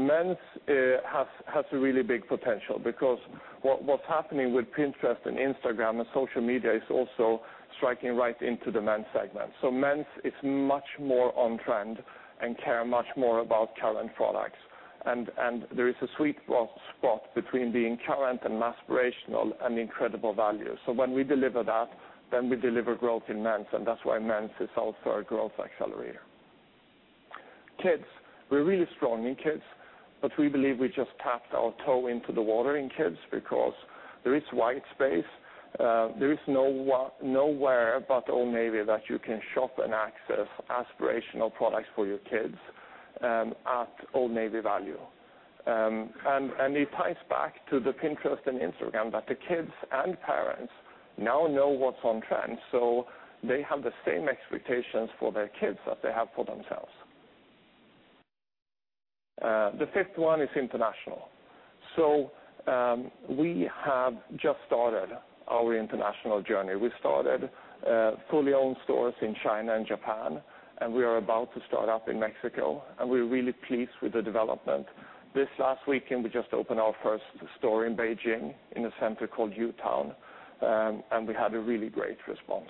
Men's has a really big potential because what's happening with Pinterest and Instagram and social media is also striking right into the men's segment. Men's is much more on trend and care much more about current products. There is a sweet spot between being current and aspirational and incredible value. When we deliver that, then we deliver growth in men's, and that's why men's is also a growth accelerator. Kids, we're really strong in kids, but we believe we just tapped our toe into the water in kids because there is white space. There is nowhere but Old Navy that you can shop and access aspirational products for your kids, at Old Navy value. It ties back to the Pinterest and Instagram that the kids and parents now know what's on trend, so they have the same expectations for their kids that they have for themselves. The fifth one is international. We have just started our international journey. We started fully owned stores in China and Japan, and we are about to start up in Mexico, and we're really pleased with the development. This last weekend, we just opened our first store in Beijing in a center called U-Town, and we had a really great response.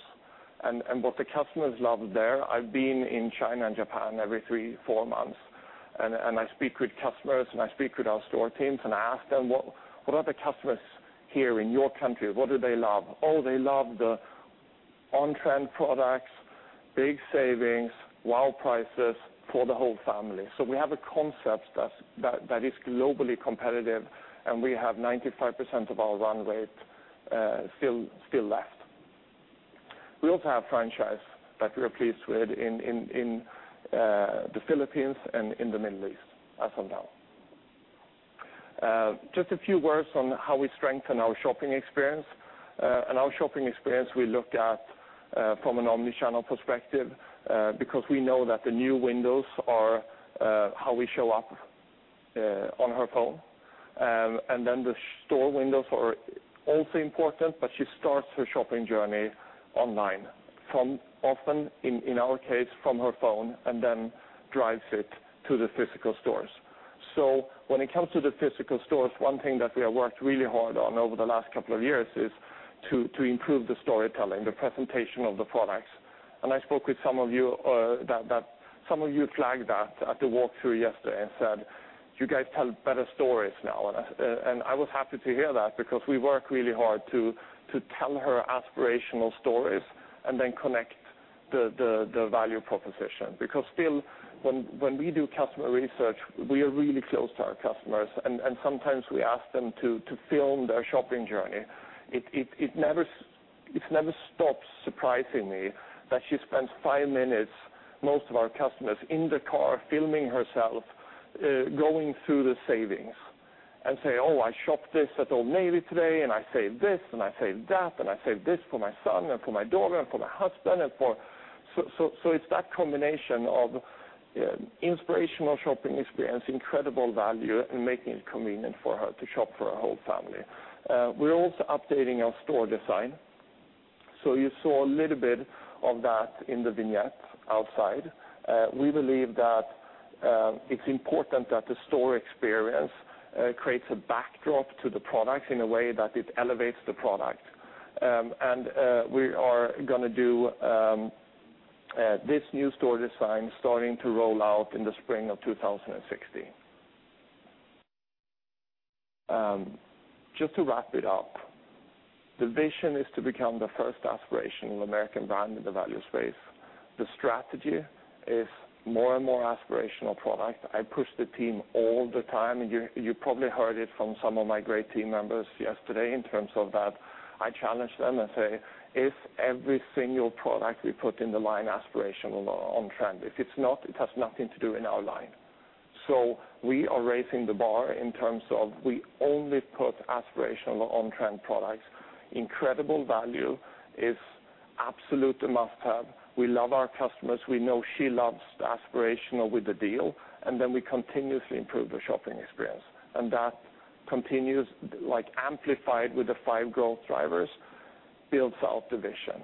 What the customers love there, I've been in China and Japan every three, four months, and I speak with customers and I speak with our store teams and I ask them, "What are the customers here in your country? What do they love?" Oh, they love the on-trend products, big savings, wow prices for the whole family. We have a concept that is globally competitive, and we have 95% of our runway still left. We also have franchise that we are pleased with in the Philippines and in the Middle East as of now. Just a few words on how we strengthen our shopping experience. Our shopping experience we look at from an omni-channel perspective, because we know that the new windows are how we show up on her phone. Then the store windows are also important, but she starts her shopping journey online from, often, in our case, from her phone and then drives it to the physical stores. When it comes to the physical stores, one thing that we have worked really hard on over the last couple of years is to improve the storytelling, the presentation of the products. I spoke with some of you, that some of you flagged that at the walkthrough yesterday and said, "You guys tell better stories now." I was happy to hear that because we work really hard to tell her aspirational stories and then connect the value proposition. Still, when we do customer research, we are really close to our customers, and sometimes we ask them to film their shopping journey. It never stops surprising me that she spends 5 minutes, most of our customers, in the car filming herself, going through the savings and say, "Oh, I shopped this at Old Navy today, and I saved this, and I saved that, and I saved this for my son and for my daughter and for my husband and for" It's that combination of inspirational shopping experience, incredible value, and making it convenient for her to shop for her whole family. We're also updating our store design. You saw a little bit of that in the vignette outside. We believe that it's important that the store experience creates a backdrop to the product in a way that it elevates the product. We are going to do this new store design starting to roll out in the spring of 2016. Just to wrap it up, the vision is to become the first aspirational American brand in the value space. The strategy is more and more aspirational product. I push the team all the time, and you probably heard it from some of my great team members yesterday in terms of that. I challenge them and say, "Is every single product we put in the line aspirational or on-trend? If it's not, it has nothing to do in our line." We are raising the bar in terms of we only put aspirational or on-trend products. Incredible value is absolutely must have. We love our customers. We know she loves the aspirational with the deal. We continuously improve the shopping experience. That continues, like amplified with the 5 growth drivers, builds out the vision.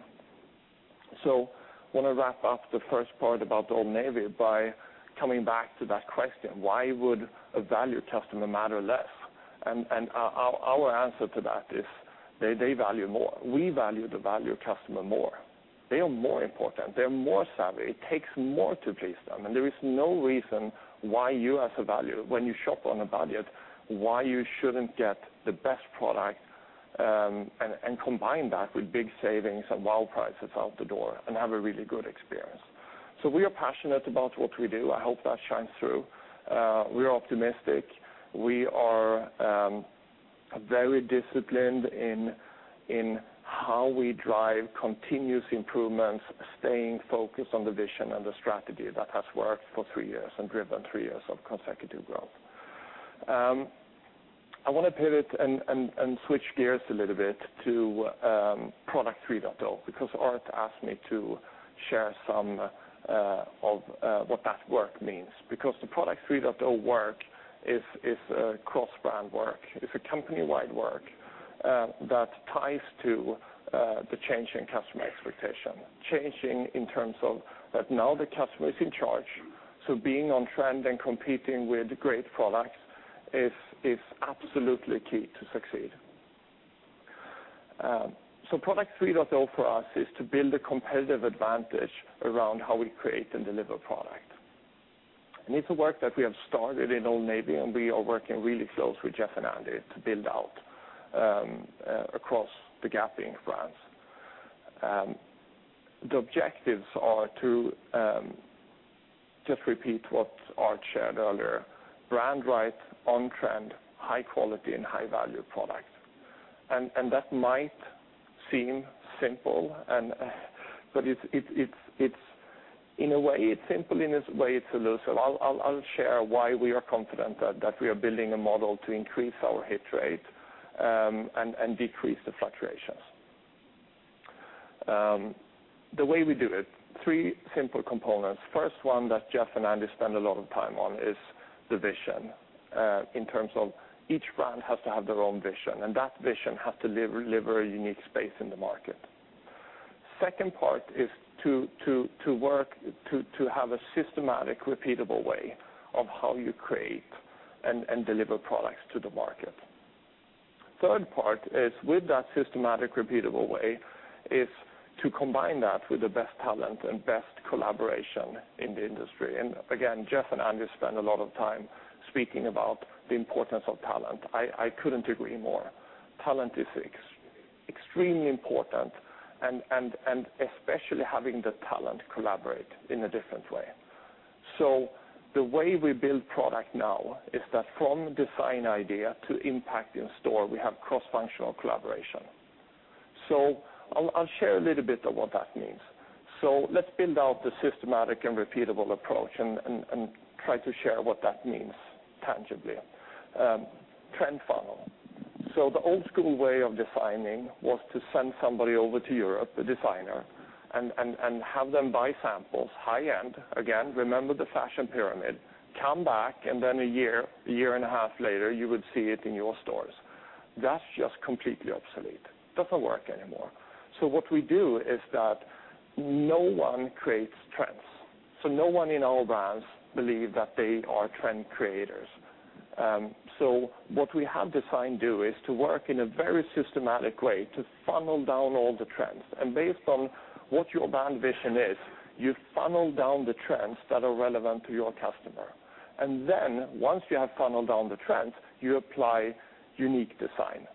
I want to wrap up the first part about Old Navy by coming back to that question: why would a value customer matter less? Our answer to that is they value more. We value the value customer more. They are more important. They're more savvy. It takes more to please them. There is no reason why you as a value, when you shop on a budget, why you shouldn't get the best product, and combine that with big savings and wow prices out the door and have a really good experience. We are passionate about what we do. I hope that shines through. We are optimistic. We are very disciplined in how we drive continuous improvements, staying focused on the vision and the strategy that has worked for 3 years and driven 3 years of consecutive growth. I want to pivot and switch gears a little bit to Product 3.0, because Art asked me to share some of what that work means, because the Product 3.0 work is a cross-brand work. It's a company-wide work. That ties to the change in customer expectation, changing in terms of that now the customer is in charge, being on trend and competing with great products is absolutely key to succeed. Product 3.0 for us is to build a competitive advantage around how we create and deliver product. It's a work that we have started in Old Navy, and we are working really close with Jeff and Andi to build out across the Gap Inc. brands. The objectives are to just repeat what Art shared earlier, brand right, on trend, high quality, and high-value product. That might seem simple, in a way it's simple, in a way it's elusive. I'll share why we are confident that we are building a model to increase our hit rate and decrease the fluctuations. The way we do it, three simple components. First one that Jeff and Andi spend a lot of time on is the vision, in terms of each brand has to have their own vision, and that vision has to deliver a unique space in the market. Second part is to have a systematic, repeatable way of how you create and deliver products to the market. Third part is with that systematic, repeatable way, is to combine that with the best talent and best collaboration in the industry. Again, Jeff and Andi spend a lot of time speaking about the importance of talent. I couldn't agree more. Talent is extremely important especially having the talent collaborate in a different way. The way we build product now is that from design idea to impact in store, we have cross-functional collaboration. I'll share a little bit of what that means. Let's build out the systematic and repeatable approach and try to share what that means tangibly. Trend funnel. The old school way of designing was to send somebody over to Europe, a designer, and have them buy samples, high-end, again, remember the fashion pyramid, come back, and then a year and a half later, you would see it in your stores. That's just completely obsolete. Doesn't work anymore. What we do is that no one creates trends. No one in our brands believe that they are trend creators. What we have design do is to work in a very systematic way to funnel down all the trends. Based on what your brand vision is, you funnel down the trends that are relevant to your customer. Once you have funneled down the trends, you apply unique design.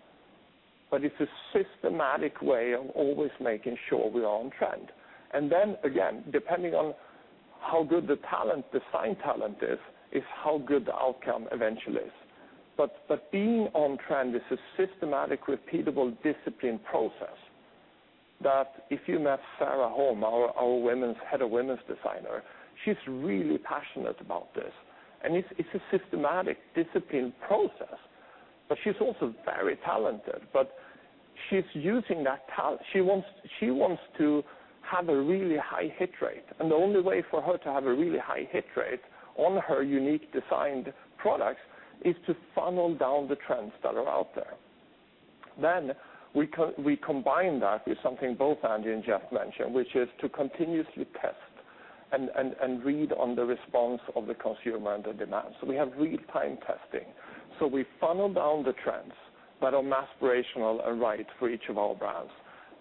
It's a systematic way of always making sure we are on trend. Again, depending on how good the design talent is how good the outcome eventually is. Being on trend is a systematic, repeatable, disciplined process, that if you met Sarah Holme, our head of women's designer, she's really passionate about this. It's a systematic, disciplined process, she's also very talented. She wants to have a really high hit rate, the only way for her to have a really high hit rate on her unique designed products is to funnel down the trends that are out there. We combine that with something both Andy and Jeff mentioned, which is to continuously test and read on the response of the consumer and the demand. We have real-time testing. We funnel down the trends that are aspirational and right for each of our brands.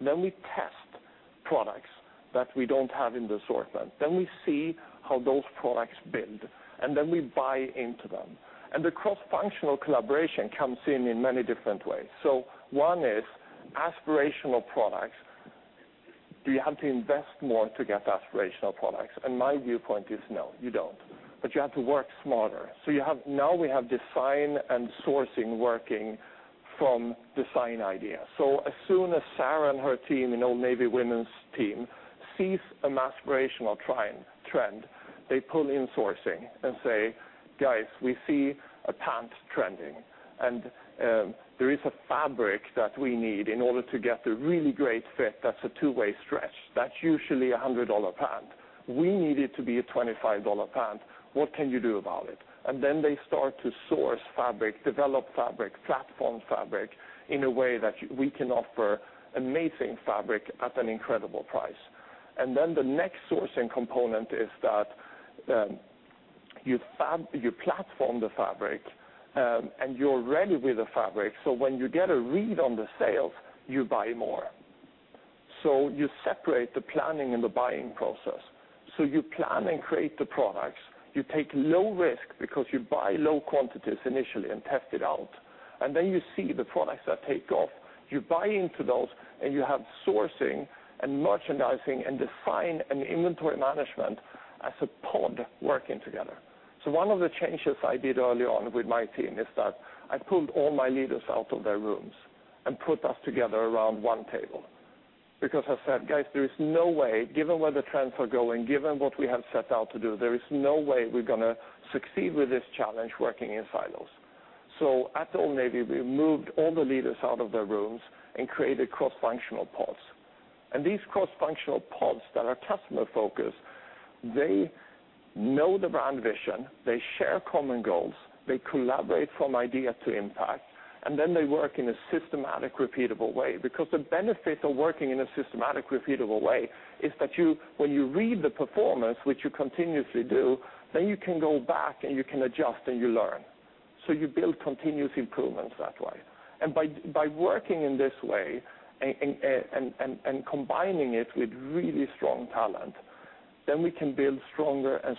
We test products that we don't have in the assortment. We see how those products build, we buy into them. The cross-functional collaboration comes in in many different ways. One is aspirational products. Do you have to invest more to get aspirational products? My viewpoint is, no, you don't. You have to work smarter. Now we have design and sourcing working from design idea. As soon as Sarah and her team, in Old Navy women's team, sees an aspirational trend, they pull in sourcing and say, "Guys, we see a pant trending. There is a fabric that we need in order to get a really great fit that's a two-way stretch. That's usually a $100 pant. We need it to be a $25 pant. What can you do about it?" Then they start to source fabric, develop fabric, platform fabric in a way that we can offer amazing fabric at an incredible price. Then the next sourcing component is that you platform the fabric, and you're ready with the fabric, so when you get a read on the sales, you buy more. You separate the planning and the buying process. You plan and create the products. You take low risk because you buy low quantities initially and test it out. Then you see the products that take off. You buy into those, and you have sourcing and merchandising and design and inventory management as a pod working together. One of the changes I did early on with my team is that I pulled all my leaders out of their rooms and put us together around one table. I said, "Guys, there is no way, given where the trends are going, given what we have set out to do, there is no way we're going to succeed with this challenge working in silos." At Old Navy, we moved all the leaders out of their rooms and created cross-functional pods. These cross-functional pods that are customer focused, they know the brand vision, they share common goals, they collaborate from idea to impact, then they work in a systematic, repeatable way. The benefits of working in a systematic, repeatable way is that when you read the performance, which you continuously do, then you can go back and you can adjust and you learn. You build continuous improvements that way. By working in this way and combining it with really strong talent, then we can build stronger and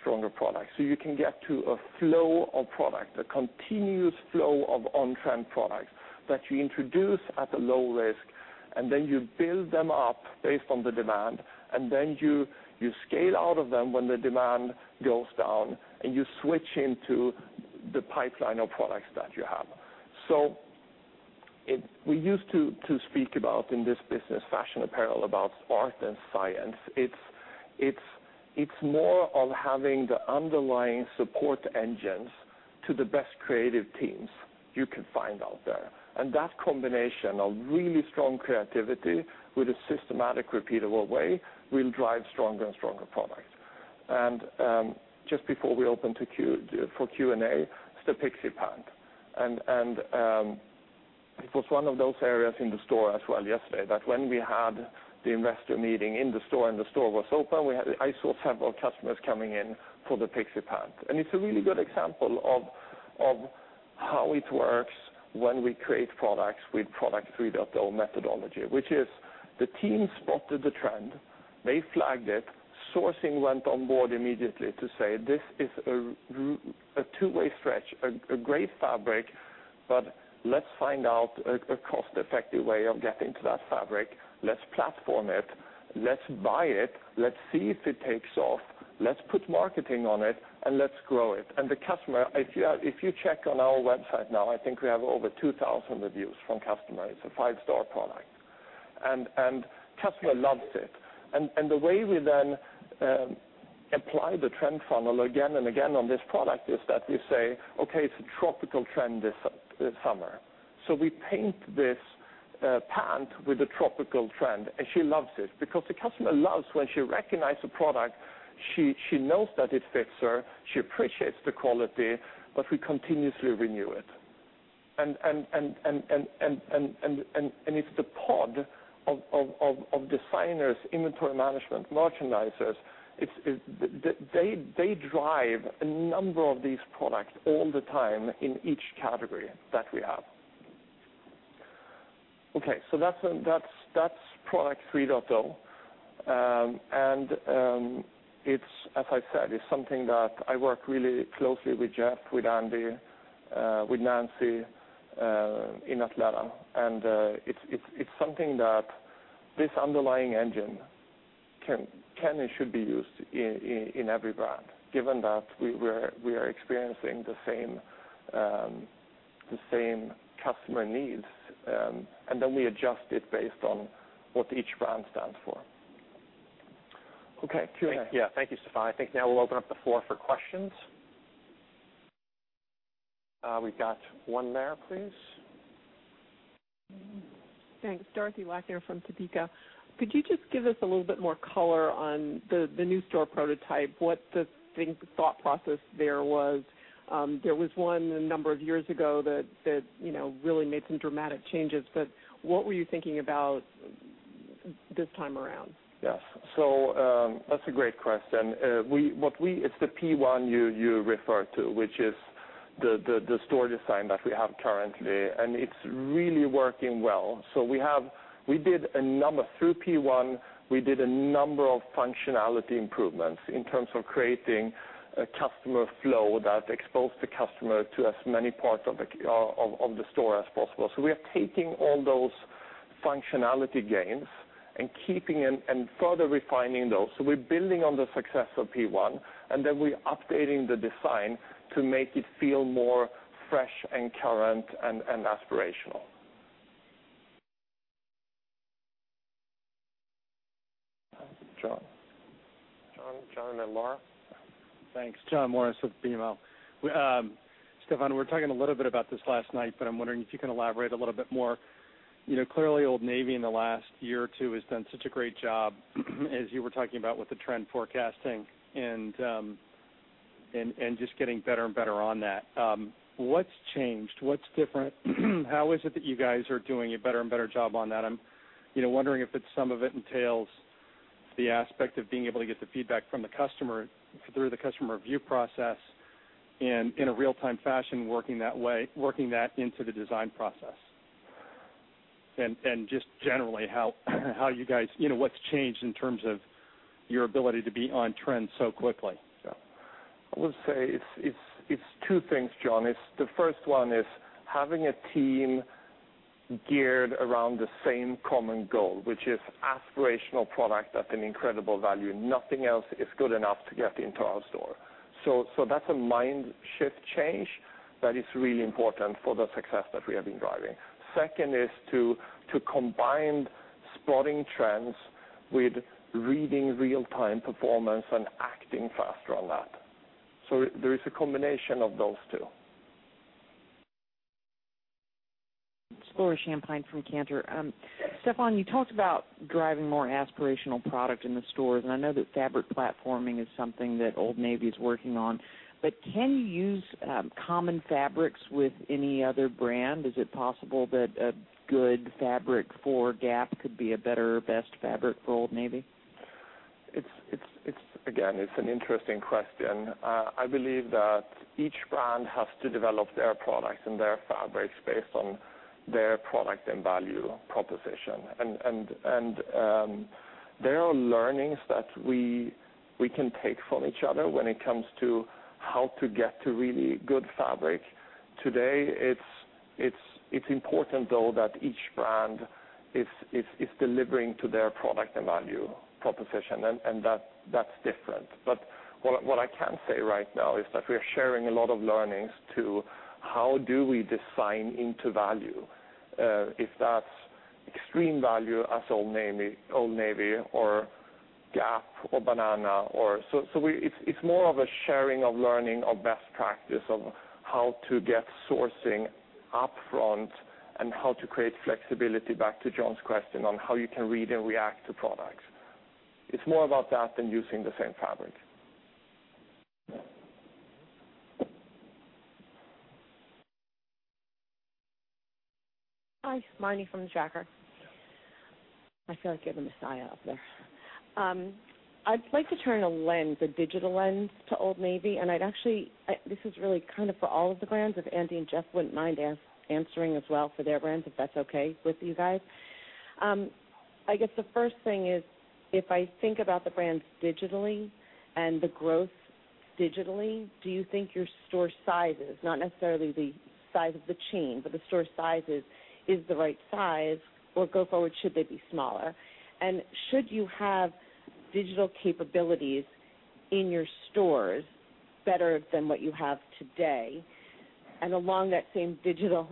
stronger products. You can get to a flow of product, a continuous flow of on-trend products that you introduce at a low risk, then you build them up based on the demand, then you scale out of them when the demand goes down, and you switch into the pipeline of products that you have. We used to speak about, in this business, fashion apparel, about art and science. It's more of having the underlying support engines to the best creative teams you can find out there. That combination of really strong creativity with a systematic, repeatable way will drive stronger and stronger products. Just before we open for Q&A, it's the Pixie Pant. It was one of those areas in the store as well yesterday, that when we had the investor meeting in the store and the store was open, I saw several customers coming in for the Pixie Pant. It's a really good example of how it works when we create products with Product 3.0 methodology, which is the team spotted the trend, they flagged it, sourcing went on board immediately to say, "This is a two-way stretch, a great fabric, but let's find out a cost-effective way of getting to that fabric. Let's platform it. Let's buy it. Let's see if it takes off. Let's put marketing on it, and let's grow it." The customer, if you check on our website now, I think we have over 2,000 reviews from customers. It's a five-star product. Customer loves it. The way we then apply the trend funnel again and again on this product is that we say, "Okay, it's a tropical trend this summer." We paint this pant with a tropical trend, and she loves it, because the customer loves when she recognizes a product, she knows that it fits her, she appreciates the quality, but we continuously renew it. It's the pod of designers, inventory management, merchandisers, they drive a number of these products all the time in each category that we have. Okay, so that's Product 3.0. As I said, it's something that I work really closely with Jeff, with Andy, with Nancy, in Atlanta. It's something that this underlying engine can and should be used in every brand, given that we are experiencing the same customer needs. Then we adjust it based on what each brand stands for. Okay, Q&A. Yeah. Thank you, Stefan. I think now we'll open up the floor for questions. We've got one there, please. Thanks. Dorothy Lackner from Topeka. Could you just give us a little bit more color on the new store prototype, what the thought process there was? There was one a number of years ago that really made some dramatic changes, but what were you thinking about this time around? That's a great question. It's the P1 you referred to, which is the store design that we have currently, and it's really working well. Through P1, we did a number of functionality improvements in terms of creating a customer flow that exposed the customer to as many parts of the store as possible. We are taking all those functionality gains and keeping and further refining those. We're building on the success of P1, and then we're updating the design to make it feel more fresh and current and aspirational. John. John and then Laura. Thanks. John Morris with BMO. Stefan, we were talking a little bit about this last night, but I'm wondering if you can elaborate a little bit more. Clearly Old Navy in the last year or two has done such a great job, as you were talking about with the trend forecasting and just getting better and better on that. What's changed? What's different? How is it that you guys are doing a better and better job on that? I'm wondering if some of it entails the aspect of being able to get the feedback from the customer through the customer review process and, in a real-time fashion, working that into the design process. Just generally, what's changed in terms of your ability to be on trend so quickly? I would say it's two things, John. The first one is having a team geared around the same common goal, which is aspirational product at an incredible value. Nothing else is good enough to get into our store. That's a mind shift change that is really important for the success that we have been driving. Second is to combine spotting trends with reading real-time performance and acting faster on that. There is a combination of those two. Laura Champine from Cantor. Stefan, you talked about driving more aspirational product in the stores, I know that fabric platforming is something that Old Navy is working on. Can you use common fabrics with any other brand? Is it possible that a good fabric for Gap could be a better or best fabric for Old Navy? Again, it's an interesting question. I believe that each brand has to develop their products and their fabrics based on their product and value proposition. There are learnings that we can take from each other when it comes to how to get to really good fabric. Today, it's important, though, that each brand is delivering to their product and value proposition, that's different. What I can say right now is that we are sharing a lot of learnings to how do we design into value. If that's extreme value as Old Navy or Gap or Banana. It's more of a sharing of learning of best practice of how to get sourcing upfront and how to create flexibility, back to John's question, on how you can read and react to products. It's more about that than using the same fabric. Hi. Marni from the Tracker. I feel like you're the Messiah up there. I'd like to turn a lens, a digital lens, to Old Navy, this is really for all of the brands, if Andy and Jeff wouldn't mind answering as well for their brands, if that's okay with you guys. I guess the first thing is, if I think about the brands digitally and the growth digitally, do you think your store sizes, not necessarily the size of the chain, but the store sizes is the right size, or go forward, should they be smaller? Should you have digital capabilities in your stores better than what you have today? Along that same digital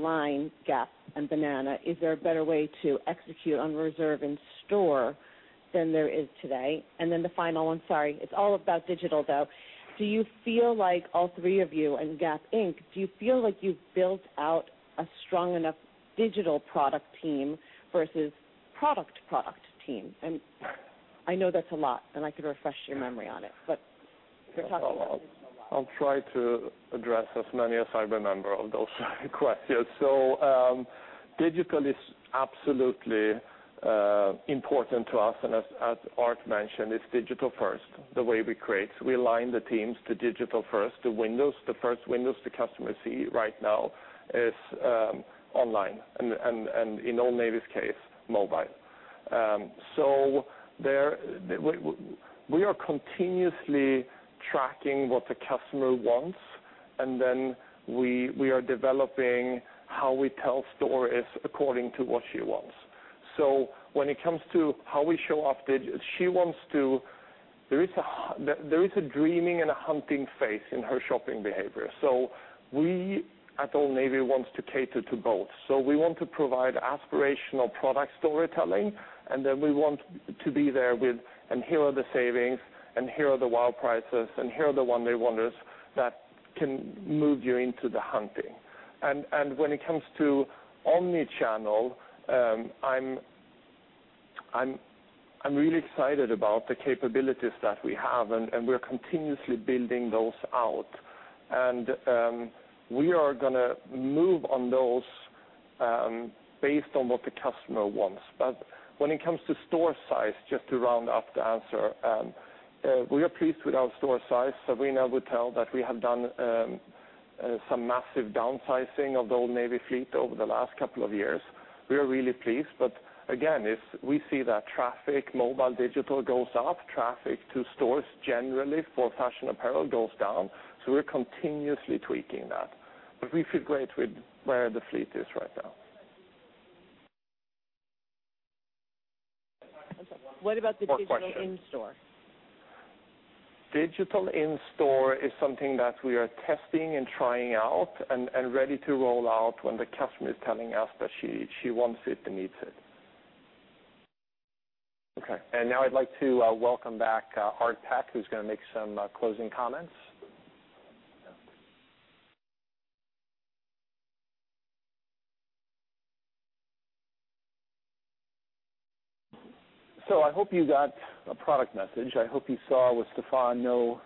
line, Gap and Banana, is there a better way to execute on reserve in store than there is today? The final one, sorry, it's all about digital, though. Do you feel like all three of you in Gap Inc., do you feel like you've built out a strong enough digital product team versus product team? I know that's a lot and I can refresh your memory on it, we're talking about digital a lot. I'll try to address as many as I remember of those questions. Digital is absolutely important to us. As Art mentioned, it's digital first, the way we create. We align the teams to digital first. The first windows the customers see right now is online, and in Old Navy's case, mobile. We are continuously tracking what the customer wants, and then we are developing how we tell stories according to what she wants. When it comes to how we show up, there is a dreaming and a hunting phase in her shopping behavior. We at Old Navy wants to cater to both. We want to provide aspirational product storytelling, and then we want to be there with, and here are the savings, and here are the wow prices, and here are the one-day wonders that can move you into the hunting. When it comes to omni-channel, I'm really excited about the capabilities that we have, and we're continuously building those out. We are going to move on those based on what the customer wants. When it comes to store size, just to round off the answer, we are pleased with our store size. Sabrina would tell that we have done some massive downsizing of the Old Navy fleet over the last couple of years. We are really pleased. Again, we see that traffic, mobile, digital goes up, traffic to stores generally for fashion apparel goes down. We're continuously tweaking that. We feel great with where the fleet is right now. What about the digital in store? Digital in store is something that we are testing and trying out and ready to roll out when the customer is telling us that she wants it and needs it. Okay. Now I'd like to welcome back Art Peck, who's going to make some closing comments. I hope you got a product message. I hope you saw with Stefan, no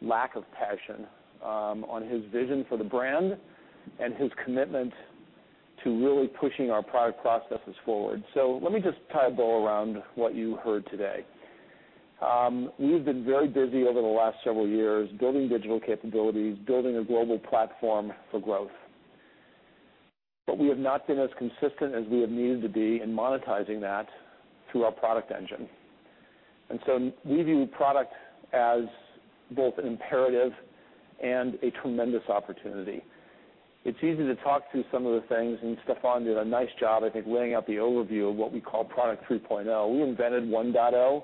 lack of passion on his vision for the brand and his commitment to really pushing our product processes forward. Let me just tie a bow around what you heard today. We've been very busy over the last several years building digital capabilities, building a global platform for growth. We have not been as consistent as we have needed to be in monetizing that through our product engine. We view product as both an imperative and a tremendous opportunity. It's easy to talk through some of the things, and Stefan did a nice job, I think, laying out the overview of what we call Product 3.0. We invented 1.0.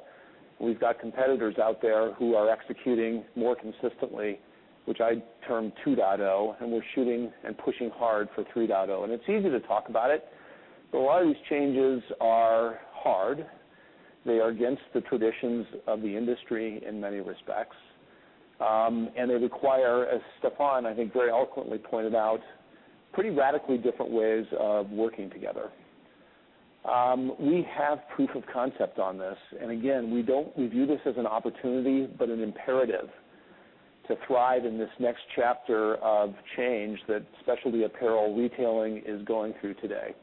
We've got competitors out there who are executing more consistently, which I term 2.0, and we're shooting and pushing hard for 3.0. It's easy to talk about it, but a lot of these changes are hard. They are against the traditions of the industry in many respects. They require, as Stefan, I think, very eloquently pointed out, pretty radically different ways of working together. We have proof of concept on this, and again, we view this as an opportunity, but an imperative to thrive in this next chapter of change that specialty apparel retailing is going through today.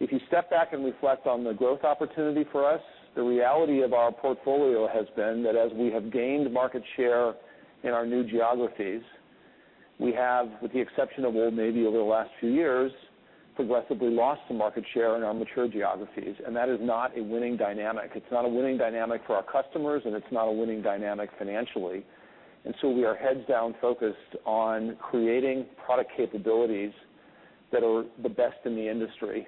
If you step back and reflect on the growth opportunity for us, the reality of our portfolio has been that as we have gained market share in our new geographies, we have, with the exception of Old Navy over the last few years, progressively lost some market share in our mature geographies. That is not a winning dynamic. It's not a winning dynamic for our customers, and it's not a winning dynamic financially. We are heads down focused on creating product capabilities that are the best in the industry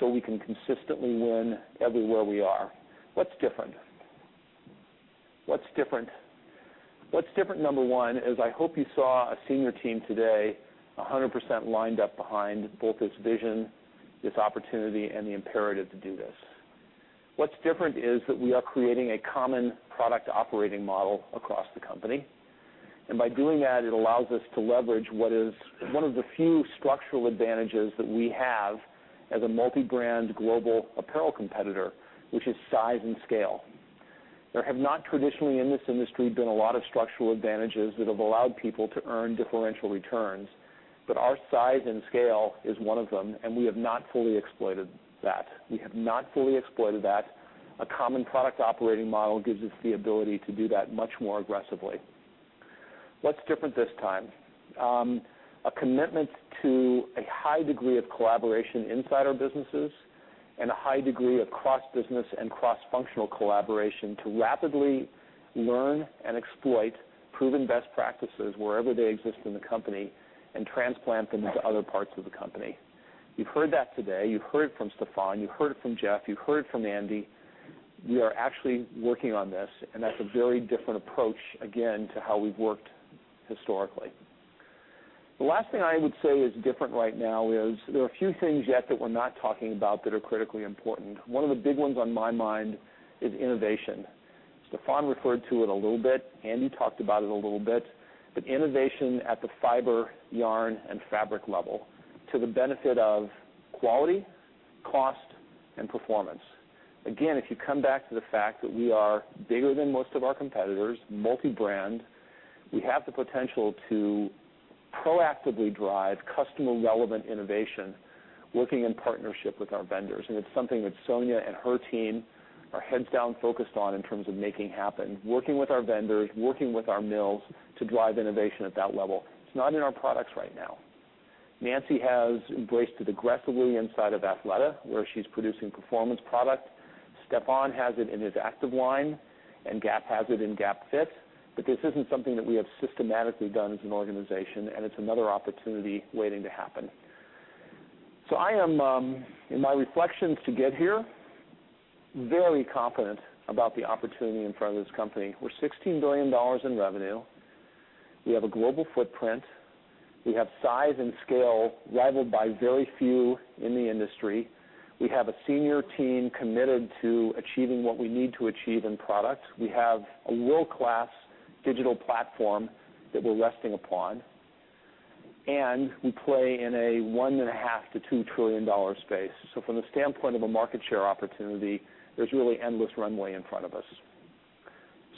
so we can consistently win everywhere we are. What's different? What's different, number 1, is I hope you saw a senior team today, 100% lined up behind both this vision, this opportunity, and the imperative to do this. What's different is that we are creating a common product operating model across the company, and by doing that, it allows us to leverage what is one of the few structural advantages that we have as a multi-brand global apparel competitor, which is size and scale. There have not traditionally in this industry been a lot of structural advantages that have allowed people to earn differential returns, but our size and scale is one of them, and we have not fully exploited that. We have not fully exploited that. A common product operating model gives us the ability to do that much more aggressively. What's different this time? A commitment to a high degree of collaboration inside our businesses and a high degree of cross-business and cross-functional collaboration to rapidly learn and exploit proven best practices wherever they exist in the company and transplant them into other parts of the company. You've heard that today. You heard it from Stefan. You heard it from Jeff. You heard it from Andi. We are actually working on this, and that's a very different approach, again, to how we've worked historically. The last thing I would say is different right now is there are a few things yet that we're not talking about that are critically important. One of the big ones on my mind is innovation. Stefan referred to it a little bit. Andi talked about it a little bit. But innovation at the fiber, yarn, and fabric level to the benefit of quality, cost, and performance. Again, if you come back to the fact that we are bigger than most of our competitors, multi-brand, we have the potential to proactively drive customer-relevant innovation working in partnership with our vendors. It's something that Sonia and her team are heads down focused on in terms of making happen, working with our vendors, working with our mills to drive innovation at that level. It's not in our products right now. Nancy has embraced it aggressively inside of Athleta, where she's producing performance product. Stefan has it in his active line, and Gap has it in GapFit. But this isn't something that we have systematically done as an organization, and it's another opportunity waiting to happen. I am, in my reflections to get here, very confident about the opportunity in front of this company. We're $16 billion in revenue. We have a global footprint. We have size and scale rivaled by very few in the industry. We have a senior team committed to achieving what we need to achieve in product. We have a world-class digital platform that we're resting upon. And we play in a $1.5 trillion-$2 trillion space. From the standpoint of a market share opportunity, there's really endless runway in front of us.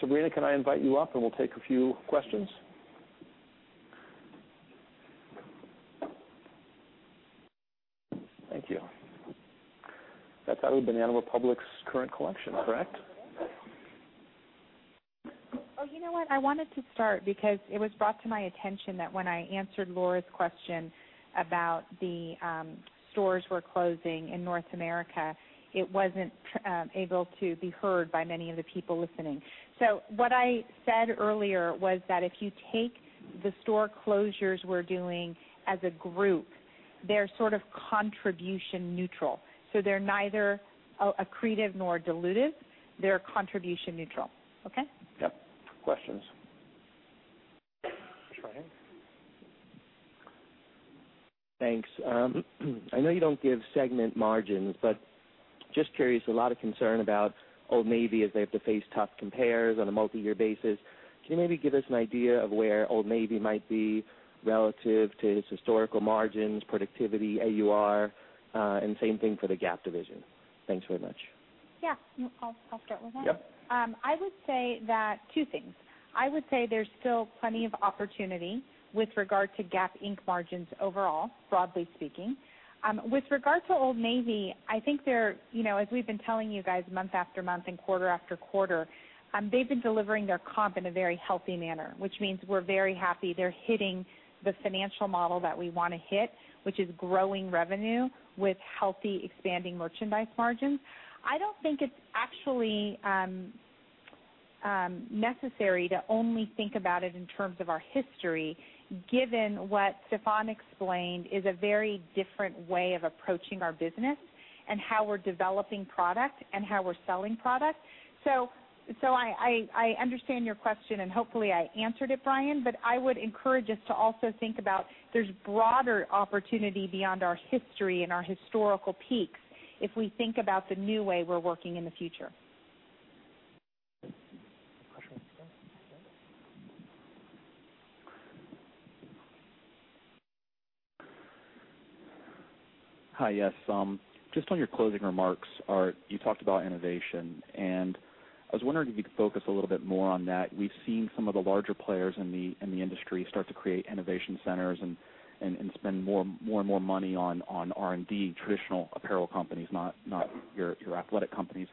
Sabrina, can I invite you up, and we'll take a few questions? Thank you. That's out of Banana Republic's current collection, correct? Oh, you know what? I wanted to start because it was brought to my attention that when I answered Laura's question about the stores we're closing in North America, it wasn't able to be heard by many of the people listening. What I said earlier was that if you take the store closures we're doing as a group, they're sort of contribution neutral. They're neither accretive nor dilutive. They're contribution neutral. Okay? Yep. Questions? Troy? Thanks. I know you don't give segment margins, but just curious, a lot of concern about Old Navy as they have to face tough compares on a multi-year basis. Can you maybe give us an idea of where Old Navy might be relative to its historical margins, productivity, AUR, and same thing for the Gap division? Thanks very much. Yeah. I'll start with that. Yep. I would say that two things. I would say there's still plenty of opportunity with regard to Gap Inc. margins overall, broadly speaking. With regard to Old Navy, I think, as we've been telling you guys month after month and quarter after quarter, they've been delivering their comp in a very healthy manner, which means we're very happy. They're hitting the financial model that we want to hit, which is growing revenue with healthy, expanding merchandise margins. I don't think it's actually necessary to only think about it in terms of our history, given what Stefan explained is a very different way of approaching our business and how we're developing product and how we're selling product. I understand your question, and hopefully I answered it, Brian, but I would encourage us to also think about there's broader opportunity beyond our history and our historical peaks if we think about the new way we're working in the future. Question. Hi. Yes. Just on your closing remarks, Art, you talked about innovation. I was wondering if you could focus a little bit more on that. We've seen some of the larger players in the industry start to create innovation centers and spend more and more money on R&D, traditional apparel companies, not your athletic companies.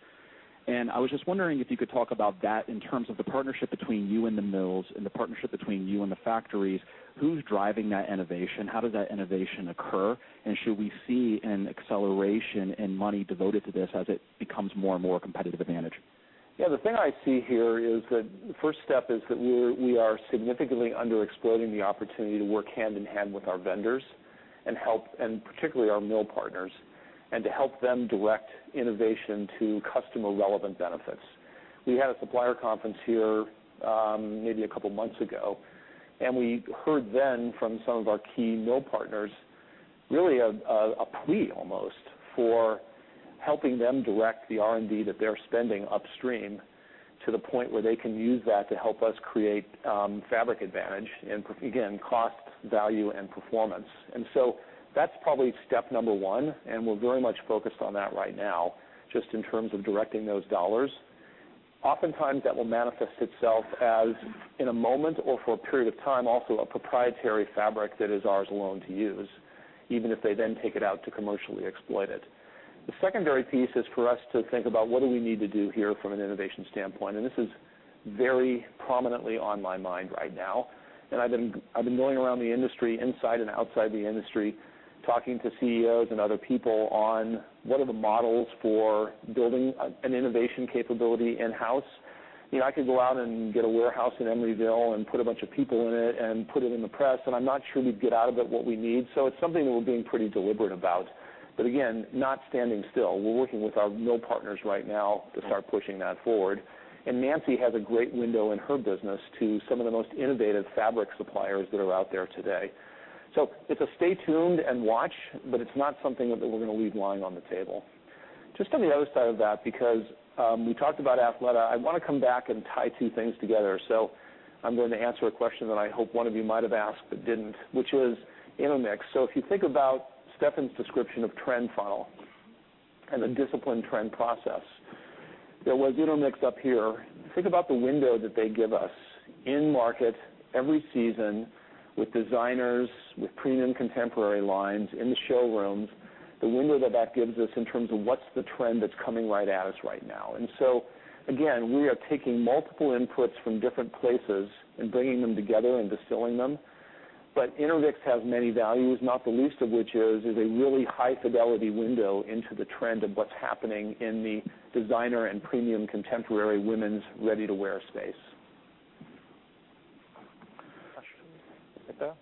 I was just wondering if you could talk about that in terms of the partnership between you and the mills and the partnership between you and the factories. Who's driving that innovation? How does that innovation occur? And should we see an acceleration in money devoted to this as it becomes more and more a competitive advantage? The thing I see here is that the first step is that we are significantly under-exploiting the opportunity to work hand-in-hand with our vendors, particularly our mill partners, to help them direct innovation to customer-relevant benefits. We had a supplier conference here maybe a couple of months ago, we heard then from some of our key mill partners, really a plea almost for helping them direct the R&D that they're spending upstream to the point where they can use that to help us create fabric advantage, again, cost, value, and performance. That's probably step number one, we're very much focused on that right now, just in terms of directing those dollars. Oftentimes, that will manifest itself as, in a moment or for a period of time, also a proprietary fabric that is ours alone to use, even if they then take it out to commercially exploit it. The secondary piece is for us to think about what do we need to do here from an innovation standpoint, this is very prominently on my mind right now. I've been going around the industry, inside and outside the industry, talking to CEOs and other people on what are the models for building an innovation capability in-house. I could go out and get a warehouse in Emeryville and put a bunch of people in it, put it in the press, I'm not sure we'd get out of it what we need. It's something that we're being pretty deliberate about. Again, not standing still. We're working with our mill partners right now to start pushing that forward. Nancy has a great window in her business to some of the most innovative fabric suppliers that are out there today. It's a stay tuned and watch, it's not something that we're going to leave lying on the table. Just on the other side of that, because we talked about Athleta, I want to come back and tie two things together. I'm going to answer a question that I hope one of you might have asked but didn't, which was Intermix. If you think about Stefan's description of trend funnel and the discipline trend process, there was Intermix up here. Think about the window that they give us in-market every season with designers, with premium contemporary lines in the showrooms, the window that that gives us in terms of what's the trend that's coming right at us right now. Again, we are taking multiple inputs from different places, bringing them together and distilling them. Intermix has many values, not the least of which is a really high-fidelity window into the trend of what's happening in the designer and premium contemporary women's ready-to-wear space. Questions out there?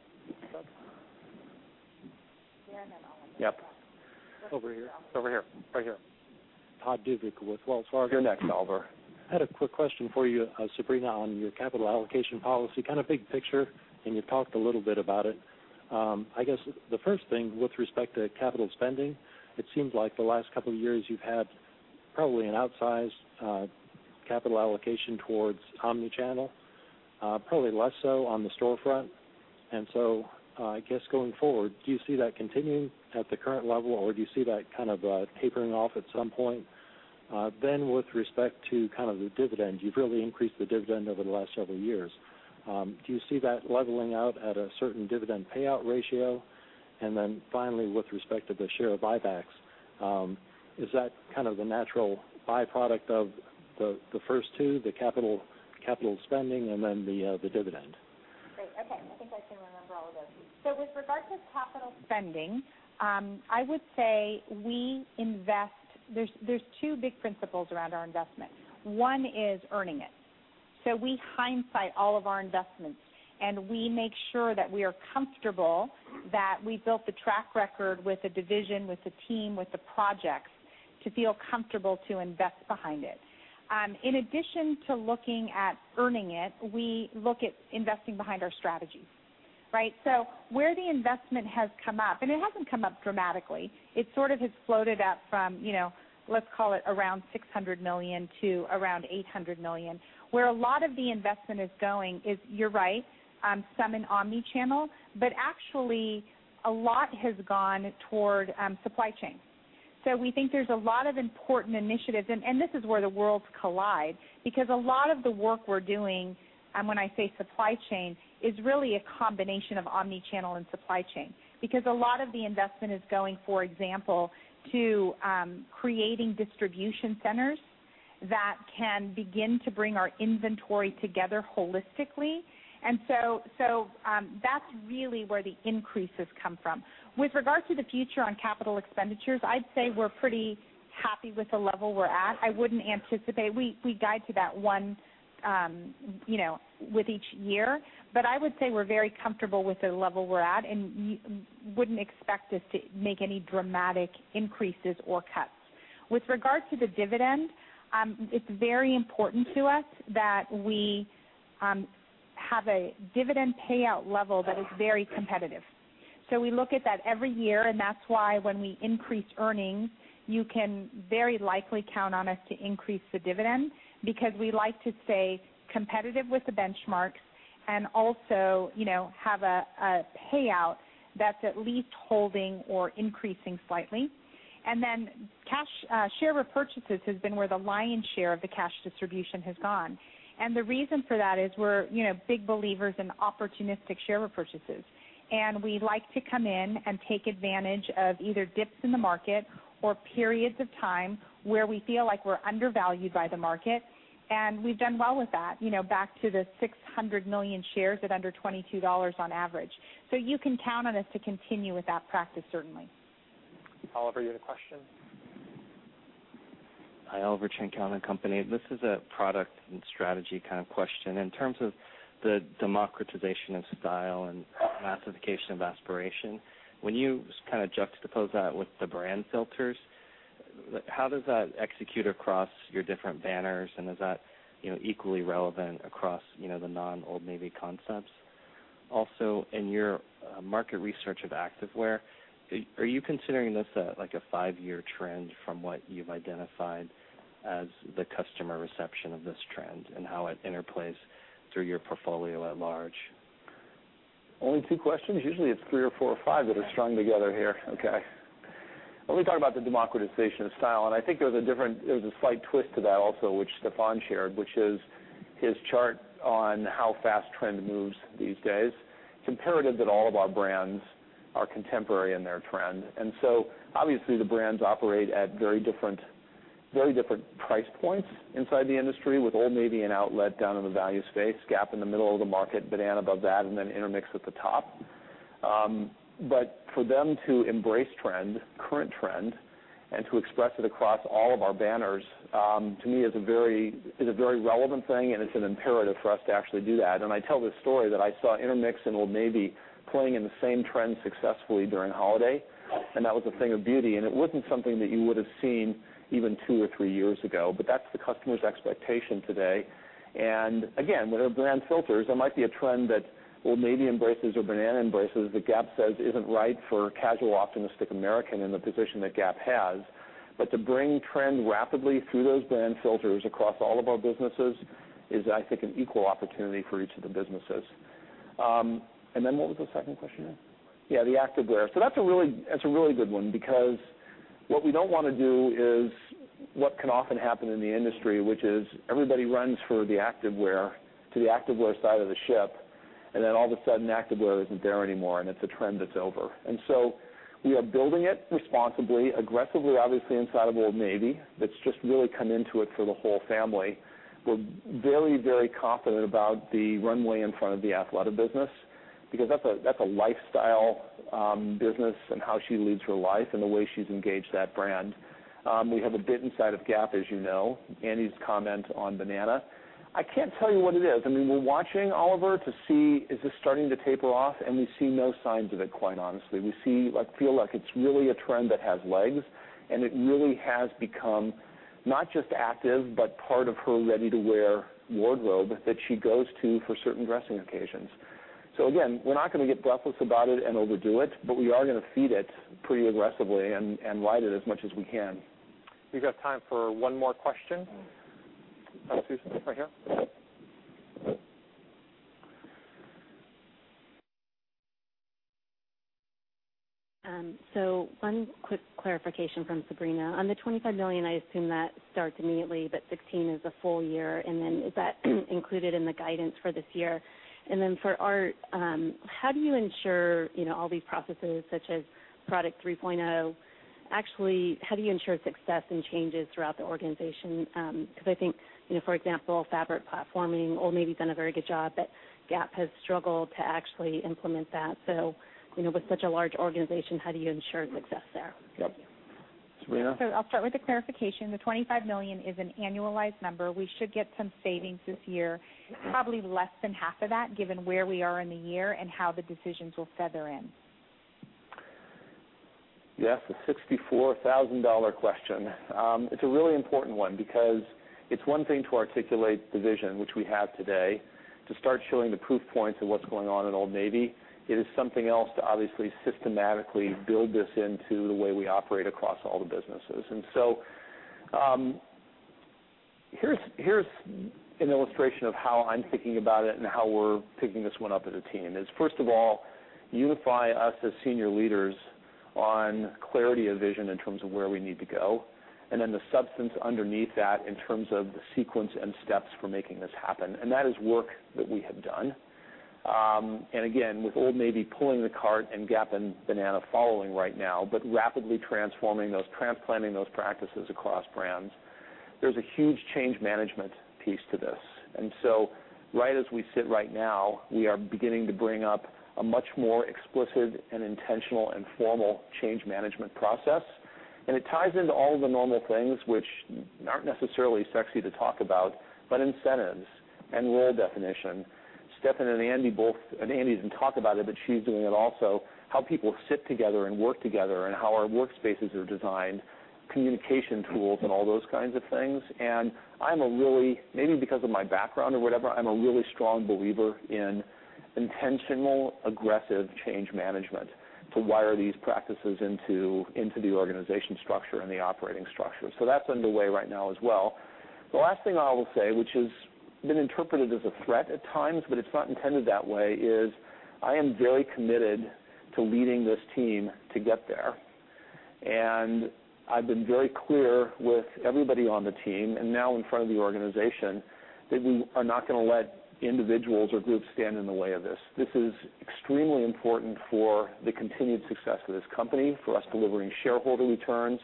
Yep. Over here. Right here. Todd Dudzik with Wells Fargo. You're next, Oliver. I had a quick question for you, Sabrina, on your capital allocation policy, big picture, and you talked a little bit about it. I guess the first thing, with respect to capital spending, it seems like the last couple of years you've had probably an outsized capital allocation towards omni-channel, probably less so on the storefront. I guess, going forward, do you see that continuing at the current level, or do you see that tapering off at some point? With respect to the dividend, you've really increased the dividend over the last several years. Do you see that leveling out at a certain dividend payout ratio? Finally, with respect to the share buybacks, is that the natural byproduct of the first two, the capital spending and the dividend? Great. Okay. I think I can remember all of those. With regard to capital spending, I would say there's two big principles around our investment. One is earning it. We hindsight all of our investments, and we make sure that we are comfortable that we built the track record with a division, with a team, with the projects to feel comfortable to invest behind it. In addition to looking at earning it, we look at investing behind our strategies. Right? Where the investment has come up, and it hasn't come up dramatically. It sort of has floated up from, let's call it around $600 million to around $800 million. Where a lot of the investment is going is, you're right, some in omni-channel, but actually, a lot has gone toward supply chain. We think there's a lot of important initiatives, this is where the worlds collide because a lot of the work we're doing, when I say supply chain, is really a combination of omni-channel and supply chain because a lot of the investment is going, for example, to creating distribution centers that can begin to bring our inventory together holistically. That's really where the increases come from. With regard to the future on capital expenditures, I'd say we're pretty happy with the level we're at. We guide to that with each year. I would say we're very comfortable with the level we're at and wouldn't expect us to make any dramatic increases or cuts. With regard to the dividend, it's very important to us that we have a dividend payout level that is very competitive. We look at that every year, that's why when we increase earnings, you can very likely count on us to increase the dividend because we like to stay competitive with the benchmarks and also have a payout that's at least holding or increasing slightly. Share repurchases has been where the lion's share of the cash distribution has gone. The reason for that is we're big believers in opportunistic share repurchases. We like to come in and take advantage of either dips in the market or periods of time where we feel like we're undervalued by the market. We've done well with that, back to the 600 million shares at under $22 on average. You can count on us to continue with that practice, certainly. Oliver, you had a question? Hi, Oliver Chen, Cowen and Company. This is a product and strategy kind of question. In terms of the democratization of style and massification of aspiration, when you kind of juxtapose that with the brand filters, how does that execute across your different banners, and is that equally relevant across the non-Old Navy concepts? Also, in your market research of activewear, are you considering this like a five-year trend from what you've identified as the customer reception of this trend and how it interplays through your portfolio at large? Only two questions? Usually, it's three or four or five that are strung together here. Okay. Let me talk about the democratization of style, and I think there's a slight twist to that also, which Stefan shared, which is his chart on how fast trend moves these days. It's imperative that all of our brands are contemporary in their trend. Obviously, the brands operate at very different price points inside the industry, with Old Navy and Outlet down in the value space, Gap in the middle of the market, Banana above that, and then Intermix at the top. For them to embrace current trend and to express it across all of our banners, to me, is a very relevant thing, and it's an imperative for us to actually do that. I tell this story that I saw Intermix and Old Navy playing in the same trend successfully during holiday, and that was a thing of beauty, and it wasn't something that you would've seen even two or three years ago. That's the customer's expectation today. Again, with our brand filters, there might be a trend that Old Navy embraces or Banana embraces that Gap says isn't right for casual, optimistic American and the position that Gap has. To bring trend rapidly through those brand filters across all of our businesses is, I think, an equal opportunity for each of the businesses. What was the second question there? Yeah, the activewear. That's a really good one because what we don't want to do is what can often happen in the industry, which is everybody runs to the activewear side of the ship, and then all of a sudden, activewear isn't there anymore, and it's a trend that's over. We are building it responsibly, aggressively, obviously, inside of Old Navy. That's just really come into it for the whole family. We're very confident about the runway in front of the Athleta business because that's a lifestyle business and how she leads her life and the way she's engaged that brand. We have a bit inside of Gap, as you know, Andy's comment on Banana. I can't tell you what it is. We're watching, Oliver, to see, is this starting to taper off? We see no signs of it, quite honestly. We feel like it's really a trend that has legs, and it really has become not just active, but part of her ready-to-wear wardrobe that she goes to for certain dressing occasions. Again, we're not going to get breathless about it and overdo it, but we are going to feed it pretty aggressively and ride it as much as we can. We've got time for one more question. Oh, Susan, right here. One quick clarification from Sabrina. On the $25 million, I assume that starts immediately, but $16 million is a full year. Is that included in the guidance for this year? For Art, how do you ensure all these processes such as Product 3.0, actually, how do you ensure success and changes throughout the organization? Because I think, for example, fabric platforming, Old Navy has done a very good job, but Gap has struggled to actually implement that. With such a large organization, how do you ensure success there? Yep. Sabrina? I'll start with the clarification. The $25 million is an annualized number. We should get some savings this year, probably less than half of that, given where we are in the year and how the decisions will feather in. Yes, the $64,000 question. It's a really important one because it's one thing to articulate the vision, which we have today, to start showing the proof points of what's going on at Old Navy. It is something else to obviously systematically build this into the way we operate across all the businesses. Here's an illustration of how I'm thinking about it and how we're picking this one up as a team is, first of all, unify us as senior leaders on clarity of vision in terms of where we need to go, the substance underneath that in terms of the sequence and steps for making this happen. That is work that we have done. With Old Navy pulling the cart and Gap and Banana following right now, but rapidly transforming those, transplanting those practices across brands, there's a huge change management piece to this. Right as we sit right now, we are beginning to bring up a much more explicit and intentional and formal change management process. It ties into all of the normal things which aren't necessarily sexy to talk about, but incentives and role definition. Stefan and Andi both. Andi didn't talk about it, but she's doing it also. How people sit together and work together and how our workspaces are designed. Communication tools and all those kinds of things. Maybe because of my background or whatever, I'm a really strong believer in intentional, aggressive change management to wire these practices into the organization structure and the operating structure. That's underway right now as well. The last thing I will say, which has been interpreted as a threat at times, but it's not intended that way, is I am very committed to leading this team to get there. I've been very clear with everybody on the team, and now in front of the organization, that we are not going to let individuals or groups stand in the way of this. This is extremely important for the continued success of this company, for us delivering shareholder returns,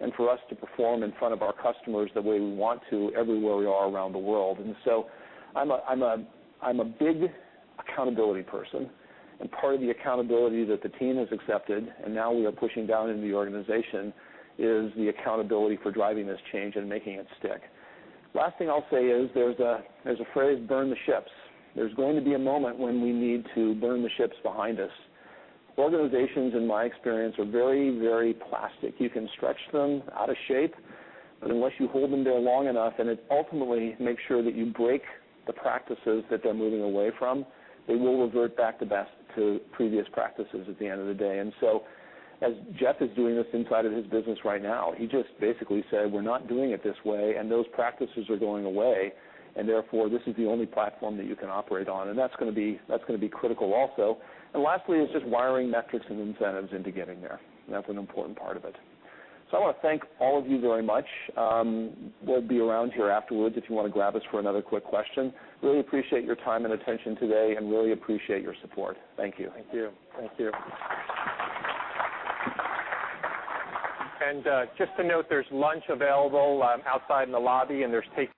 and for us to perform in front of our customers the way we want to everywhere we are around the world. I'm a big accountability person, and part of the accountability that the team has accepted, and now we are pushing down into the organization, is the accountability for driving this change and making it stick. Last thing I'll say is, there's a phrase, "Burn the ships." There's going to be a moment when we need to burn the ships behind us. Organizations, in my experience, are very plastic. You can stretch them out of shape, but unless you hold them there long enough and ultimately make sure that you break the practices that they're moving away from, they will revert back to previous practices at the end of the day. As Jeff is doing this inside of his business right now, he just basically said, "We're not doing it this way, and those practices are going away, and therefore, this is the only platform that you can operate on." That's going to be critical also. Lastly is just wiring metrics and incentives into getting there. That's an important part of it. I want to thank all of you very much. We'll be around here afterwards if you want to grab us for another quick question. Really appreciate your time and attention today and really appreciate your support. Thank you. Thank you. Thank you. Just to note, there's lunch available outside in the lobby.